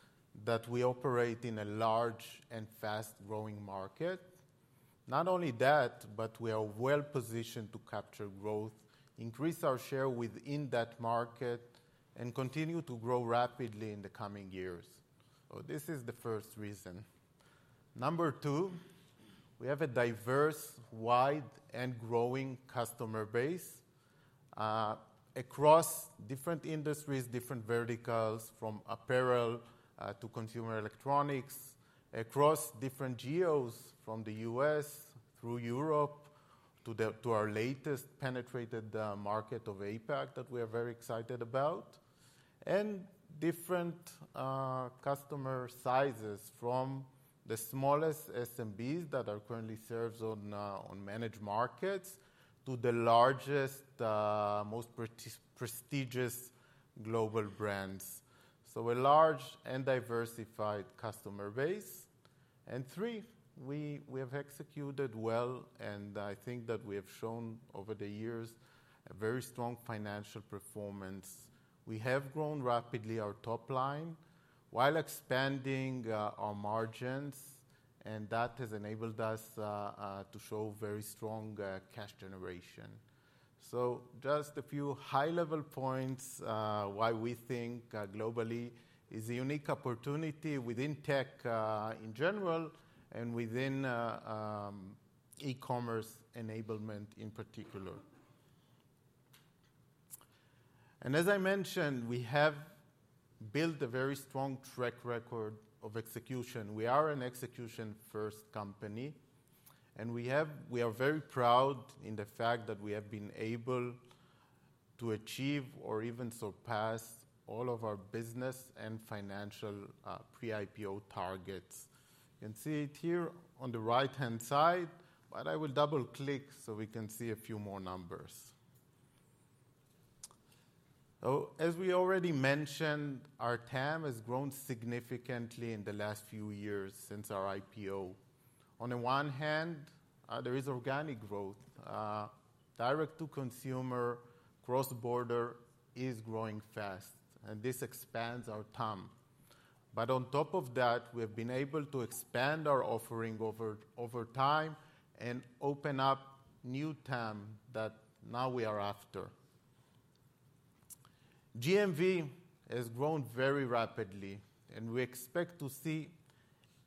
that we operate in a large and fast-growing market. Not only that, but we are well-positioned to capture growth, increase our share within that market, and continue to grow rapidly in the coming years. This is the first reason. Number two, we have a diverse, wide, and growing customer base across different industries, different verticals, from apparel to consumer electronics, across different geos from the U.S. through Europe to our latest penetrated market of APAC that we are very excited about, and different customer sizes from the smallest SMBs that are currently served on to the largest, most prestigious global brands. A large and diversified customer base. Three, we have executed well, and I think that we have shown over the years a very strong financial performance. We have grown rapidly our top line while expanding our margins, and that has enabled us to show very strong cash generation. Just a few high-level points why we think Global-e is a unique opportunity within tech in general and within e-commerce enablement in particular. As I mentioned, we have built a very strong track record of execution. We are an execution-first company, and we are very proud in the fact that we have been able to achieve or even surpass all of our business and financial pre-IPO targets. You can see it here on the right-hand side, but I will double-click so we can see a few more numbers. As we already mentioned, our TAM has grown significantly in the last few years since our IPO. On the one hand, there is organic growth. Direct-to-consumer, cross-border is growing fast, and this expands our TAM. But on top of that, we have been able to expand our offering over time and open up new TAM that now we are after. GMV has grown very rapidly, and we expect to see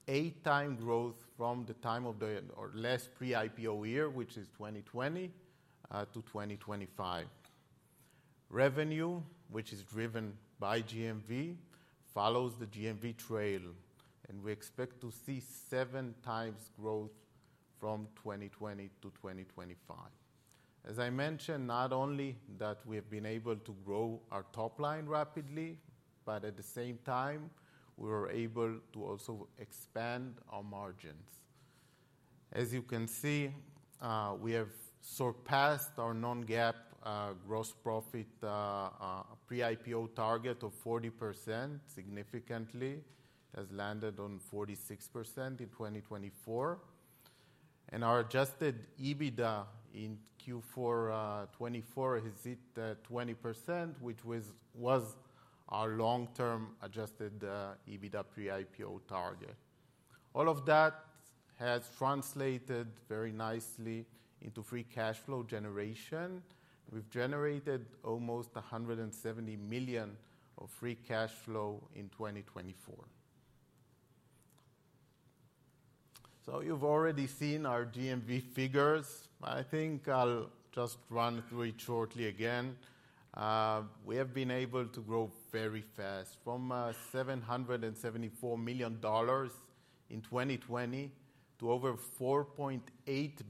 eight-time growth from the time of the last pre-IPO year, which is 2020 to 2025. Revenue, which is driven by GMV, follows the GMV trail, and we expect to see seven times growth from 2020 to 2025. As I mentioned, not only that we have been able to grow our top line rapidly, but at the same time, we were able to also expand our margins. As you can see, we have surpassed our non-GAAP gross profit pre-IPO target of 40% significantly. It has landed on 46% in 2024. Our adjusted EBITDA in Q4 2024 is 20%, which was our long-term adjusted EBITDA pre-IPO target. All of that has translated very nicely into free cash flow generation. We have generated almost $170 million of free cash flow in 2024. You have already seen our GMV figures. I think I will just run through it shortly again. We have been able to grow very fast from $774 million in 2020 to over $4.8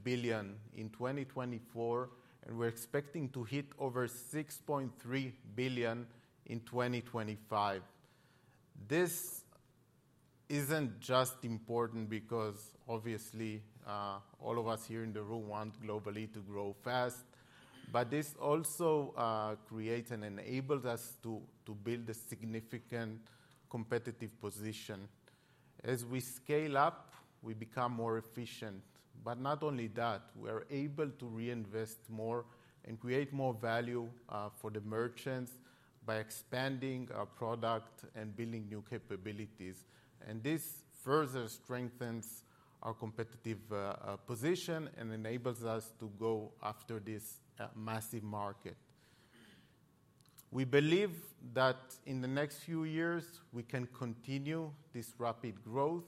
billion in 2024, and we are expecting to hit over $6.3 billion in 2025. This is not just important because, obviously, all of us here in the room want Global-e to grow fast, but this also creates and enables us to build a significant competitive position. As we SCAYLE up, we become more efficient. Not only that, we are able to reinvest more and create more value for the merchants by expanding our product and building new capabilities. This further strengthens our competitive position and enables us to go after this massive market. We believe that in the next few years, we can continue this rapid growth.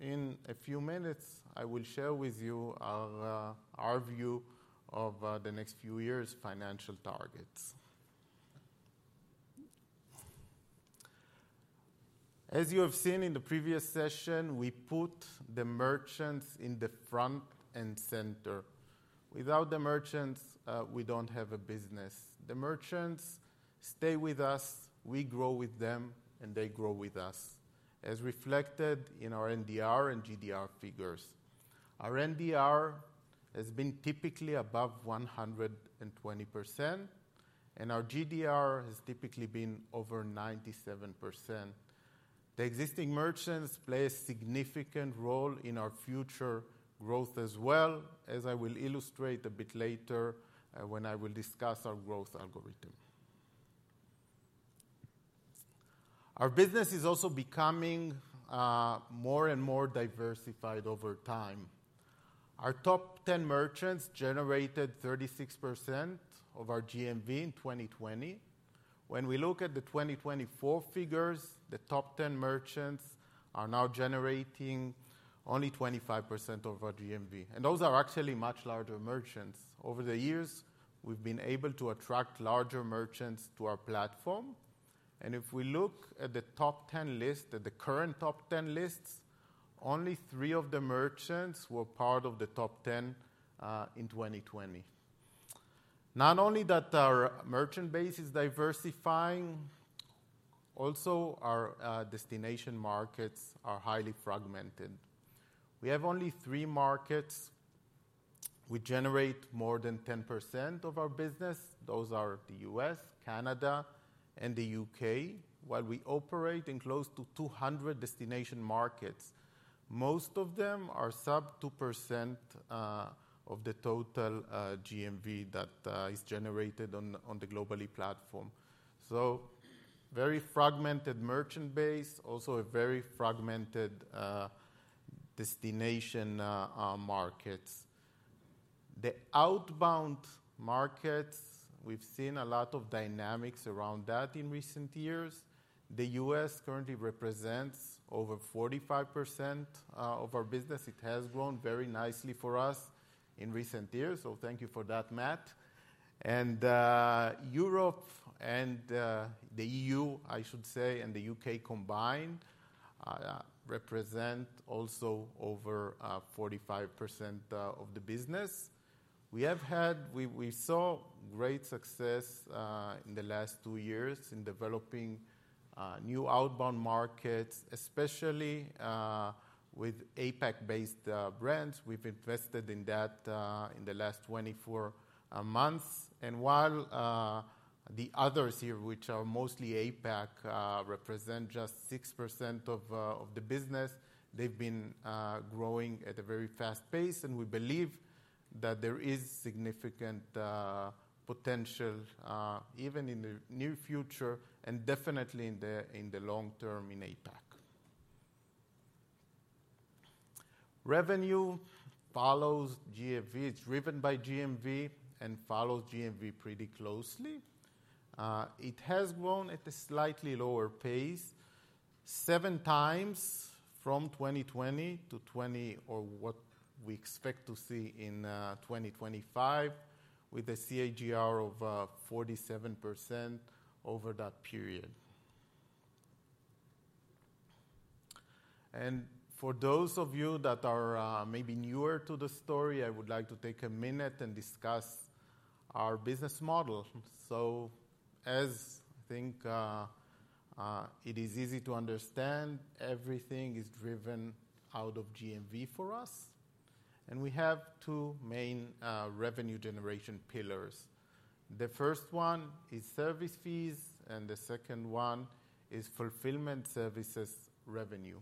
In a few minutes, I will share with you our view of the next few years' financial targets. As you have seen in the previous session, we put the merchants in the front and center. Without the merchants, we do not have a business. The merchants stay with us, we grow with them, and they grow with us, as reflected in our NDR and GDR figures. Our NDR has been typically above 120%, and our GDR has typically been over 97%. The existing merchants play a significant role in our future growth as well, as I will illustrate a bit later when I discuss our growth algorithm. Our business is also becoming more and more diversified over time. Our top 10 merchants generated 36% of our GMV in 2020. When we look at the 2024 figures, the top 10 merchants are now generating only 25% of our GMV. Those are actually much larger merchants. Over the years, we've been able to attract larger merchants to our platform. If we look at the top 10 list, at the current top 10 lists, only three of the merchants were part of the top 10 in 2020. Not only that our merchant base is diversifying, also our destination markets are highly fragmented. We have only three markets we generate more than 10% of our business. Those are the U.S., Canada, and the U.K., while we operate in close to 200 destination markets. Most of them are sub 2% of the total GMV that is generated on the Global-e platform. Very fragmented merchant base, also a very fragmented destination markets. The outbound markets, we've seen a lot of dynamics around that in recent years. The U.S. currently represents over 45% of our business. It has grown very nicely for us in recent years. Thank you for that, Matt. Europe and the EU, I should say, and the U.K. combined represent also over 45% of the business. We have had, we saw great success in the last two years in developing new outbound markets, especially with APAC-based brands. We've invested in that in the last 24 months. While the others here, which are mostly APAC, represent just 6% of the business, they've been growing at a very fast pace. We believe that there is significant potential even in the near future and definitely in the long term in APAC. Revenue follows GMV. It's driven by GMV and follows GMV pretty closely. It has grown at a slightly lower pace, seven times from 2020 to 2020 or what we expect to see in 2025, with a CAGR of 47% over that period. For those of you that are maybe newer to the story, I would like to take a minute and discuss our business model. As I think it is easy to understand, everything is driven out of GMV for us. We have two main revenue generation pillars. The first one is service fees, and the second one is fulfillment services revenue.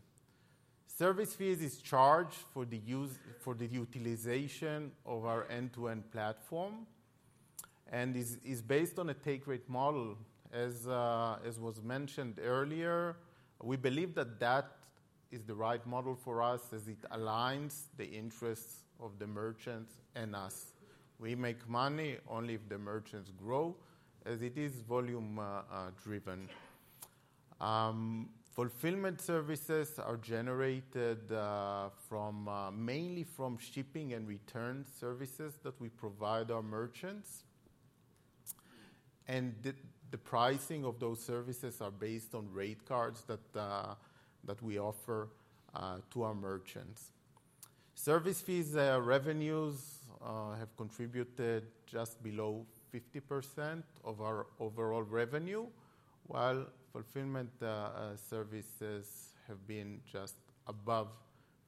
Service fees are charged for the utilization of our end-to-end platform and is based on a take-rate model. As was mentioned earlier, we believe that that is the right model for us as it aligns the interests of the merchants and us. We make money only if the merchants grow, as it is volume-driven. Fulfillment services are generated mainly from shipping and return services that we provide our merchants. The pricing of those services is based on rate cards that we offer to our merchants. Service fees revenues have contributed just below 50% of our overall revenue, while fulfillment services have been just above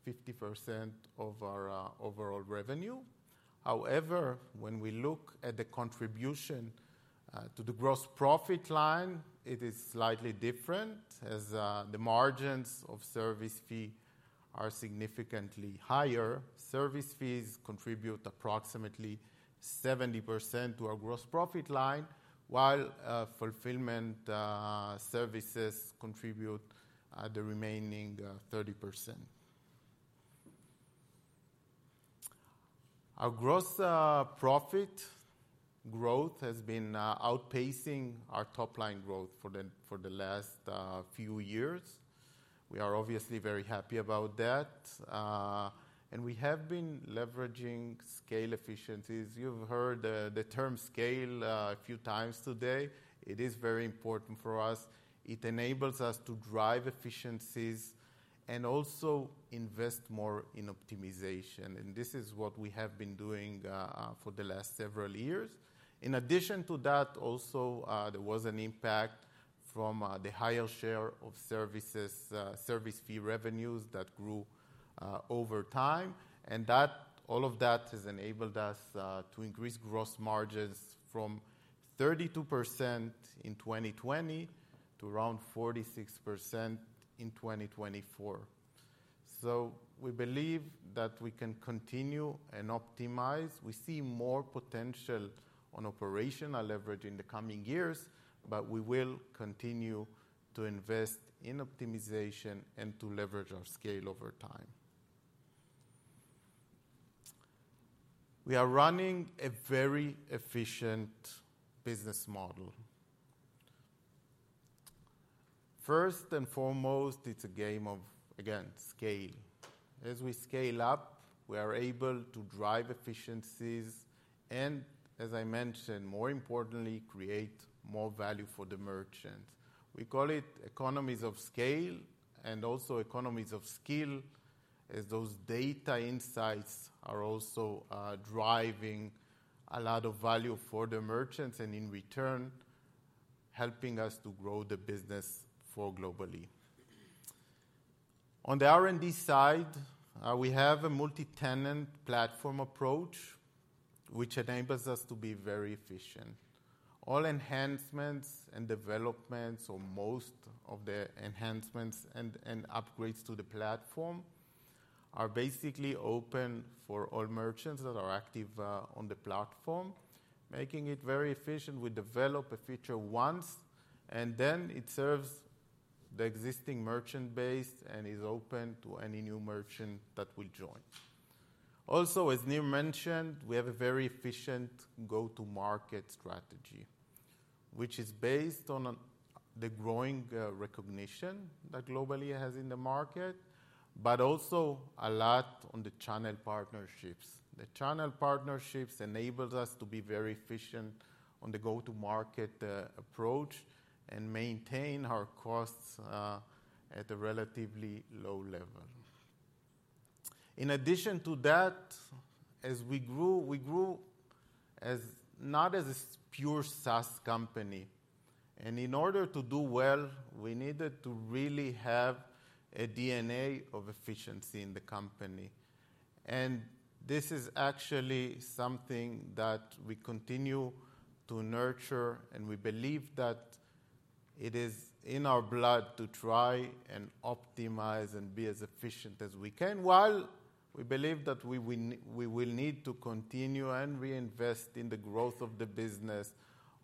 50% of our overall revenue. However, when we look at the contribution to the gross profit line, it is slightly different as the margins of service fees are significantly higher. Service fees contribute approximately 70% to our gross profit line, while fulfillment services contribute the remaining 30%. Our gross profit growth has been outpacing our top line growth for the last few years. We are obviously very happy about that. We have been leveraging SCAYLE efficiencies. You have heard the term SCAYLE a few times today. It is very important for us. It enables us to drive efficiencies and also invest more in optimization. This is what we have been doing for the last several years. In addition to that, there was an impact from the higher share of service fee revenues that grew over time. All of that has enabled us to increase gross margins from 32% in 2020 to around 46% in 2024. We believe that we can continue and optimize. We see more potential on operational leverage in the coming years, but we will continue to invest in optimization and to leverage our SCAYLE over time. We are running a very efficient business model. First and foremost, it's a game of, again, SCAYLE. As we SCAYLE up, we are able to drive efficiencies and, as I mentioned, more importantly, create more value for the merchants. We call it economies of SCAYLE and also economies of skill as those data insights are also driving a lot of value for the merchants and, in return, helping us to grow the business for Global-e. On the R&D side, we have a multi-tenant platform approach, which enables us to be very efficient. All enhancements and developments, or most of the enhancements and upgrades to the platform, are basically open for all merchants that are active on the platform, making it very efficient. We develop a feature once, and then it serves the existing merchant base and is open to any new merchant that will join. Also, as Nir mentioned, we have a very efficient go-to-market strategy, which is based on the growing recognition that Global-e has in the market, but also a lot on the channel partnerships. The channel partnerships enable us to be very efficient on the go-to-market approach and maintain our costs at a relatively low level. In addition to that, as we grew, we grew not as a pure SaaS company. In order to do well, we needed to really have a DNA of efficiency in the company. This is actually something that we continue to nurture, and we believe that it is in our blood to try and optimize and be as efficient as we can, while we believe that we will need to continue and reinvest in the growth of the business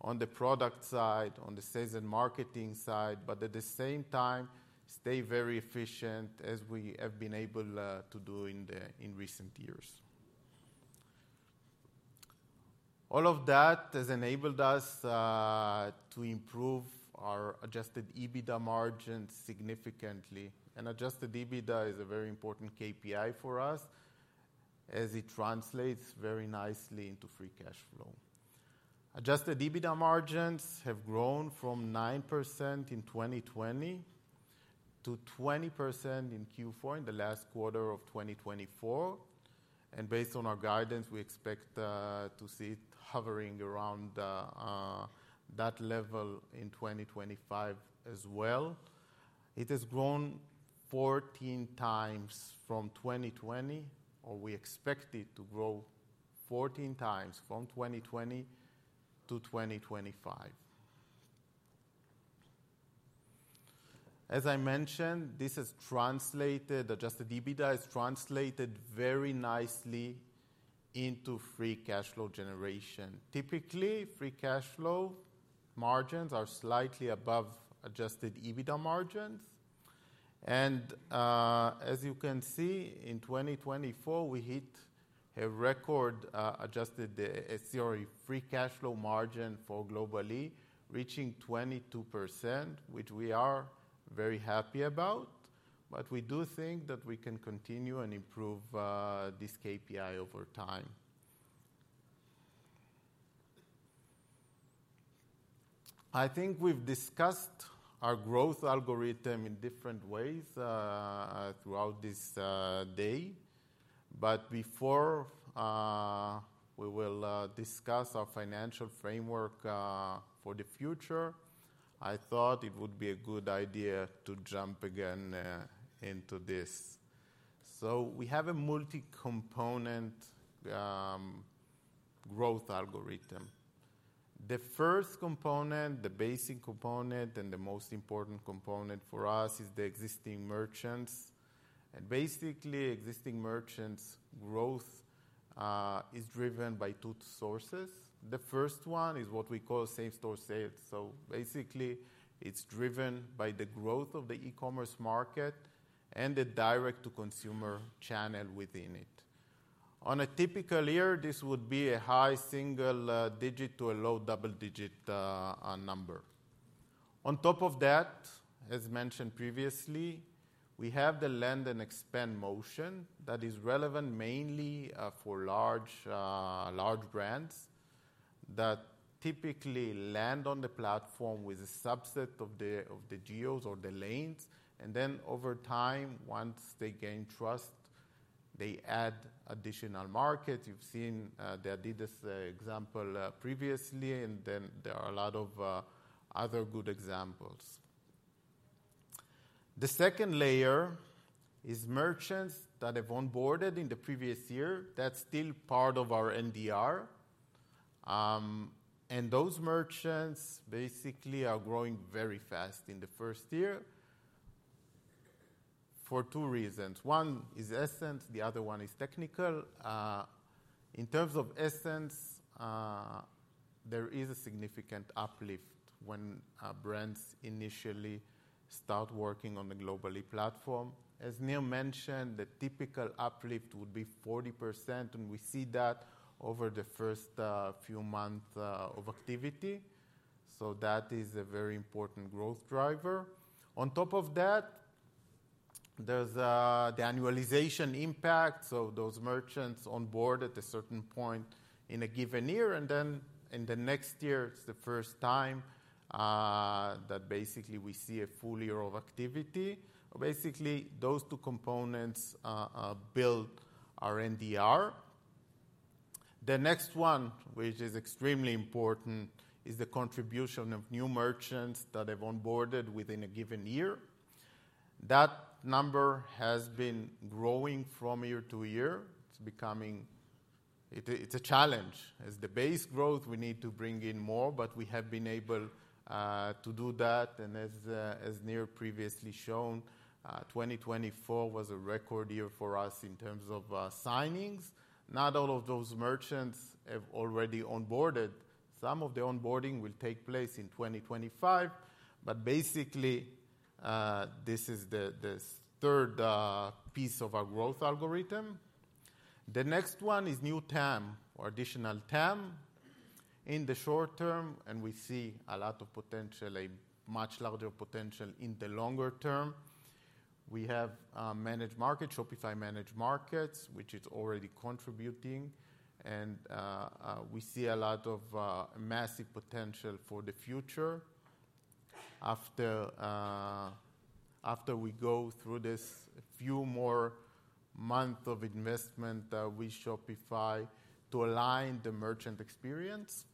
on the product side, on the sales and marketing side, but at the same time, stay very efficient as we have been able to do in recent years. All of that has enabled us to improve our adjusted EBITDA margin significantly. Adjusted EBITDA is a very important KPI for us as it translates very nicely into free cash flow. Adjusted EBITDA margins have grown from 9% in 2020 to 20% in Q4 in the last quarter of 2024. Based on our guidance, we expect to see it hovering around that level in 2025 as well. It has grown 14x from 2020, or we expect it to grow 14x from 2020 to 2025. As I mentioned, this has translated, adjusted EBITDA has translated very nicely into free cash flow generation. Typically, free cash flow margins are slightly above adjusted EBITDA margins. As you can see, in 2024, we hit a record adjusted free cash flow margin for Global-e, reaching 22%, which we are very happy about. We do think that we can continue and improve this KPI over time. I think we've discussed our growth algorithm in different ways throughout this day. Before we discuss our financial framework for the future, I thought it would be a good idea to jump again into this. We have a multi-component growth algorithm. The first component, the basic component, and the most important component for us is the existing merchants. Basically, existing merchants' growth is driven by two sources. The first one is what we call sales to sales. Basically, it is driven by the growth of the e-commerce market and the direct-to-consumer channel within it. On a typical year, this would be a high single-digit to a low double-digit number. On top of that, as mentioned previously, we have the land-and-expand motion that is relevant mainly for large brands that typically land on the platform with a subset of the geos or the lanes. Over time, once they gain trust, they add additional markets. You have seen the Adidas example previously, and then there are a lot of other good examples. The second layer is merchants that have onboarded in the previous year that are still part of our NDR. Those merchants basically are growing very fast in the first year for two reasons. One is essence; the other one is technical. In terms of essence, there is a significant uplift when brands initially start working on the Global-e platform. As Nir mentioned, the typical uplift would be 40%, and we see that over the first few months of activity. That is a very important growth driver. On top of that, there is the annualization impact. Those merchants onboard at a certain point in a given year, and then in the next year, it's the first time that basically we see a full year of activity. Basically, those two components build our NDR. The next one, which is extremely important, is the contribution of new merchants that have onboarded within a given year. That number has been growing from year-to-year. It's becoming—it is a challenge. As the base grows, we need to bring in more, but we have been able to do that. As Nir previously showed, 2024 was a record year for us in terms of signings. Not all of those merchants have already onboarded. Some of the onboarding will take place in 2025, but basically, this is the third piece of our growth algorithm. The next one is new TAM or additional TAM in the short term, and we see a lot of potential, a much larger potential in the longer term. We have, Shopify, which is already contributing. We see a lot of massive potential for the future after we go through this few more months of investment with Shopify to align the merchant experience.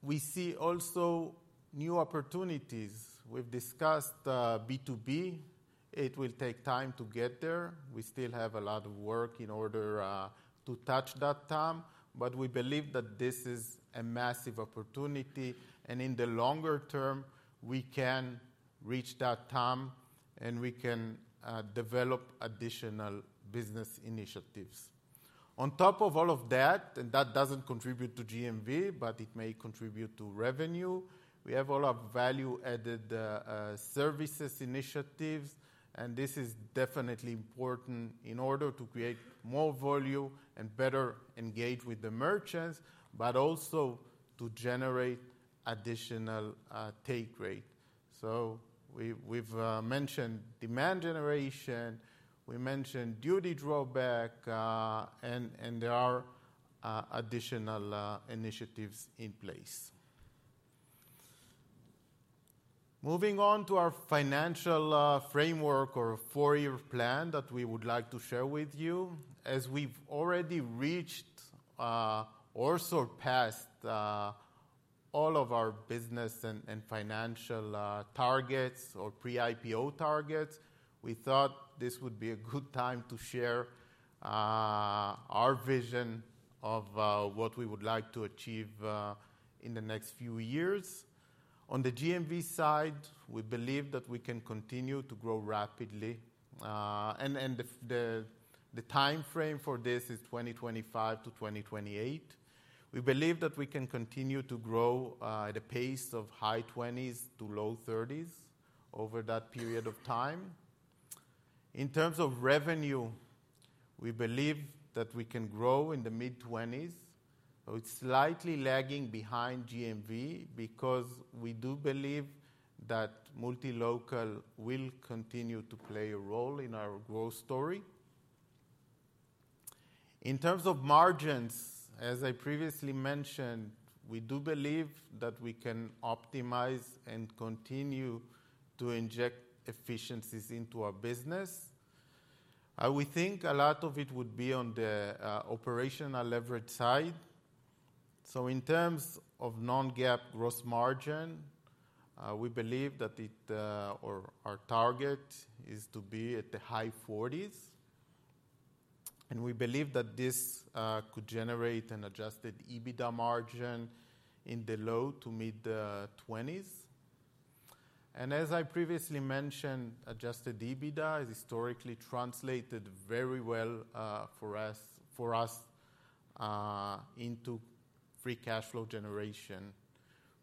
We see also new opportunities. We have discussed B2B. It will take time to get there. We still have a lot of work in order to touch that TAM, but we believe that this is a massive opportunity. In the longer term, we can reach that TAM, and we can develop additional business initiatives. On top of all of that, and that does not contribute to GMV, but it may contribute to revenue, we have a lot of value-added services initiatives, and this is definitely important in order to create more volume and better engage with the merchants, but also to generate additional take-rate. We have mentioned demand generation. We mentioned duty drawback, and there are additional initiatives in place. Moving on to our financial framework or four-year plan that we would like to share with you. As we have already reached or surpassed all of our business and financial targets or pre-IPO targets, we thought this would be a good time to share our vision of what we would like to achieve in the next few years. On the GMV side, we believe that we can continue to grow rapidly. The timeframe for this is 2025 to 2028. We believe that we can continue to grow at a pace of high 20s to low 30s over that period of time. In terms of revenue, we believe that we can grow in the mid-20s. It is slightly lagging behind GMV because we do believe that Multi-Local will continue to play a role in our growth story. In terms of margins, as I previously mentioned, we do believe that we can optimize and continue to inject efficiencies into our business. We think a lot of it would be on the operational leverage side. In terms of non-GAAP gross margin, we believe that our target is to be at the high 40s. We believe that this could generate an adjusted EBITDA margin in the low to mid-20s. As I previously mentioned, adjusted EBITDA has historically translated very well for us into free cash flow generation.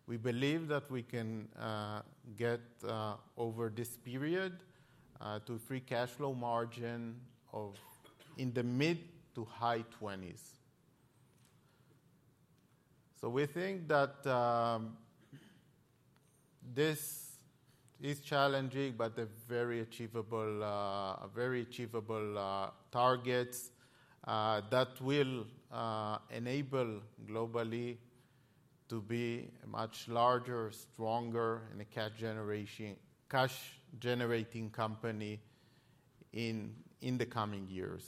We believe that we can get over this period to a free cash flow margin of in the mid to high 20s. We think that this is challenging, but a very achievable target that will enable Global-e to be a much larger, stronger, and a cash-generating company in the coming years.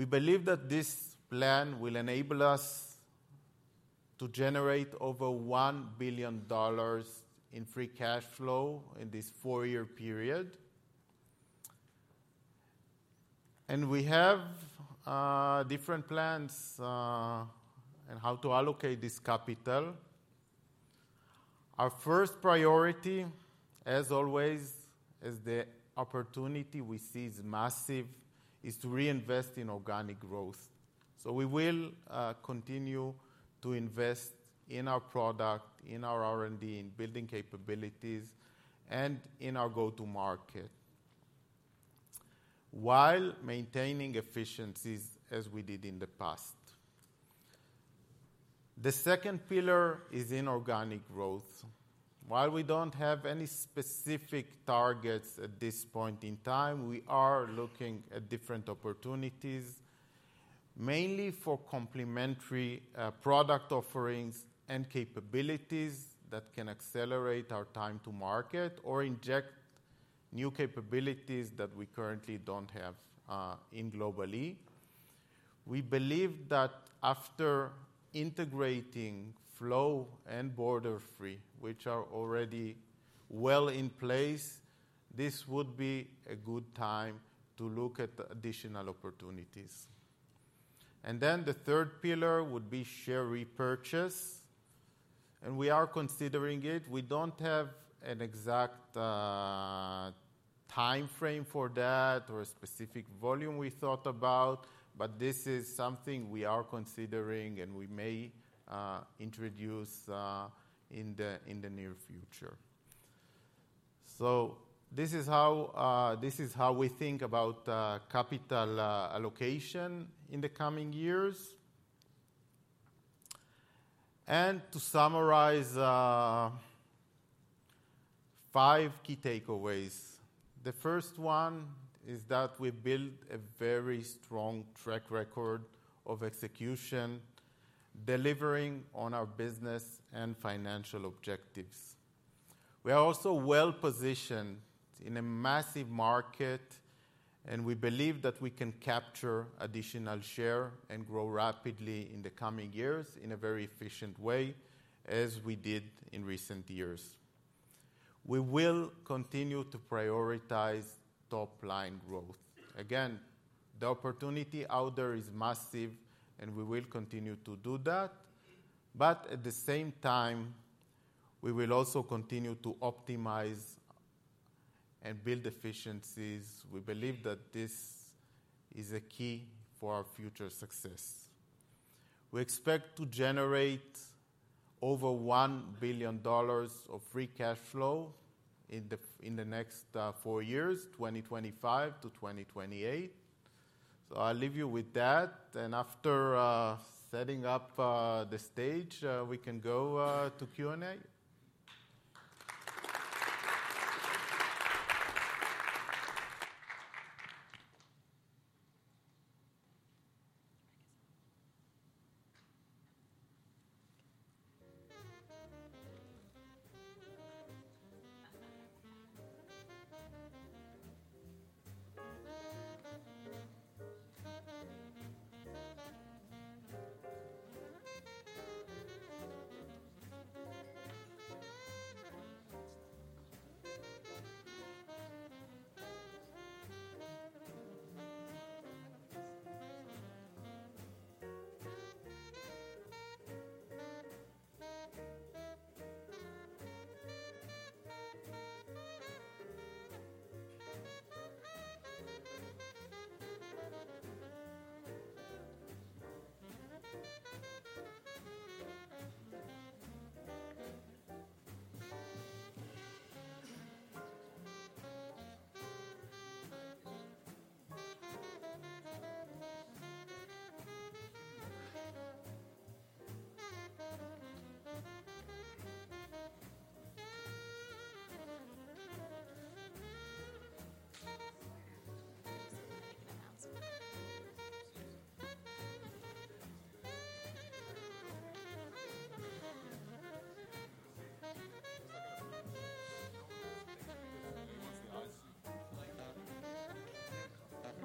We believe that this plan will enable us to generate over $1 billion in free cash flow in this four-year period. We have different plans on how to allocate this capital. Our first priority, as always, as the opportunity we see is massive, is to reinvest in organic growth. We will continue to invest in our product, in our R&D, in building capabilities, and in our go-to-market while maintaining efficiencies as we did in the past. The second pillar is in organic growth. While we don't have any specific targets at this point in time, we are looking at different opportunities, mainly for complementary product offerings and capabilities that can accelerate our time to market or inject new capabilities that we currently don't have in Global-e. We believe that after integrating flow and Borderfree, which are already well in place, this would be a good time to look at additional opportunities. The third pillar would be share repurchase. We are considering it. We don't have an exact timeframe for that or a specific volume we thought about, but this is something we are considering, and we may introduce in the near future. This is how we think about capital allocation in the coming years. To summarize five key takeaways, the first one is that we build a very strong track record of execution, delivering on our business and financial objectives. We are also well positioned in a massive market, and we believe that we can capture additional share and grow rapidly in the coming years in a very efficient way, as we did in recent years. We will continue to prioritize top-line growth. Again, the opportunity out there is massive, and we will continue to do that. At the same time, we will also continue to optimize and build efficiencies. We believe that this is a key for our future success. We expect to generate over $1 billion of free cash flow in the next four years, 2025 to 2028. I will leave you with that. After setting up the stage, we can go to Q&A.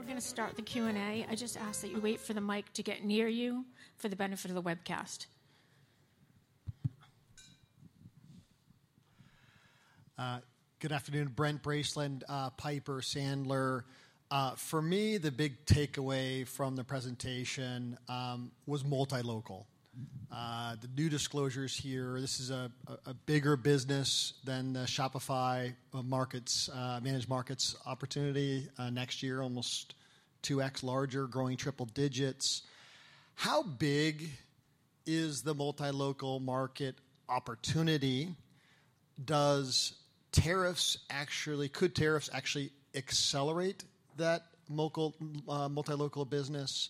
We're going to start the Q&A. I just ask that you wait for the mic to get near you for the benefit of the webcast. Good afternoon, Brent Bracelin, Piper Sandler. For me, the big takeaway from the presentation was Multi-Local. The new disclosures here, this is a bigger business than the Shopify opportunity next year, almost 2x larger, growing triple digits. How big is the Multi-Local market opportunity? Could tariffs actually accelerate that Multi-Local business?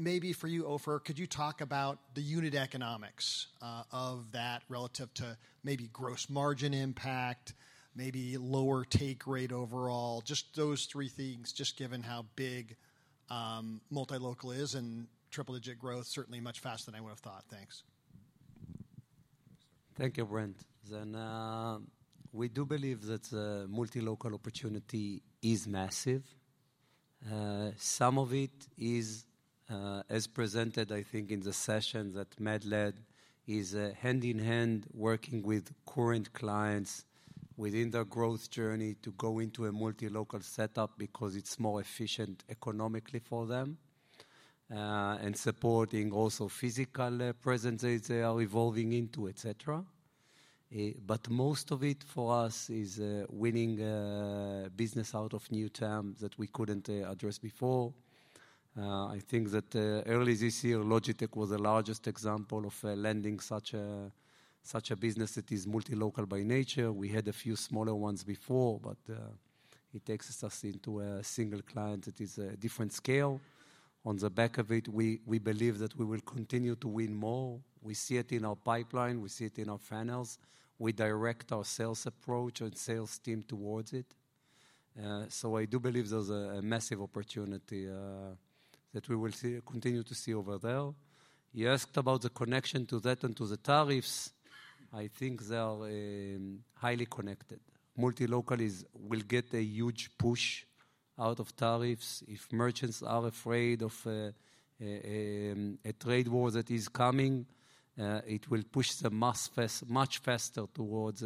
Maybe for you, Ofer, could you talk about the unit economics of that relative to maybe gross margin impact, maybe lower take-rate overall? Just those three things, just given how big Multi-Local is and triple-digit growth, certainly much faster than I would have thought. Thanks. Thank you, Brent. We do believe that the Multi-Local opportunity is massive. Some of it is, as presented, I think, in the session that Matt led is hand-in-hand working with current clients within their growth journey to go into a Multi-Local setup because it is more efficient economically for them and supporting also physical presence they are evolving into, etc. Most of it for us is winning business out of new TAM that we could not address before. I think that early this year, Logitech was the largest example of landing such a business that is Multi-Local by nature. We had a few smaller ones before, but it takes us into a single client that is a different SCAYLE. On the back of it, we believe that we will continue to win more. We see it in our pipeline. We see it in our funnels. We direct our sales approach and sales team towards it. I do believe there's a massive opportunity that we will continue to see over there. You asked about the connection to that and to the tariffs. I think they are highly connected. Multi-Local will get a huge push out of tariffs. If merchants are afraid of a trade war that is coming, it will push them much faster towards,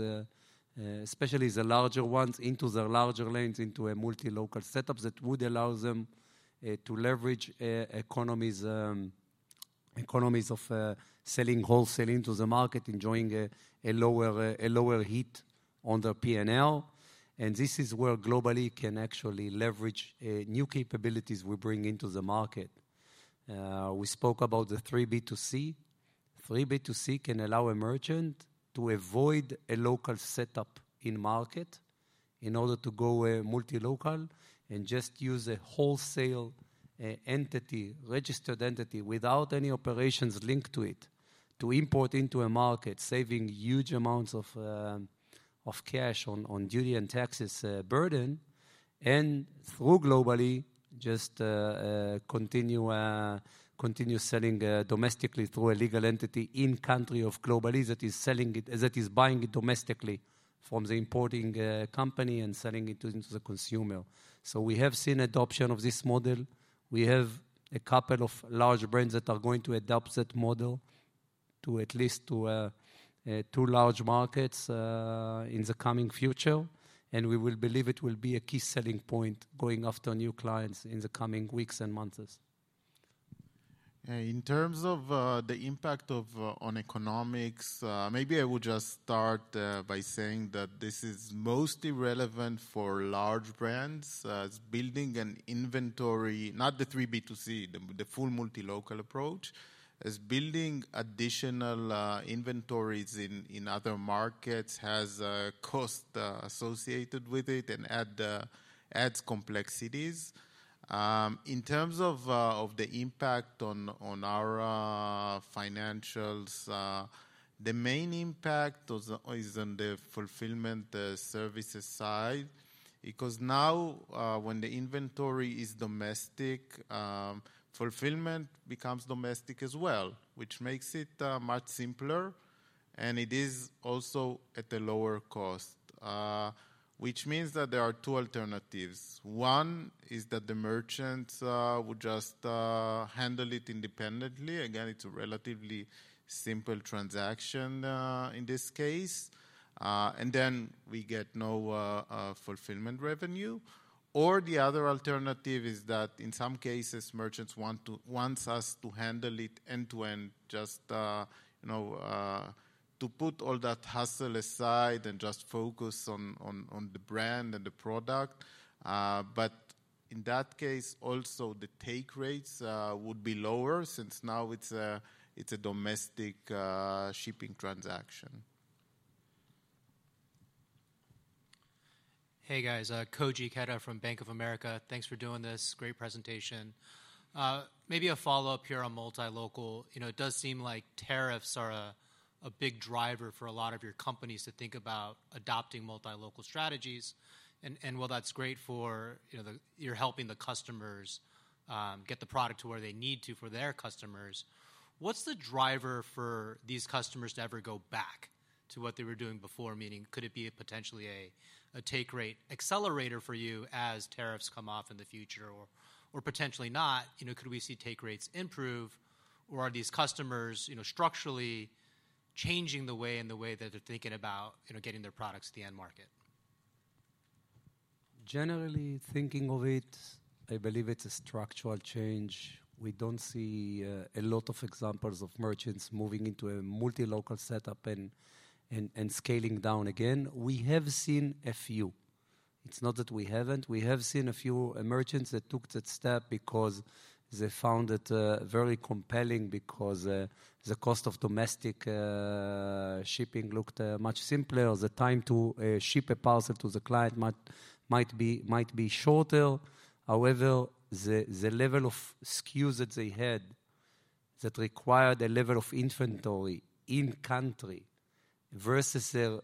especially the larger ones, into their larger lanes, into a Multi-Local setup that would allow them to leverage economies of selling wholesale into the market, enjoying a lower hit on their P&L. This is where Global-e can actually leverage new capabilities we bring into the market. We spoke about the 3B2C. 3B2C can allow a merchant to avoid a local setup in market in order to go Multi-Local and just use a wholesale entity, registered entity without any operations linked to it, to import into a market, saving huge amounts of cash on duty and tax burden. Through Global-e, just continue selling domestically through a legal entity in country of Global-e that is buying it domestically from the importing company and selling it to the consumer. We have seen adoption of this model. We have a couple of large brands that are going to adopt that model to at least two large markets in the coming future. We believe it will be a key selling point going after new clients in the coming weeks and months. In terms of the impact on economics, maybe I will just start by saying that this is mostly relevant for large brands. Building an inventory, not the 3B2C, the full Multi-Local approach, is building additional inventories in other markets has a cost associated with it and adds complexities. In terms of the impact on our financials, the main impact is on the fulfillment services side because now when the inventory is domestic, fulfillment becomes domestic as well, which makes it much simpler. It is also at a lower cost, which means that there are two alternatives. One is that the merchants would just handle it independently. Again, it's a relatively simple transaction in this case. Then we get no fulfillment revenue. The other alternative is that in some cases, merchants want us to handle it end-to-end, just to put all that hassle aside and just focus on the brand and the product. In that case, also the take rates would be lower since now it's a domestic shipping transaction. Hey, guys. Koji Ikeda from Bank of America. Thanks for doing this. Great presentation. Maybe a follow-up here on Multi-Local. It does seem like tariffs are a big driver for a lot of your companies to think about adopting Multi-Local strategies. While that's great for you're helping the customers get the product to where they need to for their customers, what's the driver for these customers to ever go back to what they were doing before? Meaning, could it be potentially a take rate accelerator for you as tariffs come off in the future or potentially not? Could we see take rates improve? Are these customers structurally changing the way and the way that they're thinking about getting their products to the end market? Generally thinking of it, I believe it's a structural change. We don't see a lot of examples of merchants moving into a Multi-Local setup and scaling down again. We have seen a few. It's not that we haven't. We have seen a few merchants that took that step because they found it very compelling because the cost of domestic shipping looked much simpler. The time to ship a parcel to the client might be shorter. However, the level of SKUs that they had that required a level of inventory in country versus their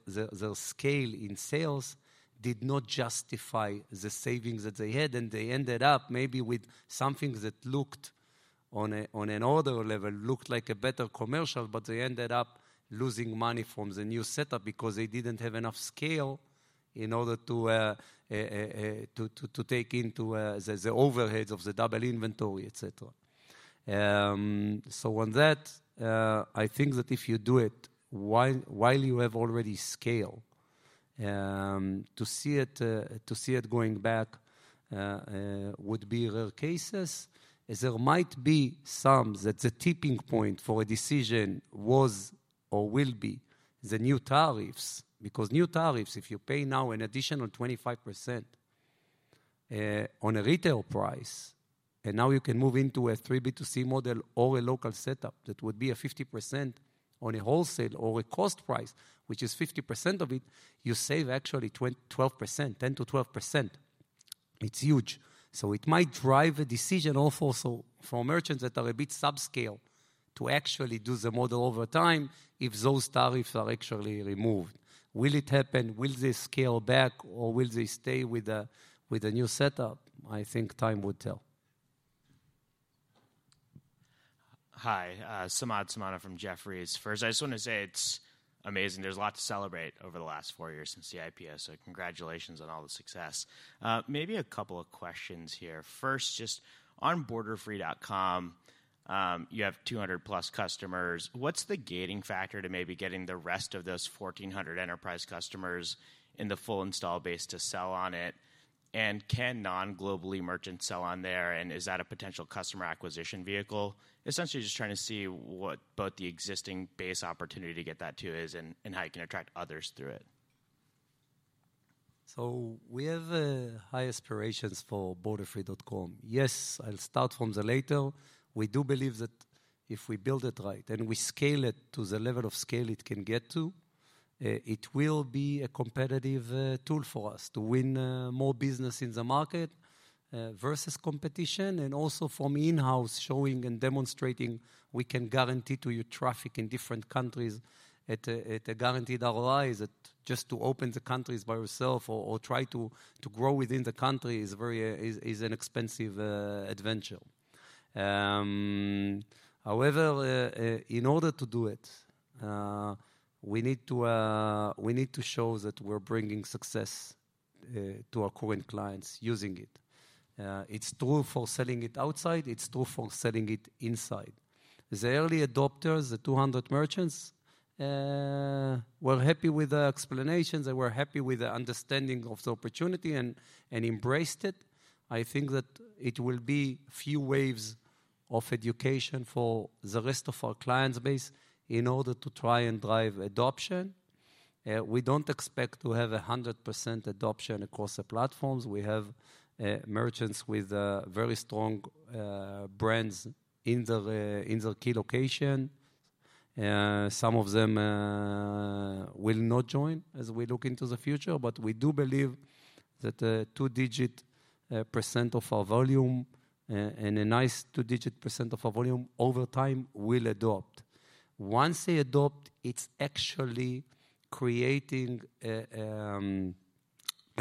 SCAYLE in sales did not justify the savings that they had. They ended up maybe with something that looked on an order level, looked like a better commercial, but they ended up losing money from the new setup because they didn't have enough SCAYLE in order to take into the overheads of the double inventory, etc. On that, I think that if you do it while you have already SCAYLE, to see it going back would be rare cases. There might be some that the tipping point for a decision was or will be the new tariffs because new tariffs, if you pay now an additional 25% on a retail price, and now you can move into a 3B2C model or a local setup that would be a 50% on a wholesale or a cost price, which is 50% of it, you save actually 12%, 10-12%. It's huge. It might drive a decision also from merchants that are a bit sub SCAYLE to actually do the model over time if those tariffs are actually removed. Will it happen? Will they SCAYLE back or will they stay with a new setup? I think time would tell. Hi. Samad Samana from Jefferies first. I just want to say it's amazing. There's a lot to celebrate over the last four years since the IPO, so congratulations on all the success. Maybe a couple of questions here. First, just on Borderfree.com, you have 200-plus customers. What's the gating factor to maybe getting the rest of those 1,400 enterprise customers in the full install base to sell on it? Can non-Global-e merchants sell on there? Is that a potential customer acquisition vehicle? Essentially, just trying to see what both the existing base opportunity to get that to is and how you can attract others through it. We have high aspirations for Borderfree.com. Yes, I'll start from the later. We do believe that if we build it right and we SCAYLE it to the level of SCAYLE it can get to, it will be a competitive tool for us to win more business in the market versus competition. Also from in-house showing and demonstrating, we can guarantee to you traffic in different countries at a guaranteed ROI that just to open the countries by yourself or try to grow within the country is an expensive adventure. However, in order to do it, we need to show that we're bringing success to our current clients using it. It's true for selling it outside. It's true for selling it inside. The early adopters, the 200 merchants, were happy with the explanations. They were happy with the understanding of the opportunity and embraced it. I think that it will be a few waves of education for the rest of our clients' base in order to try and drive adoption. We do not expect to have 100% adoption across the platforms. We have merchants with very strong brands in their key location. Some of them will not join as we look into the future, but we do believe that a two-digit percent of our volume and a nice two-digit percent of our volume over time will adopt. Once they adopt, it is actually creating a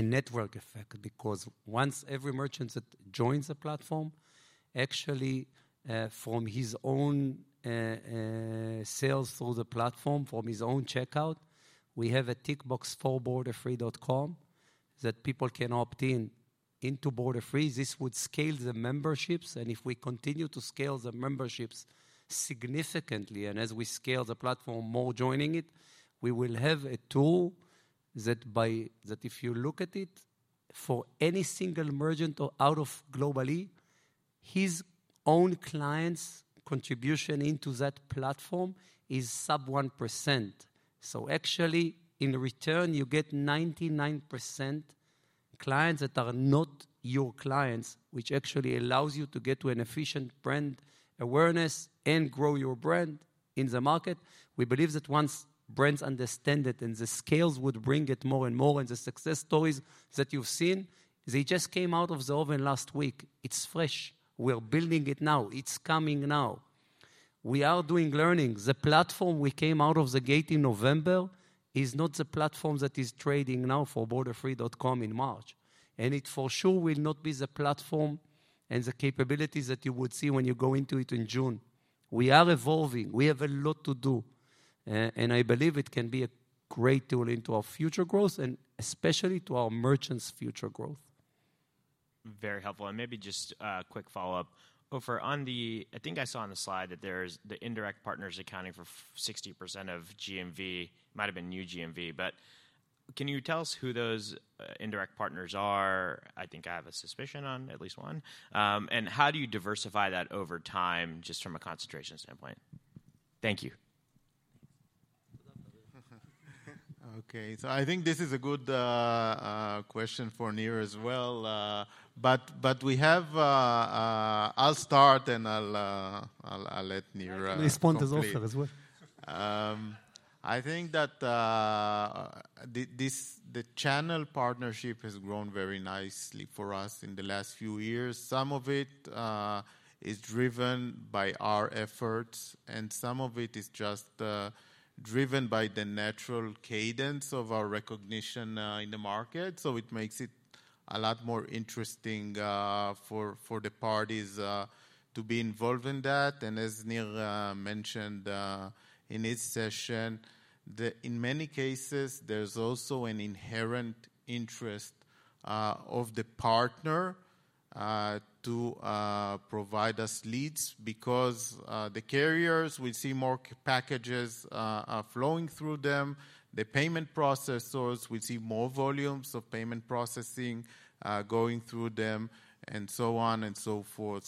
network effect because once every merchant that joins the platform, actually from his own sales through the platform, from his own checkout, we have a tick box for Borderfree.com that people can opt in into Borderfree. This would SCAYLE the memberships. If we continue to SCAYLE the memberships significantly and as we SCAYLE the platform, more joining it, we will have a tool that if you look at it for any single merchant out of Global-e, his own client's contribution into that platform is sub 1%. Actually, in return, you get 99% clients that are not your clients, which actually allows you to get to an efficient brand awareness and grow your brand in the market. We believe that once brands understand it and the SCAYLEs would bring it more and more and the success stories that you've seen, they just came out of the oven last week. It's fresh. We're building it now. It's coming now. We are doing learning. The platform we came out of the gate in November is not the platform that is trading now for Borderfree.com in March. It for sure will not be the platform and the capabilities that you would see when you go into it in June. We are evolving. We have a lot to do. I believe it can be a great tool into our future growth and especially to our merchants' future growth. Very helpful. Maybe just a quick follow-up. I think I saw on the slide that there's the indirect partners accounting for 60% of GMV. It might have been new GMV. Can you tell us who those indirect partners are? I think I have a suspicion on at least one. How do you diversify that over time just from a concentration standpoint? Thank you. Okay. I think this is a good question for Nir as well. I will start and I will let Nir. Respond as Ofer as well. I think that the channel partnership has grown very nicely for us in the last few years. Some of it is driven by our efforts and some of it is just driven by the natural cadence of our recognition in the market. It makes it a lot more interesting for the parties to be involved in that. As Nir mentioned in his session, in many cases, there is also an inherent interest of the partner to provide us leads because the carriers will see more packages flowing through them. The payment processors will see more volumes of payment processing going through them and so on and so forth.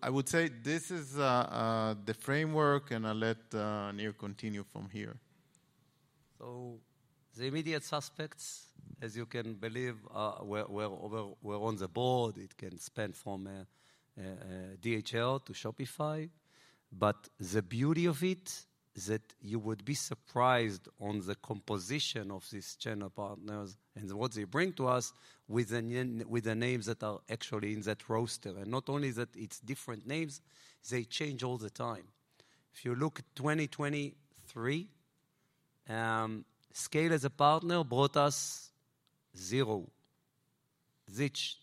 I would say this is the framework and I will let Nir continue from here. The immediate suspects, as you can believe, were on the board. It can span from DHL to Shopify. The beauty of it is that you would be surprised on the composition of these channel partners and what they bring to us with the names that are actually in that roster. Not only that, it's different names. They change all the time. If you look at 2023, SCAYLE as a partner brought us zero,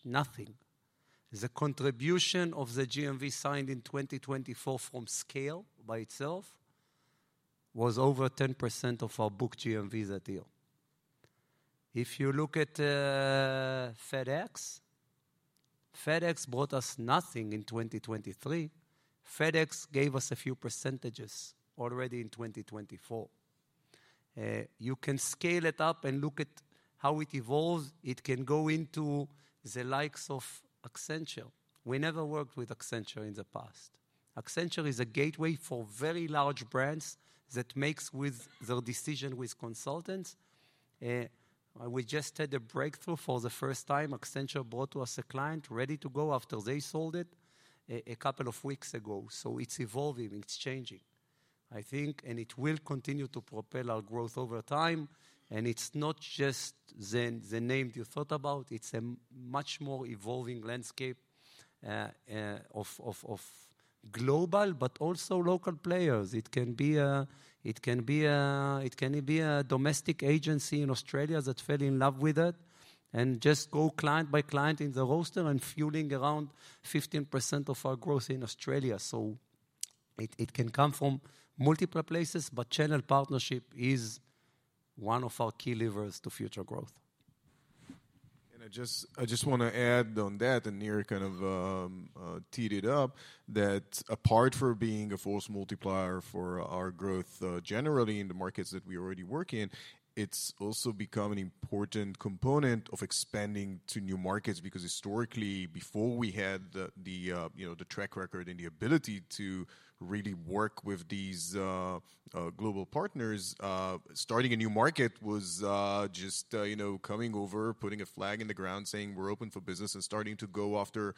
nothing. The contribution of the GMV signed in 2024 from SCAYLE by itself was over 10% of our booked GMVs that year. If you look at FedEx, FedEx brought us nothing in 2023. FedEx gave us a few percentages already in 2024. You can SCAYLE it up and look at how it evolves. It can go into the likes of Accenture. We never worked with Accenture in the past. Accenture is a gateway for very large brands that makes their decision with consultants. We just had a breakthrough for the first time. Accenture brought to us a client ready to go after they sold it a couple of weeks ago. It is evolving. It is changing, I think, and it will continue to propel our growth over time. It is not just the name you thought about. It is a much more evolving landscape of global, but also local players. It can be a domestic agency in Australia that fell in love with it and just go client by client in the roster and fueling around 15% of our growth in Australia. It can come from multiple places, but channel partnership is one of our key levers to future growth. I just want to add on that, and Nir kind of teed it up, that apart from being a force multiplier for our growth generally in the markets that we already work in, it's also become an important component of expanding to new markets because historically, before we had the track record and the ability to really work with these global partners, starting a new market was just coming over, putting a flag in the ground, saying we're open for business and starting to go after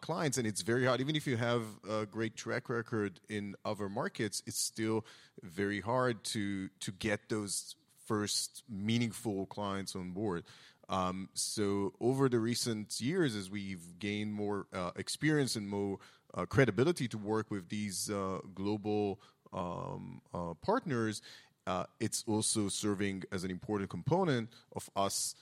clients. It's very hard. Even if you have a great track record in other markets, it's still very hard to get those first meaningful clients on board. Over the recent years, as we've gained more experience and more credibility to work with these global partners, it's also serving as an important component of us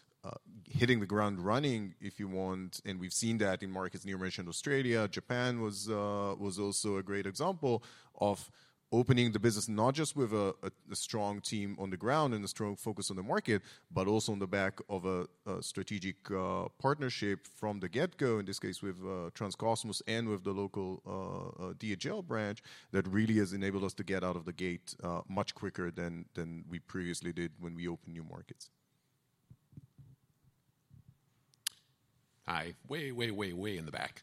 hitting the ground running, if you want. We have seen that in markets near merchant Australia. Japan was also a great example of opening the business, not just with a strong team on the ground and a strong focus on the market, but also on the back of a strategic partnership from the get-go, in this case with Transcosmos and with the local DHL branch that really has enabled us to get out of the gate much quicker than we previously did when we opened new markets. Hi. Way, way, way in the back.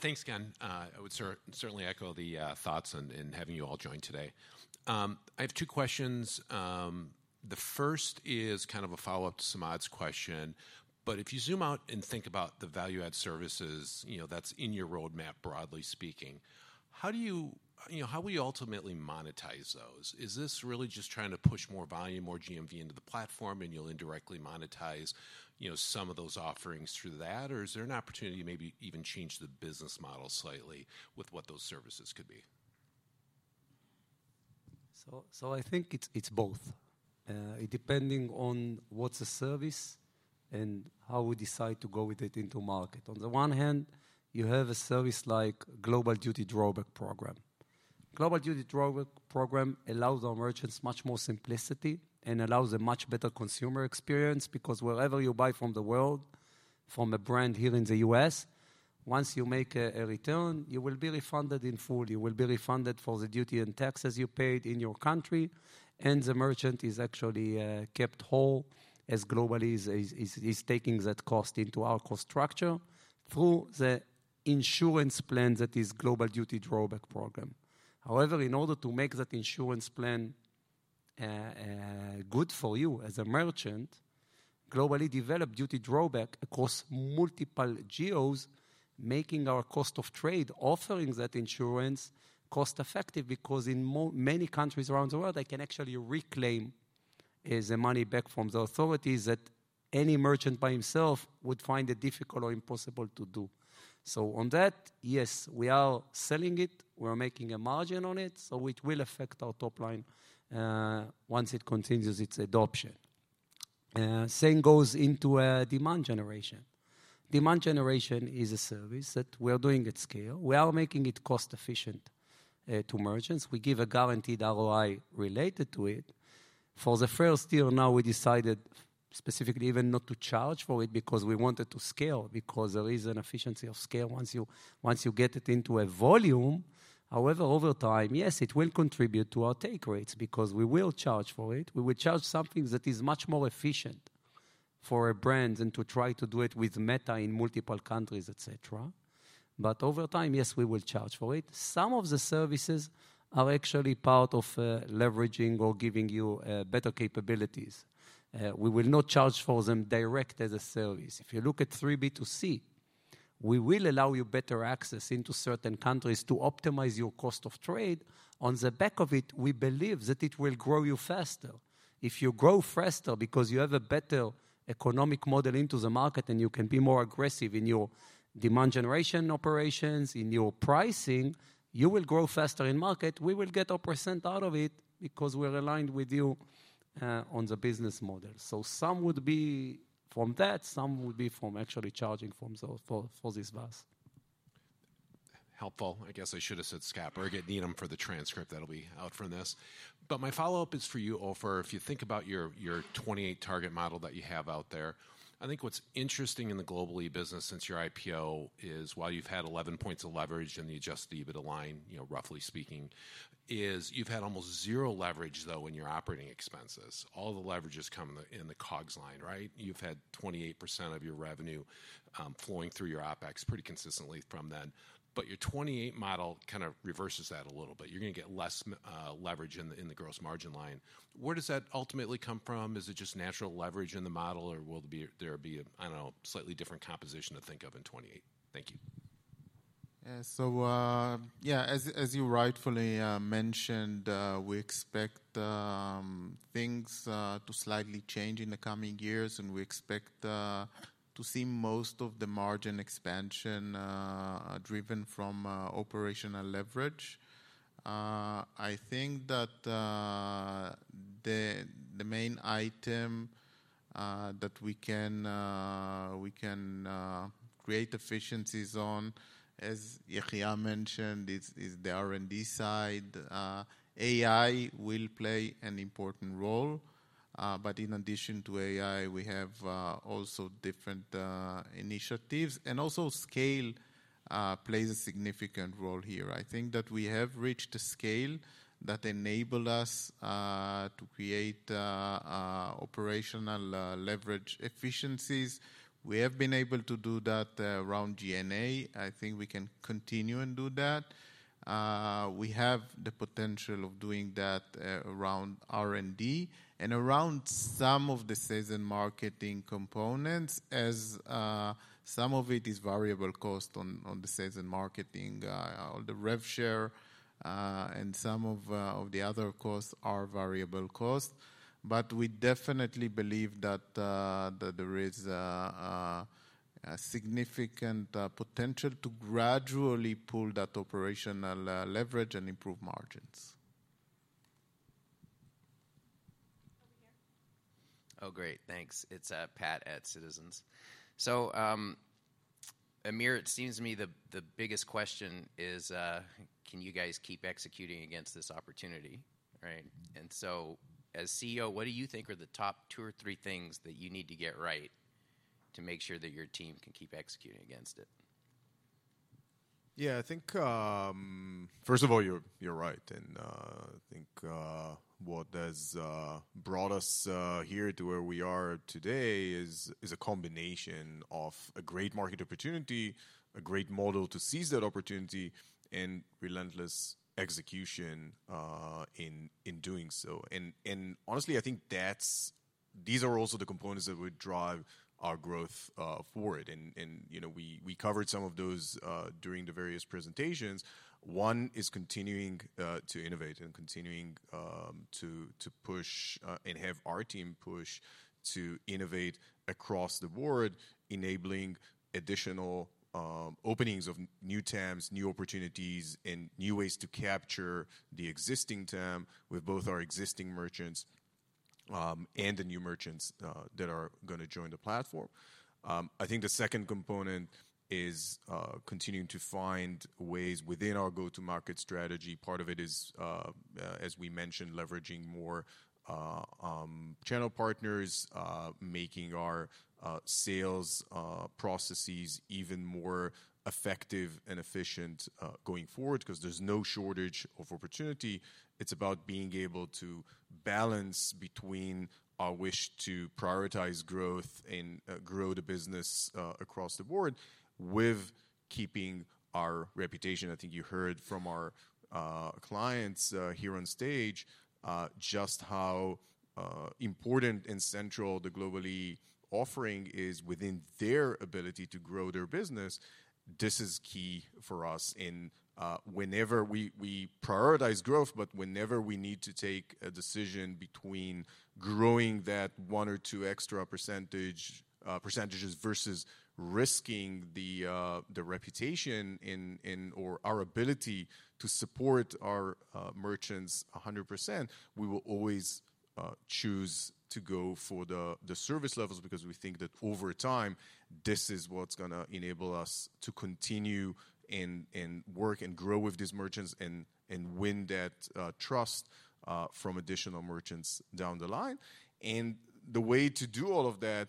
Thanks, Ken. I would certainly echo the thoughts in having you all join today. I have two questions. The first is kind of a follow-up to Samad's question. If you zoom out and think about the value-add services that's in your roadmap, broadly speaking, how will you ultimately monetize those? Is this really just trying to push more volume, more GMV into the platform, and you'll indirectly monetize some of those offerings through that? Is there an opportunity to maybe even change the business model slightly with what those services could be? I think it's both. Depending on what's the service and how we decide to go with it into market. On the one hand, you have a service like Global Duty Drawback Program. Global Duty Drawback Program allows our merchants much more simplicity and allows a much better consumer experience because wherever you buy from the world, from a brand here in the U.S., once you make a return, you will be refunded in full. You will be refunded for the duty and taxes you paid in your country. And the merchant is actually kept whole as Global-e is taking that cost into our cost structure through the insurance plan that is Global Duty Drawback Program. However, in order to make that insurance plan good for you as a merchant, Global-e developed duty drawback across multiple GOs, making our cost of trade offering that insurance cost-effective because in many countries around the world, I can actually reclaim the money back from the authorities that any merchant by himself would find it difficult or impossible to do. On that, yes, we are selling it. We are making a margin on it. It will affect our top line once it continues its adoption. Same goes into demand generation. Demand generation is a service that we are doing at SCAYLE. We are making it cost-efficient to merchants. We give a guaranteed ROI related to it. For the first year now, we decided specifically even not to charge for it because we wanted to SCAYLE because there is an efficiency of SCAYLE once you get it into a volume. However, over time, yes, it will contribute to our take rates because we will charge for it. We will charge something that is much more efficient for a brand than to try to do it with Meta in multiple countries, etc. Over time, yes, we will charge for it. Some of the services are actually part of leveraging or giving you better capabilities. We will not charge for them direct as a service. If you look at 3B2C, we will allow you better access into certain countries to optimize your cost of trade. On the back of it, we believe that it will grow you faster. If you grow faster because you have a better economic model into the market and you can be more aggressive in your demand generation operations, in your pricing, you will grow faster in market. We will get a % out of it because we're aligned with you on the business model. Some would be from that, some would be from actually charging from this bus. Helpful. I guess I should have said scap. Or I could need them for the transcript. That'll be out from this. My follow-up is for you, Ofer. If you think about your 28 target model that you have out there, I think what's interesting in the Global-e business since your IPO is while you've had 11 percentage points of leverage in the adjusted EBITDA line, roughly speaking, you've had almost zero leverage though in your operating expenses. All the leverage has come in the COGS line, right? You've had 28% of your revenue flowing through your OpEx pretty consistently from then. Your 28 model kind of reverses that a little bit. You're going to get less leverage in the gross margin line. Where does that ultimately come from? Is it just natural leverage in the model or will there be, I don't know, slightly different composition to think of in 2028? Thank you. Yeah, as you rightfully mentioned, we expect things to slightly change in the coming years and we expect to see most of the margin expansion driven from operational leverage. I think that the main item that we can create efficiencies on, as Yehiam mentioned, is the R&D side. AI will play an important role. In addition to AI, we have also different initiatives. Also, SCAYLE plays a significant role here. I think that we have reached a SCAYLE that enabled us to create operational leverage efficiencies. We have been able to do that around G&A. I think we can continue and do that. We have the potential of doing that around R&D and around some of the sales and marketing components as some of it is variable cost on the sales and marketing. The rev share and some of the other costs are variable costs. We definitely believe that there is a significant potential to gradually pull that operational leverage and improve margins. Oh, great. Thanks. It's Pat at Citizens. Amir, it seems to me the biggest question is, can you guys keep executing against this opportunity, right? As CEO, what do you think are the top two or three things that you need to get right to make sure that your team can keep executing against it? Yeah, I think first of all, you're right. I think what has brought us here to where we are today is a combination of a great market opportunity, a great model to seize that opportunity, and relentless execution in doing so. Honestly, I think these are also the components that would drive our growth forward. We covered some of those during the various presentations. One is continuing to innovate and continuing to push and have our team push to innovate across the board, enabling additional openings of new TAMs, new opportunities, and new ways to capture the existing TAM with both our existing merchants and the new merchants that are going to join the platform. I think the second component is continuing to find ways within our go-to-market strategy. Part of it is, as we mentioned, leveraging more channel partners, making our sales processes even more effective and efficient going forward because there's no shortage of opportunity. It's about being able to balance between our wish to prioritize growth and grow the business across the board with keeping our reputation. I think you heard from our clients here on stage just how important and central the Global-e offering is within their ability to grow their business. This is key for us in whenever we prioritize growth, but whenever we need to take a decision between growing that one or two extra percentages versus risking the reputation or our ability to support our merchants 100%, we will always choose to go for the service levels because we think that over time, this is what's going to enable us to continue and work and grow with these merchants and win that trust from additional merchants down the line. The way to do all of that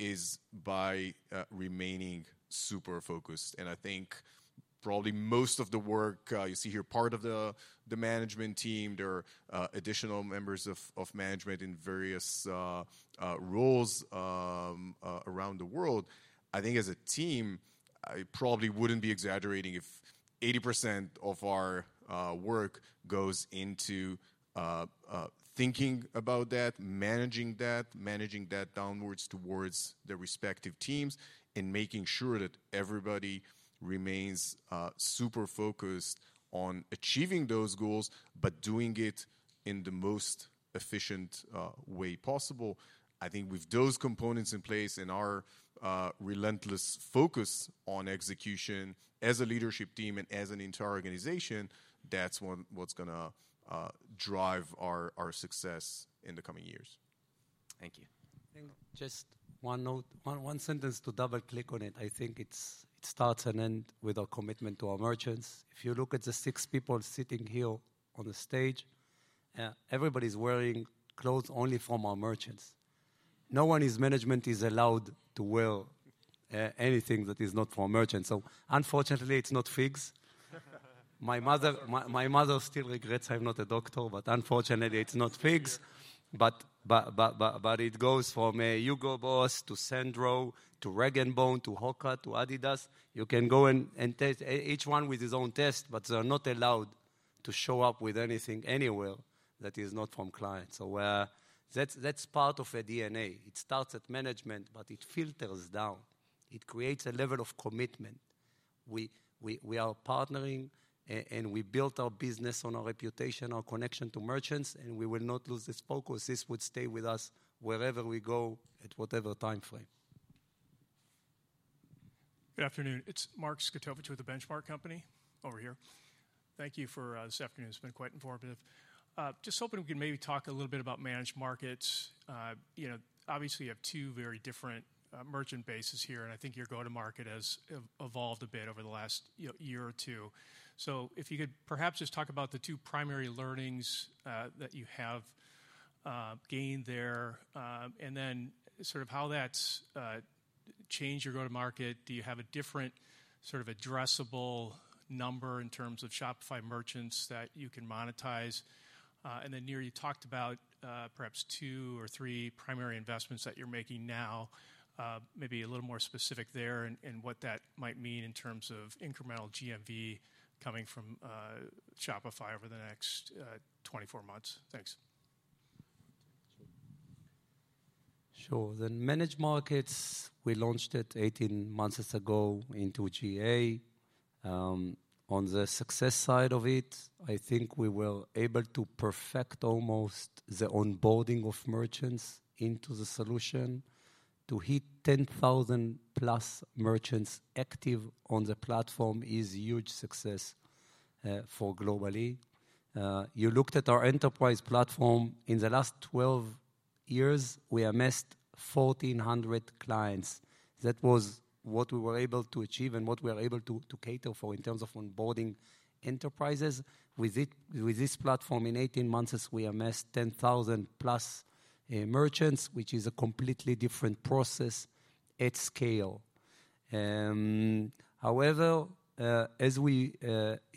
is by remaining super focused. I think probably most of the work you see here, part of the management team, there are additional members of management in various roles around the world. I think as a team, I probably wouldn't be exaggerating if 80% of our work goes into thinking about that, managing that, managing that downwards towards the respective teams, and making sure that everybody remains super focused on achieving those goals, but doing it in the most efficient way possible. I think with those components in place and our relentless focus on execution as a leadership team and as an entire organization, that's what's going to drive our success in the coming years. Thank you. Just one sentence to double-click on it. I think it starts and ends with our commitment to our merchants. If you look at the six people sitting here on the stage, everybody's wearing clothes only from our merchants. No one in management is allowed to wear anything that is not from a merchant. Unfortunately, it's not FIGS. My mother still regrets I'm not a doctor, but unfortunately, it's not FIGS. It goes from Hugo Boss to Sandro to Rag & Bone to Hoka to Adidas. You can go and taste each one with his own taste, but they're not allowed to show up with anything anywhere that is not from clients. That's part of a DNA. It starts at management, but it filters down. It creates a level of commitment. We are partnering and we built our business on our reputation, our connection to merchants, and we will not lose this focus. This would stay with us wherever we go at whatever timeframe. Good afternoon. It's Mark Zgutowicz with the Benchmark Company over here. Thank you for this afternoon. It's been quite informative. Just hoping we can maybe talk a little bit about. Obviously, you have two very different merchant bases here, and I think your go-to-market has evolved a bit over the last year or two. If you could perhaps just talk about the two primary learnings that you have gained there, and then sort of how that's changed your go-to-market. Do you have a different sort of addressable number in terms of Shopify merchants that you can monetize? Nir, you talked about perhaps two or three primary investments that you're making now, maybe a little more specific there and what that might mean in terms of incremental GMV coming from Shopify over the next 24 months. Thanks. Sure. The, we launched it 18 months ago into GA. On the success side of it, I think we were able to perfect almost the onboarding of merchants into the solution. To hit 10,000 plus merchants active on the platform is a huge success for Global-e. You looked at our enterprise platform. In the last 12 years, we amassed 1,400 clients. That was what we were able to achieve and what we were able to cater for in terms of onboarding enterprises. With this platform in 18 months, we amassed 10,000 plus merchants, which is a completely different process at SCAYLE. However, as we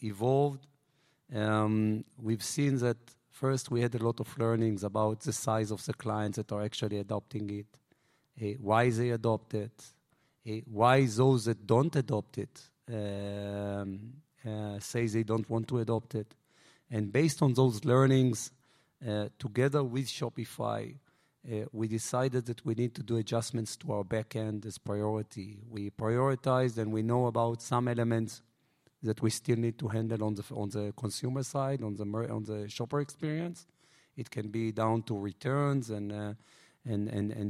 evolved, we've seen that first, we had a lot of learnings about the size of the clients that are actually adopting it, why they adopt it, why those that don't adopt it say they don't want to adopt it. Based on those learnings, together with Shopify, we decided that we need to do adjustments to our backend as priority. We prioritized and we know about some elements that we still need to handle on the consumer side, on the shopper experience. It can be down to returns and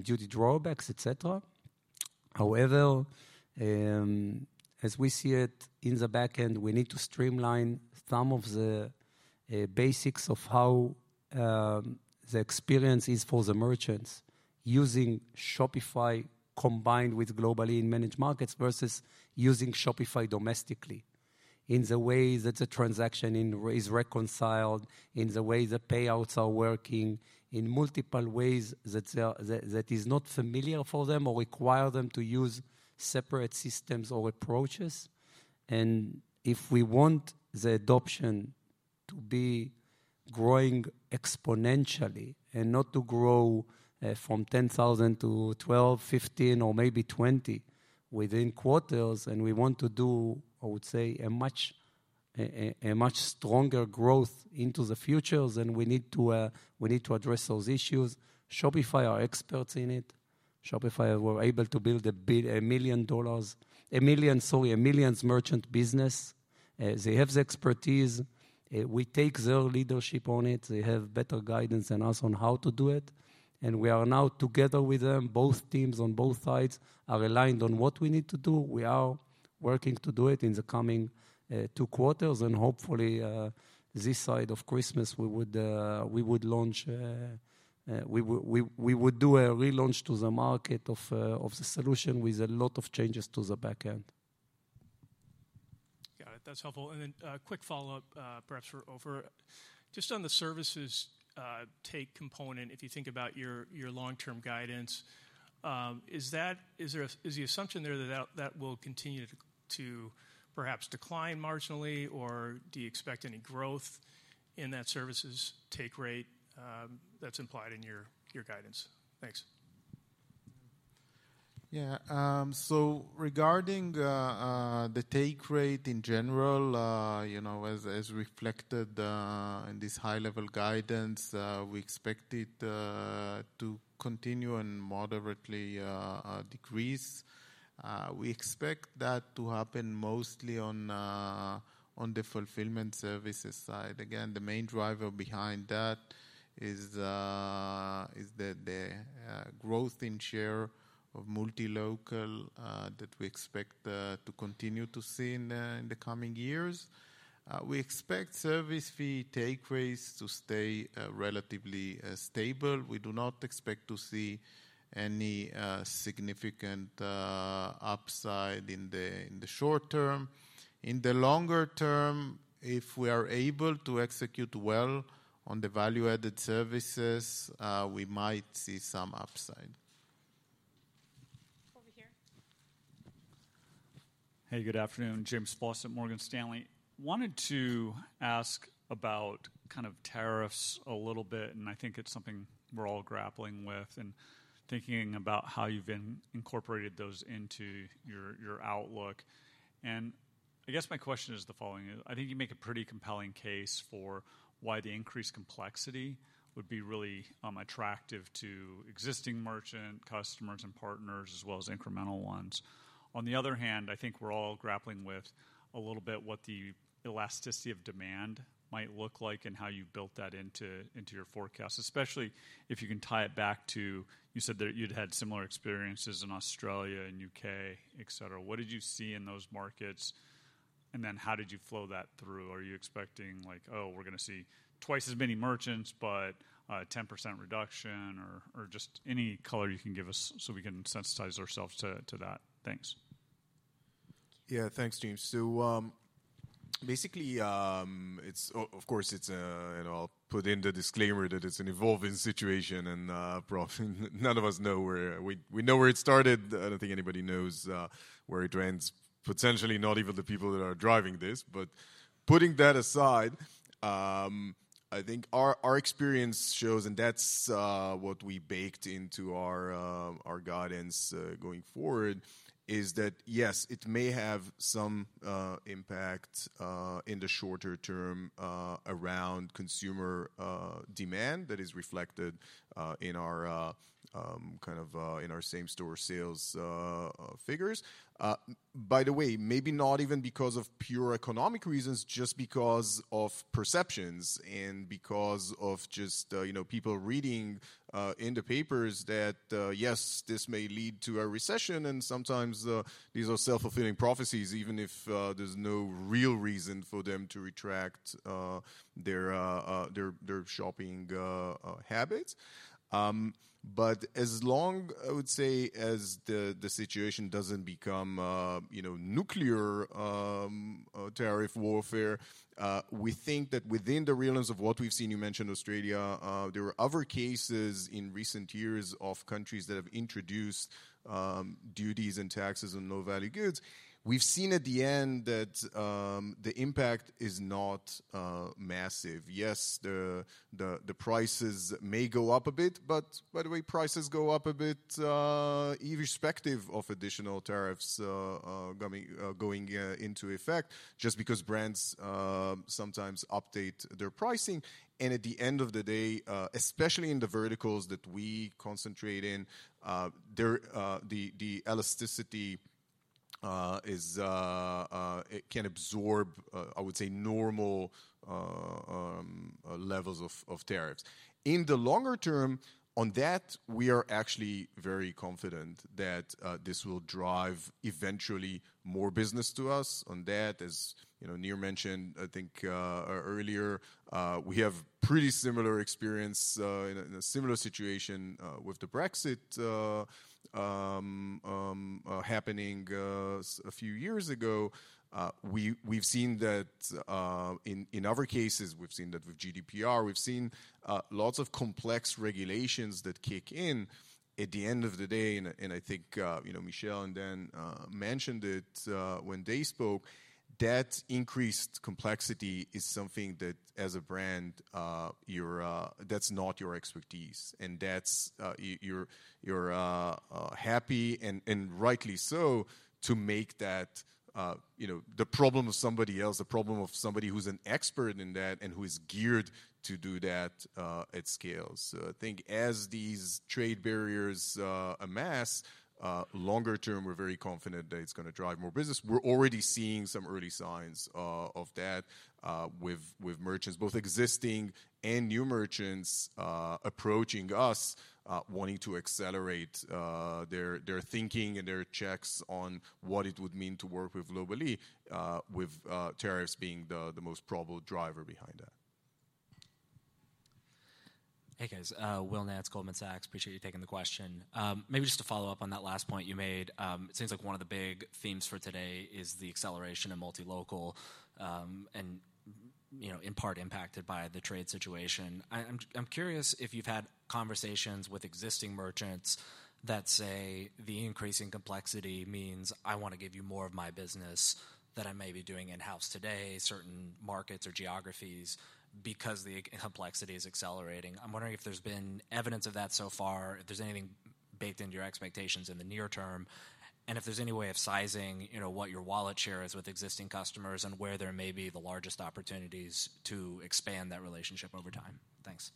duty drawbacks, etc. However, as we see it in the backend, we need to streamline some of the basics of how the experience is for the merchants using Shopify combined with Global-e in versus using Shopify domestically in the way that the transaction is reconciled, in the way the payouts are working, in multiple ways that is not familiar for them or require them to use separate systems or approaches. If we want the adoption to be growing exponentially and not to grow from 10,000 to 12, 15, or maybe 20 within quarters, and we want to do, I would say, a much stronger growth into the future, we need to address those issues. Shopify are experts in it. Shopify were able to build a million-dollar, a million merchant business. They have the expertise. We take their leadership on it. They have better guidance than us on how to do it. We are now together with them. Both teams on both sides are aligned on what we need to do. We are working to do it in the coming two quarters. Hopefully, this side of Christmas, we would launch, we would do a relaunch to the market of the solution with a lot of changes to the backend. Got it. That's helpful. A quick follow-up, perhaps for Ofer. Just on the services take component, if you think about your long-term guidance, is the assumption there that that will continue to perhaps decline marginally, or do you expect any growth in that services take rate that's implied in your guidance? Thanks. Yeah. Regarding the take rate in general, as reflected in this high-level guidance, we expect it to continue and moderately decrease. We expect that to happen mostly on the fulfillment services side. Again, the main driver behind that is the growth in share of Multi-Local that we expect to continue to see in the coming years. We expect service fee take rates to stay relatively stable. We do not expect to see any significant upside in the short term. In the longer term, if we are able to execute well on the value-added services, we might see some upside. Over here. Hey, good afternoon. James Faucette at Morgan Stanley. Wanted to ask about kind of tariffs a little bit, and I think it's something we're all grappling with and thinking about how you've incorporated those into your outlook. I guess my question is the following. I think you make a pretty compelling case for why the increased complexity would be really attractive to existing merchant customers and partners, as well as incremental ones. On the other hand, I think we're all grappling with a little bit what the elasticity of demand might look like and how you built that into your forecast, especially if you can tie it back to, you said that you'd had similar experiences in Australia and U.K., etc. What did you see in those markets? How did you flow that through? Are you expecting like, "Oh, we're going to see twice as many merchants, but 10% reduction," or just any color you can give us so we can sensitize ourselves to that? Thanks. Yeah, thanks, James. Of course, I'll put in the disclaimer that it's an evolving situation, and none of us know where we know where it started. I don't think anybody knows where it ends, potentially not even the people that are driving this. Putting that aside, I think our experience shows, and that's what we baked into our guidance going forward, is that yes, it may have some impact in the shorter term around consumer demand that is reflected in our kind of same-store sales figures. By the way, maybe not even because of pure economic reasons, just because of perceptions and because of just people reading in the papers that yes, this may lead to a recession, and sometimes these are self-fulfilling prophecies, even if there's no real reason for them to retract their shopping habits. As long as the situation does not become nuclear tariff warfare, we think that within the realms of what we have seen, you mentioned Australia, there were other cases in recent years of countries that have introduced duties and taxes on low-value goods. We have seen at the end that the impact is not massive. Yes, the prices may go up a bit, but by the way, prices go up a bit irrespective of additional tariffs going into effect, just because brands sometimes update their pricing. At the end of the day, especially in the verticals that we concentrate in, the elasticity can absorb, I would say, normal levels of tariffs. In the longer term, on that, we are actually very confident that this will drive eventually more business to us. On that, as Nir mentioned, I think earlier, we have pretty similar experience in a similar situation with the Brexit happening a few years ago. We've seen that in other cases, we've seen that with GDPR, we've seen lots of complex regulations that kick in. At the end of the day, and I think Michelle and Dan mentioned it when they spoke, that increased complexity is something that, as a brand, that's not your expertise. And that's you're happy, and rightly so, to make that the problem of somebody else, the problem of somebody who's an expert in that and who is geared to do that at SCAYLE. I think as these trade barriers amass, longer term, we're very confident that it's going to drive more business. We're already seeing some early signs of that with merchants, both existing and new merchants approaching us, wanting to accelerate their thinking and their checks on what it would mean to work with Global-e, with tariffs being the most probable driver behind that. Hey, guys. Will Nance, Goldman Sachs. Appreciate you taking the question. Maybe just to follow up on that last point you made, it seems like one of the big themes for today is the acceleration of Multi-Local and in part impacted by the trade situation. I'm curious if you've had conversations with existing merchants that say the increasing complexity means I want to give you more of my business that I may be doing in-house today, certain markets or geographies because the complexity is accelerating. I'm wondering if there's been evidence of that so far, if there's anything baked into your expectations in the near term, and if there's any way of sizing what your wallet share is with existing customers and where there may be the largest opportunities to expand that relationship over time. Thanks.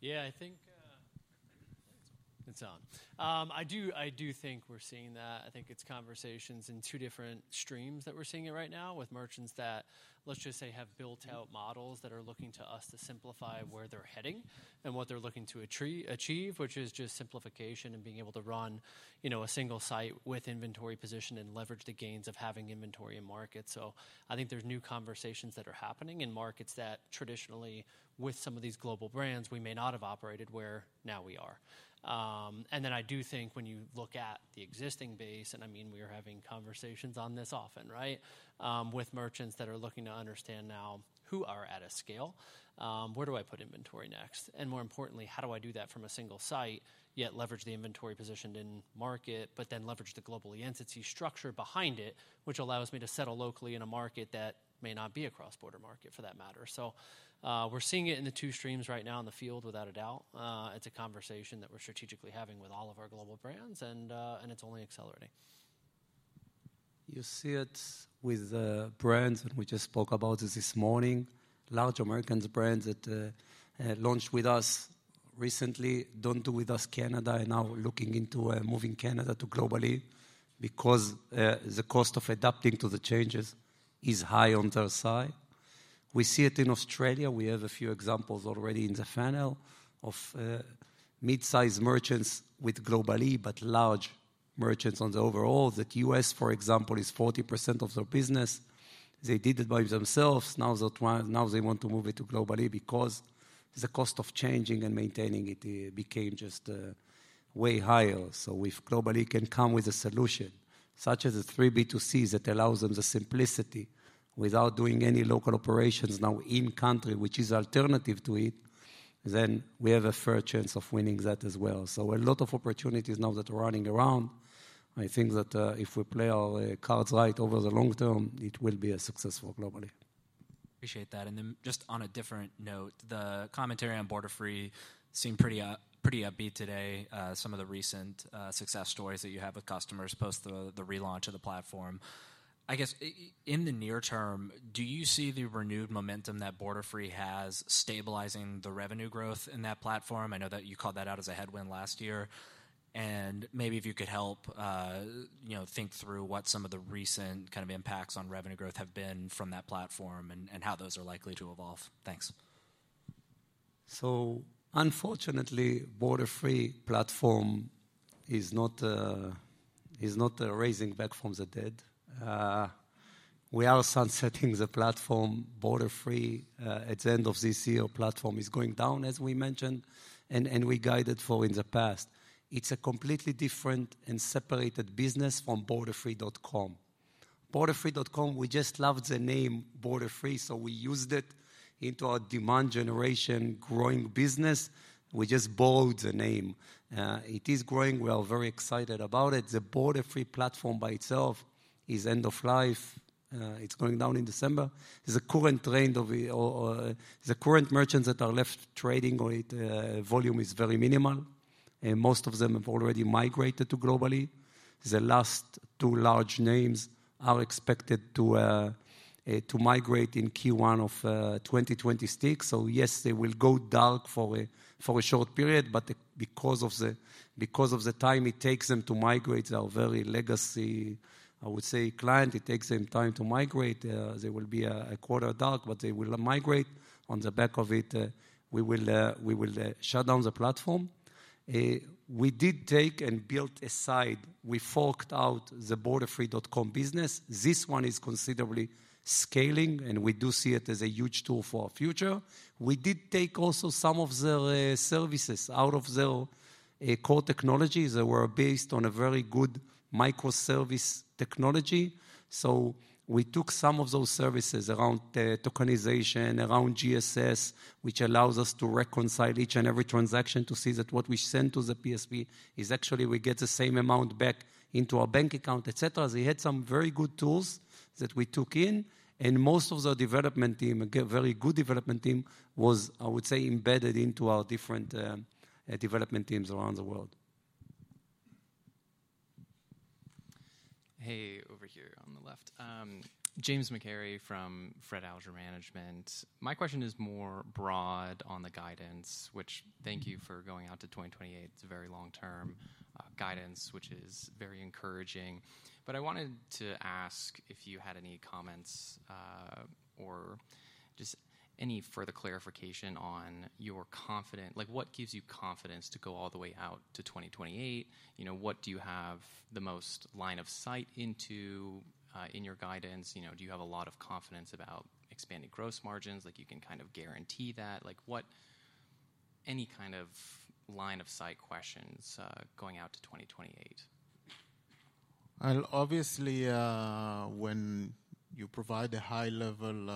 Yeah, I think it's on. I do think we're seeing that. I think it's conversations in two different streams that we're seeing it right now with merchants that, let's just say, have built out models that are looking to us to simplify where they're heading and what they're looking to achieve, which is just simplification and being able to run a single site with inventory position and leverage the gains of having inventory in markets. I think there's new conversations that are happening in markets that traditionally, with some of these global brands, we may not have operated where now we are. I do think when you look at the existing base, and I mean, we are having conversations on this often, right, with merchants that are looking to understand now who are at a SCAYLE, where do I put inventory next? More importantly, how do I do that from a single site, yet leverage the inventory positioned in market, but then leverage the global entity structure behind it, which allows me to settle locally in a market that may not be a cross-border market for that matter? We are seeing it in the two streams right now in the field, without a doubt. It is a conversation that we are strategically having with all of our global brands, and it is only accelerating. You see it with the brands that we just spoke about this morning. Large American brands that launched with us recently do not do with us Canada and now looking into moving Canada to Global-e because the cost of adapting to the changes is high on their side. We see it in Australia. We have a few examples already in the funnel of mid-size merchants with Global-e, but large merchants on the overall. The U.S., for example, is 40% of their business. They did it by themselves. Now they want to move it to Global-e because the cost of changing and maintaining it became just way higher. If Global-e can come with a solution such as a 3B2C that allows them the simplicity without doing any local operations now in-country, which is alternative to it, we have a fair chance of winning that as well. A lot of opportunities now that are running around. I think that if we play our cards right over the long term, it will be a success for Global-e. Appreciate that. On a different note, the commentary on Borderfree seemed pretty upbeat today, some of the recent success stories that you have with customers post the relaunch of the platform. I guess in the near term, do you see the renewed momentum that Borderfree has stabilizing the revenue growth in that platform? I know that you called that out as a headwind last year. Maybe if you could help think through what some of the recent kind of impacts on revenue growth have been from that platform and how those are likely to evolve. Thanks. Unfortunately, the Borderfree platform is not rising back from the dead. We are sunsetting the platform. Borderfree, at the end of this year, the platform is going down, as we mentioned, and we guided for in the past. It's a completely different and separate business from Borderfree.com. Borderfree.com, we just loved the name Borderfree, so we used it in our demand generation growing business. We just borrowed the name. It is growing. We are very excited about it. The Borderfree platform by itself is end of life. It's going down in December. The current merchants that are left, trading volume is very minimal, and most of them have already migrated to Global-e. The last two large names are expected to migrate in Q1 of 2026. Yes, they will go dark for a short period, but because of the time it takes them to migrate, our very legacy, I would say, client, it takes them time to migrate. There will be a quarter dark, but they will migrate. On the back of it, we will shut down the platform. We did take and build a side. We forked out the Borderfree.com business. This one is considerably scaling, and we do see it as a huge tool for our future. We did take also some of the services out of their core technologies that were based on a very good microservice technology. We took some of those services around tokenization, around GSS, which allows us to reconcile each and every transaction to see that what we send to the PSP is actually we get the same amount back into our bank account, etc. They had some very good tools that we took in, and most of the development team, a very good development team, was, I would say, embedded into our different development teams around the world. Hey, over here on the left, James McCarey from Fred Alger Management. My question is more broad on the guidance, which thank you for going out to 2028. It is a very long-term guidance, which is very encouraging. I wanted to ask if you had any comments or just any further clarification on your confidence, like what gives you confidence to go all the way out to 2028? What do you have the most line of sight into in your guidance? Do you have a lot of confidence about expanding gross margins? You can kind of guarantee that. Any kind of line of sight questions going out to 2028? Obviously, when you provide a high-level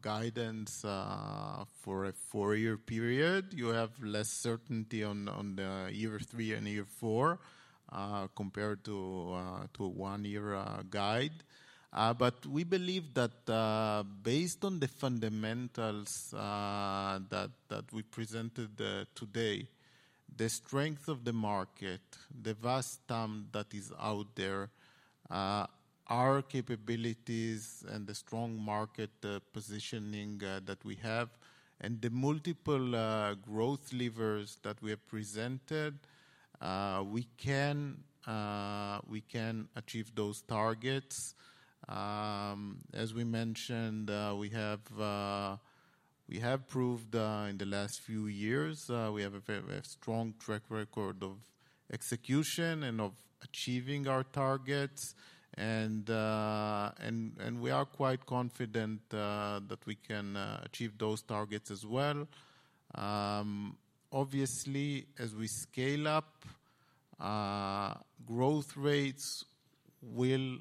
guidance for a four-year period, you have less certainty on the year three and year four compared to a one-year guide. We believe that based on the fundamentals that we presented today, the strength of the market, the vast TAM that is out there, our capabilities, and the strong market positioning that we have, and the multiple growth levers that we have presented, we can achieve those targets. As we mentioned, we have proved in the last few years, we have a very strong track record of execution and of achieving our targets. We are quite confident that we can achieve those targets as well. Obviously, as we SCAYLE up, growth rates will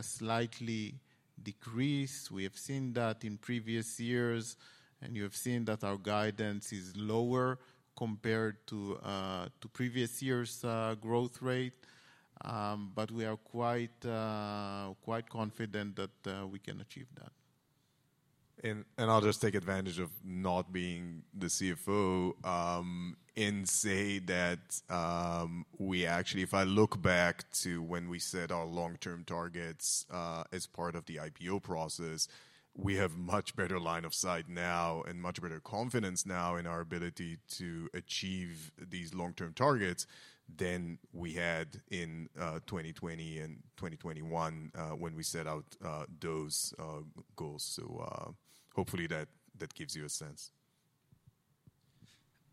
slightly decrease. We have seen that in previous years, and you have seen that our guidance is lower compared to previous year's growth rate. We are quite confident that we can achieve that. I'll just take advantage of not being the CFO and say that we actually, if I look back to when we set our long-term targets as part of the IPO process, we have a much better line of sight now and much better confidence now in our ability to achieve these long-term targets than we had in 2020 and 2021 when we set out those goals. Hopefully that gives you a sense.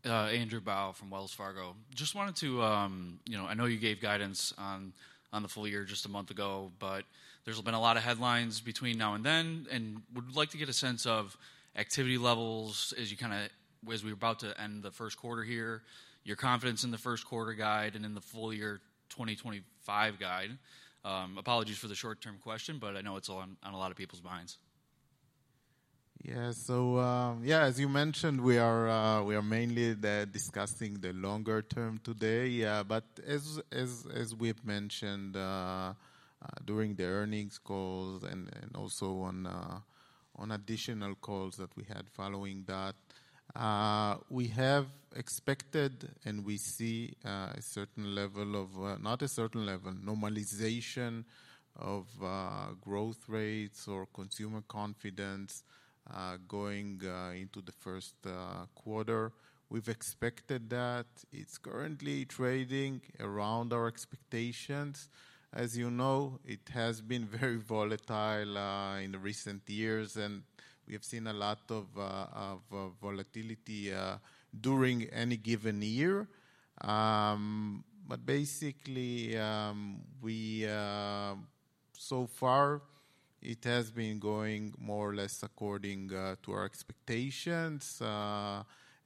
Andrew Bauch from Wells Fargo. Just wanted to, I know you gave guidance on the full year just a month ago, but there's been a lot of headlines between now and then, and would like to get a sense of activity levels as you kind of, as we were about to end the first quarter here, your confidence in the first quarter guide and in the full year 2025 guide. Apologies for the short-term question, but I know it's on a lot of people's minds. Yeah, so yeah, as you mentioned, we are mainly discussing the longer term today. As we've mentioned during the earnings calls and also on additional calls that we had following that, we have expected and we see a certain level of, not a certain level, normalization of growth rates or consumer confidence going into the first quarter. We've expected that. It's currently trading around our expectations. As you know, it has been very volatile in recent years, and we have seen a lot of volatility during any given year. Basically, so far, it has been going more or less according to our expectations.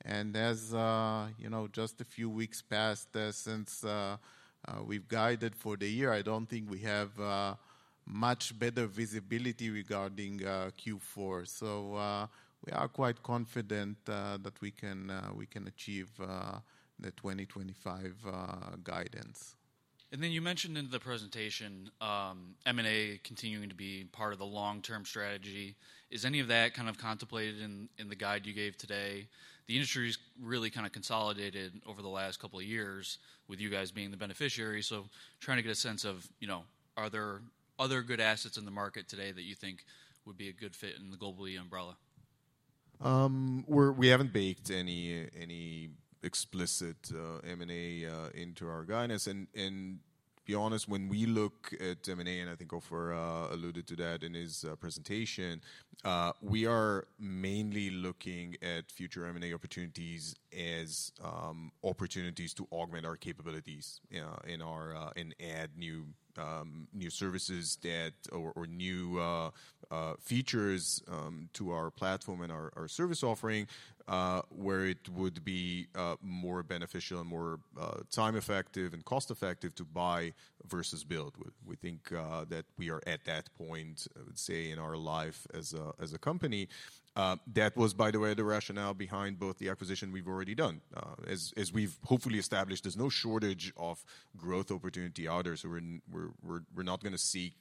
As just a few weeks passed since we've guided for the year, I don't think we have much better visibility regarding Q4. We are quite confident that we can achieve the 2025 guidance. You mentioned in the presentation M&A continuing to be part of the long-term strategy. Is any of that kind of contemplated in the guide you gave today? The industry has really kind of consolidated over the last couple of years with you guys being the beneficiary. Trying to get a sense of, are there other good assets in the market today that you think would be a good fit in the Global-e umbrella? We haven't baked any explicit M&A into our guidance. To be honest, when we look at M&A, and I think Ofer alluded to that in his presentation, we are mainly looking at future M&A opportunities as opportunities to augment our capabilities and add new services or new features to our platform and our service offering where it would be more beneficial and more time effective and cost effective to buy versus build. We think that we are at that point, I would say, in our life as a company. That was, by the way, the rationale behind both the acquisition we've already done. As we've hopefully established, there's no shortage of growth opportunity out there. We're not going to seek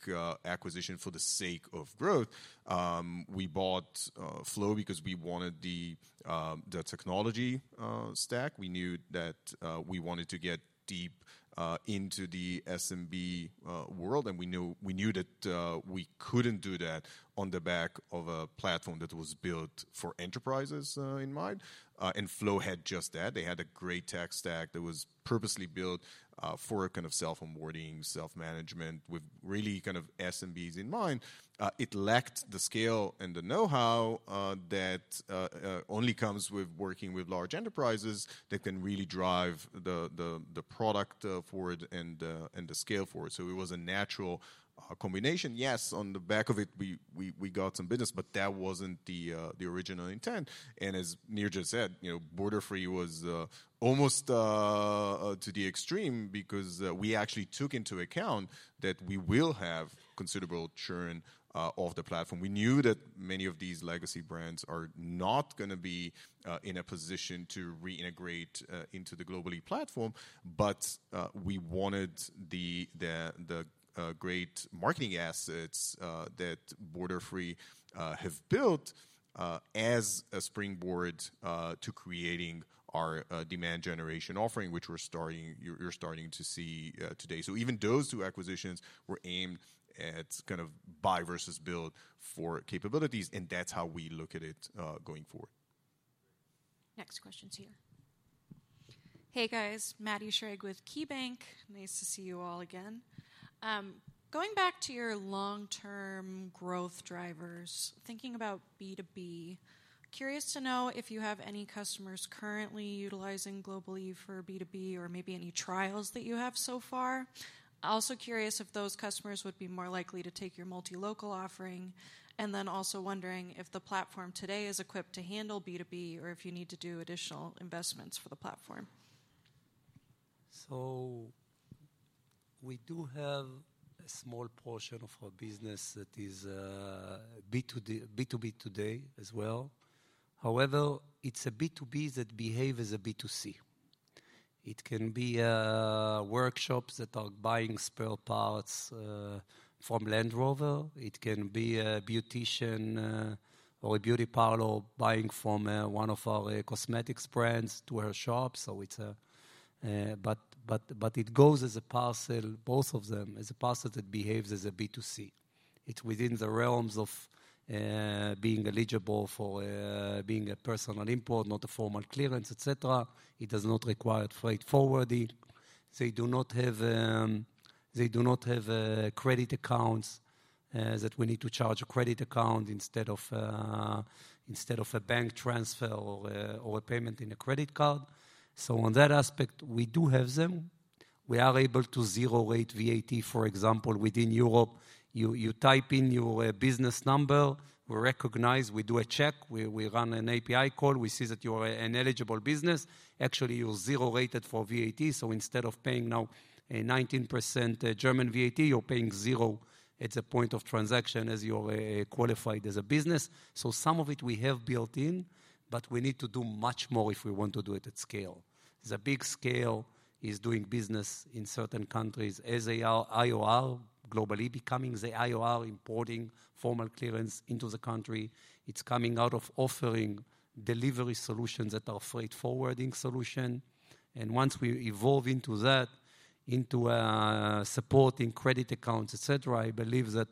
acquisition for the sake of growth. We bought Flow because we wanted the technology stack. We knew that we wanted to get deep into the SMB world, and we knew that we could not do that on the back of a platform that was built for enterprises in mind. Flow had just that. They had a great tech stack that was purposely built for a kind of self-onboarding, self-management with really kind of SMBs in mind. It lacked the SCAYLE and the know-how that only comes with working with large enterprises that can really drive the product forward and the SCAYLE forward. It was a natural combination. Yes, on the back of it, we got some business, but that was not the original intent. As Amir said, Borderfree was almost to the extreme because we actually took into account that we will have considerable churn off the platform. We knew that many of these legacy brands are not going to be in a position to reintegrate into the Global-e platform, but we wanted the great marketing assets that Borderfree have built as a springboard to creating our demand generation offering, which you're starting to see today. Even those two acquisitions were aimed at kind of buy versus build for capabilities, and that's how we look at it going forward. Next question's here. Hey, guys. Maddie Schrage with KeyBanc. Nice to see you all again. Going back to your long-term growth drivers, thinking about B2B, curious to know if you have any customers currently utilizing Global-e for B2B or maybe any trials that you have so far. Also curious if those customers would be more likely to take your Multi-Local offering. Also wondering if the platform today is equipped to handle B2B or if you need to do additional investments for the platform. We do have a small portion of our business that is B2B today as well. However, it's a B2B that behaves as a B2C. It can be workshops that are buying spare parts from Land Rover. It can be a beautician or a beauty parlor buying from one of our cosmetics brands to our shop. It goes as a parcel, both of them, as a parcel that behaves as a B2C. It's within the realms of being eligible for being a personal import, not a formal clearance, etc. It does not require a freight forwarding. They do not have credit accounts that we need to charge a credit account instead of a bank transfer or a payment in a credit card. On that aspect, we do have them. We are able to zero-rate VAT, for example, within Europe. You type in your business number, we recognize, we do a check, we run an API call, we see that you are an eligible business. Actually, you're zero-rated for VAT. Instead of paying now a 19% German VAT, you're paying zero at the point of transaction as you're qualified as a business. Some of it we have built in, but we need to do much more if we want to do it at SCAYLE. The big SCAYLE is doing business in certain countries as they are IOR, Global-e becoming the IOR, importing formal clearance into the country. It's coming out of offering delivery solutions that are freight forwarding solutions. Once we evolve into that, into supporting credit accounts, etc., I believe that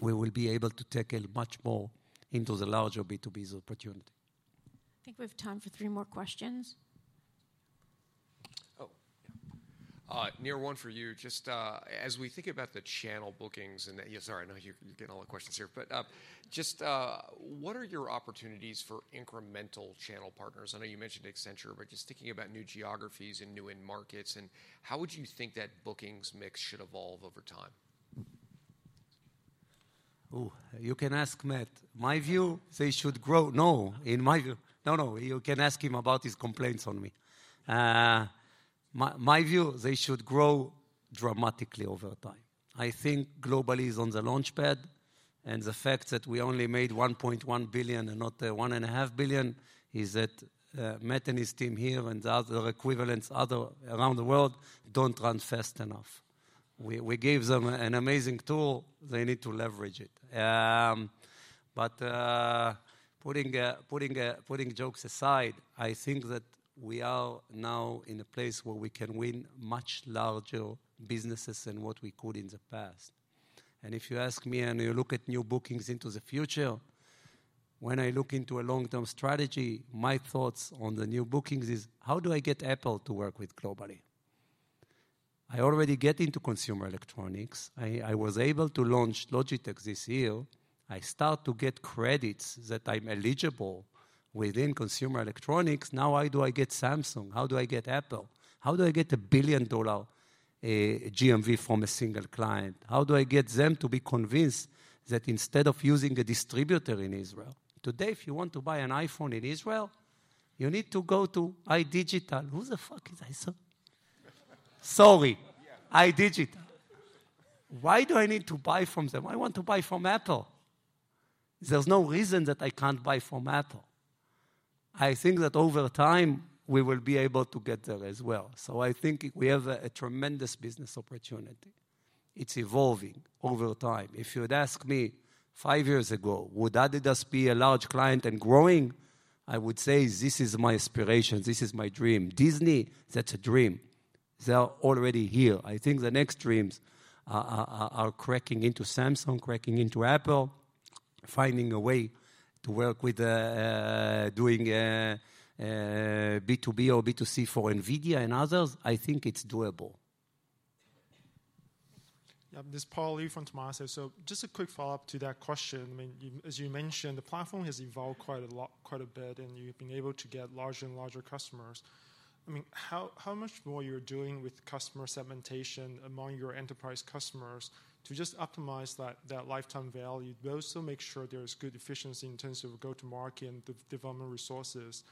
we will be able to take it much more into the larger B2B opportunity. I think we have time for three more questions. Oh, Nir one for you. Just as we think about the channel bookings and sorry, I know you're getting all the questions here, but just what are your opportunities for incremental channel partners? I know you mentioned Accenture, but just thinking about new geographies and new in markets, how would you think that bookings mix should evolve over time? Oh, you can ask Matt. My view, they should grow. No, in my view, no, no, you can ask him about his complaints on me. My view, they should grow dramatically over time. I think Global-e is on the launchpad, and the fact that we only made $1.1 billion and not $1.5 billion is that Matt and his team here and the other equivalents around the world do not run fast enough. We gave them an amazing tool. They need to leverage it. Putting jokes aside, I think that we are now in a place where we can win much larger businesses than what we could in the past. If you ask me and you look at new bookings into the future, when I look into a long-term strategy, my thoughts on the new bookings is, how do I get Apple to work with Global-e? I already get into consumer electronics. I was able to launch Logitech this year. I start to get credits that I'm eligible within consumer electronics. Now, how do I get Samsung? How do I get Apple? How do I get a billion-dollar GMV from a single client? How do I get them to be convinced that instead of using a distributor in Israel? Today, if you want to buy an iPhone in Israel, you need to go to iDigital. Who the fuck is iDigital? Why do I need to buy from them? I want to buy from Apple. There's no reason that I can't buy from Apple. I think that over time, we will be able to get there as well. I think we have a tremendous business opportunity. It's evolving over time. If you'd ask me five years ago, would Adidas be a large client and growing? I would say this is my aspiration. This is my dream. Disney, that's a dream. They're already here. I think the next dreams are cracking into Samsung, cracking into Apple, finding a way to work with doing B2B or B2C for NVIDIA and others. I think it's doable. Yeah, this is Paul Lee from Temasek. Just a quick follow-up to that question. I mean, as you mentioned, the platform has evolved quite a bit, and you've been able to get larger and larger customers. I mean, how much more you're doing with customer segmentation among your enterprise customers to just optimize that lifetime value, but also make sure there's good efficiency in terms of go-to-market and development resources,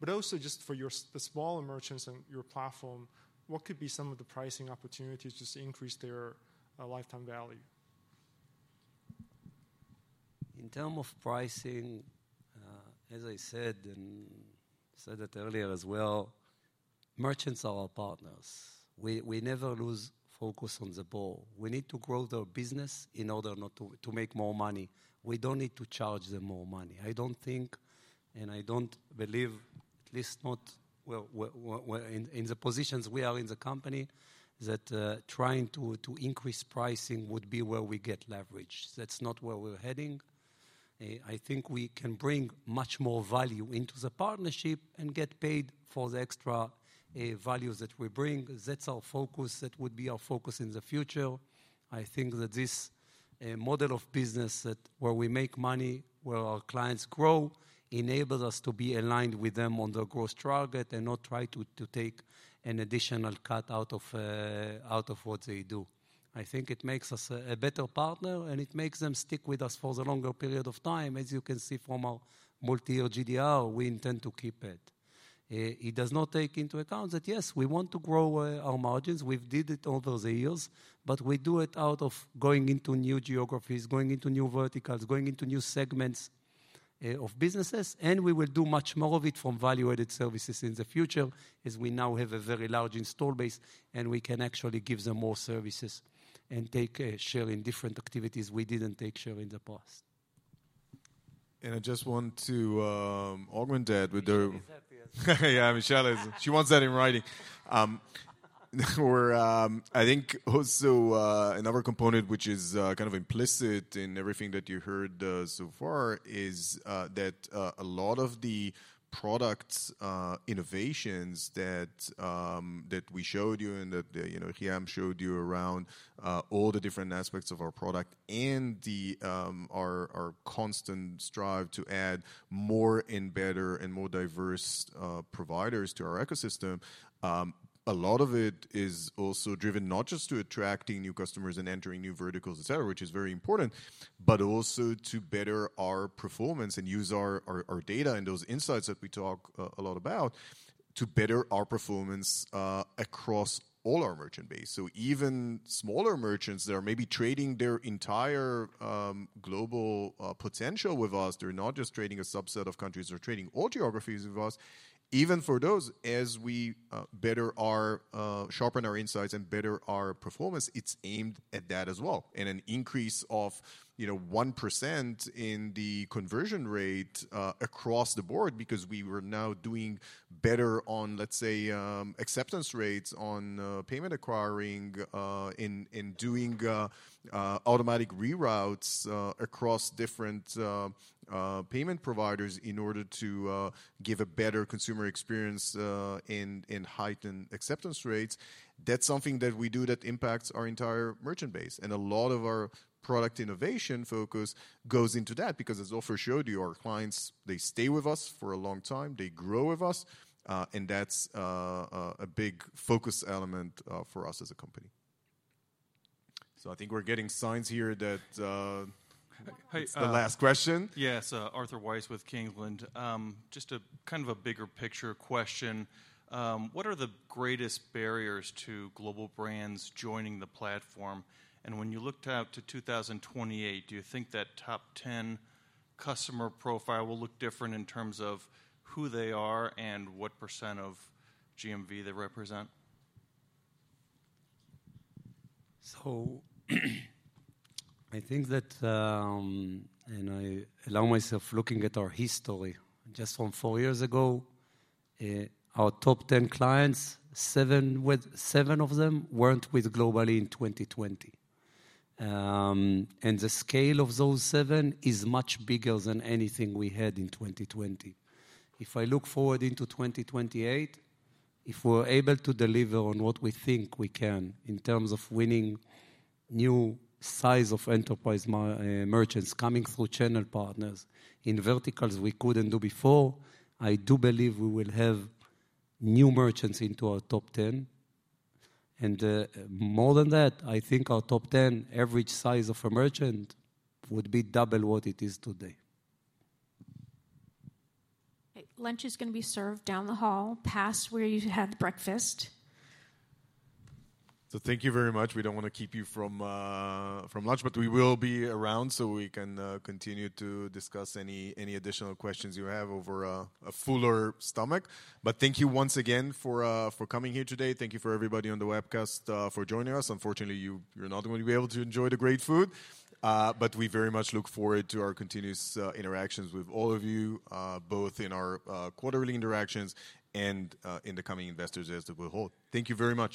but also just for your smaller merchants and your platform, what could be some of the pricing opportunities to just increase their lifetime value? In terms of pricing, as I said, and said that earlier as well, merchants are our partners. We never lose focus on the ball. We need to grow their business in order to make more money. We do not need to charge them more money. I do not think, and I do not believe, at least not in the positions we are in the company, that trying to increase pricing would be where we get leverage. That is not where we are heading. I think we can bring much more value into the partnership and get paid for the extra value that we bring. That is our focus. That would be our focus in the future. I think that this model of business where we make money, where our clients grow, enables us to be aligned with them on their growth target and not try to take an additional cut out of what they do. I think it makes us a better partner, and it makes them stick with us for the longer period of time. As you can see from our multi-year GDR, we intend to keep it. It does not take into account that, yes, we want to grow our margins. We did it over the years, but we do it out of going into new geographies, going into new verticals, going into new segments of businesses, and we will do much more of it from value-added services in the future as we now have a very large install base, and we can actually give them more services and take a share in different activities we did not take share in the past. I just want to augment that with their. She's happy. Yeah, Michelle is. She wants that in writing. I think also another component, which is kind of implicit in everything that you heard so far, is that a lot of the product innovations that we showed you and that Yehiam showed you around all the different aspects of our product and our constant strive to add more and better and more diverse providers to our ecosystem, a lot of it is also driven not just to attracting new customers and entering new verticals, etc., which is very important, but also to better our performance and use our data and those insights that we talk a lot about to better our performance across all our merchant base. Even smaller merchants that are maybe trading their entire global potential with us, they're not just trading a subset of countries. They're trading all geographies with us. Even for those, as we better our sharpen our insights and better our performance, it's aimed at that as well and an increase of 1% in the conversion rate across the board because we were now doing better on, let's say, acceptance rates on payment acquiring and doing automatic reroutes across different payment providers in order to give a better consumer experience and heighten acceptance rates. That's something that we do that impacts our entire merchant base. A lot of our product innovation focus goes into that because, as Ofer showed you, our clients, they stay with us for a long time. They grow with us. That's a big focus element for us as a company.I think we're getting signs here that the last question. Yes, Arthur Weiss with Kingland. Just a kind of a bigger picture question. What are the greatest barriers to global brands joining the platform? When you look out to 2028, do you think that top 10 customer profile will look different in terms of who they are and what % of GMV they represent? I think that, and I allow myself looking at our history just from four years ago, our top 10 clients, seven of them were not with Global-e in 2020. The SCAYLE of those seven is much bigger than anything we had in 2020. If I look forward into 2028, if we are able to deliver on what we think we can in terms of winning new size of enterprise merchants coming through channel partners in verticals we could not do before, I do believe we will have new merchants into our top 10. More than that, I think our top 10 average size of a merchant would be double what it is today. Lunch is going to be served down the hall past where you had breakfast. Thank you very much. We do not want to keep you from lunch, but we will be around so we can continue to discuss any additional questions you have over a fuller stomach. Thank you once again for coming here today. Thank you to everybody on the webcast for joining us. Unfortunately, you are not going to be able to enjoy the great food, but we very much look forward to our continuous interactions with all of you, both in our quarterly interactions and in the coming investors as they will hold. Thank you very much.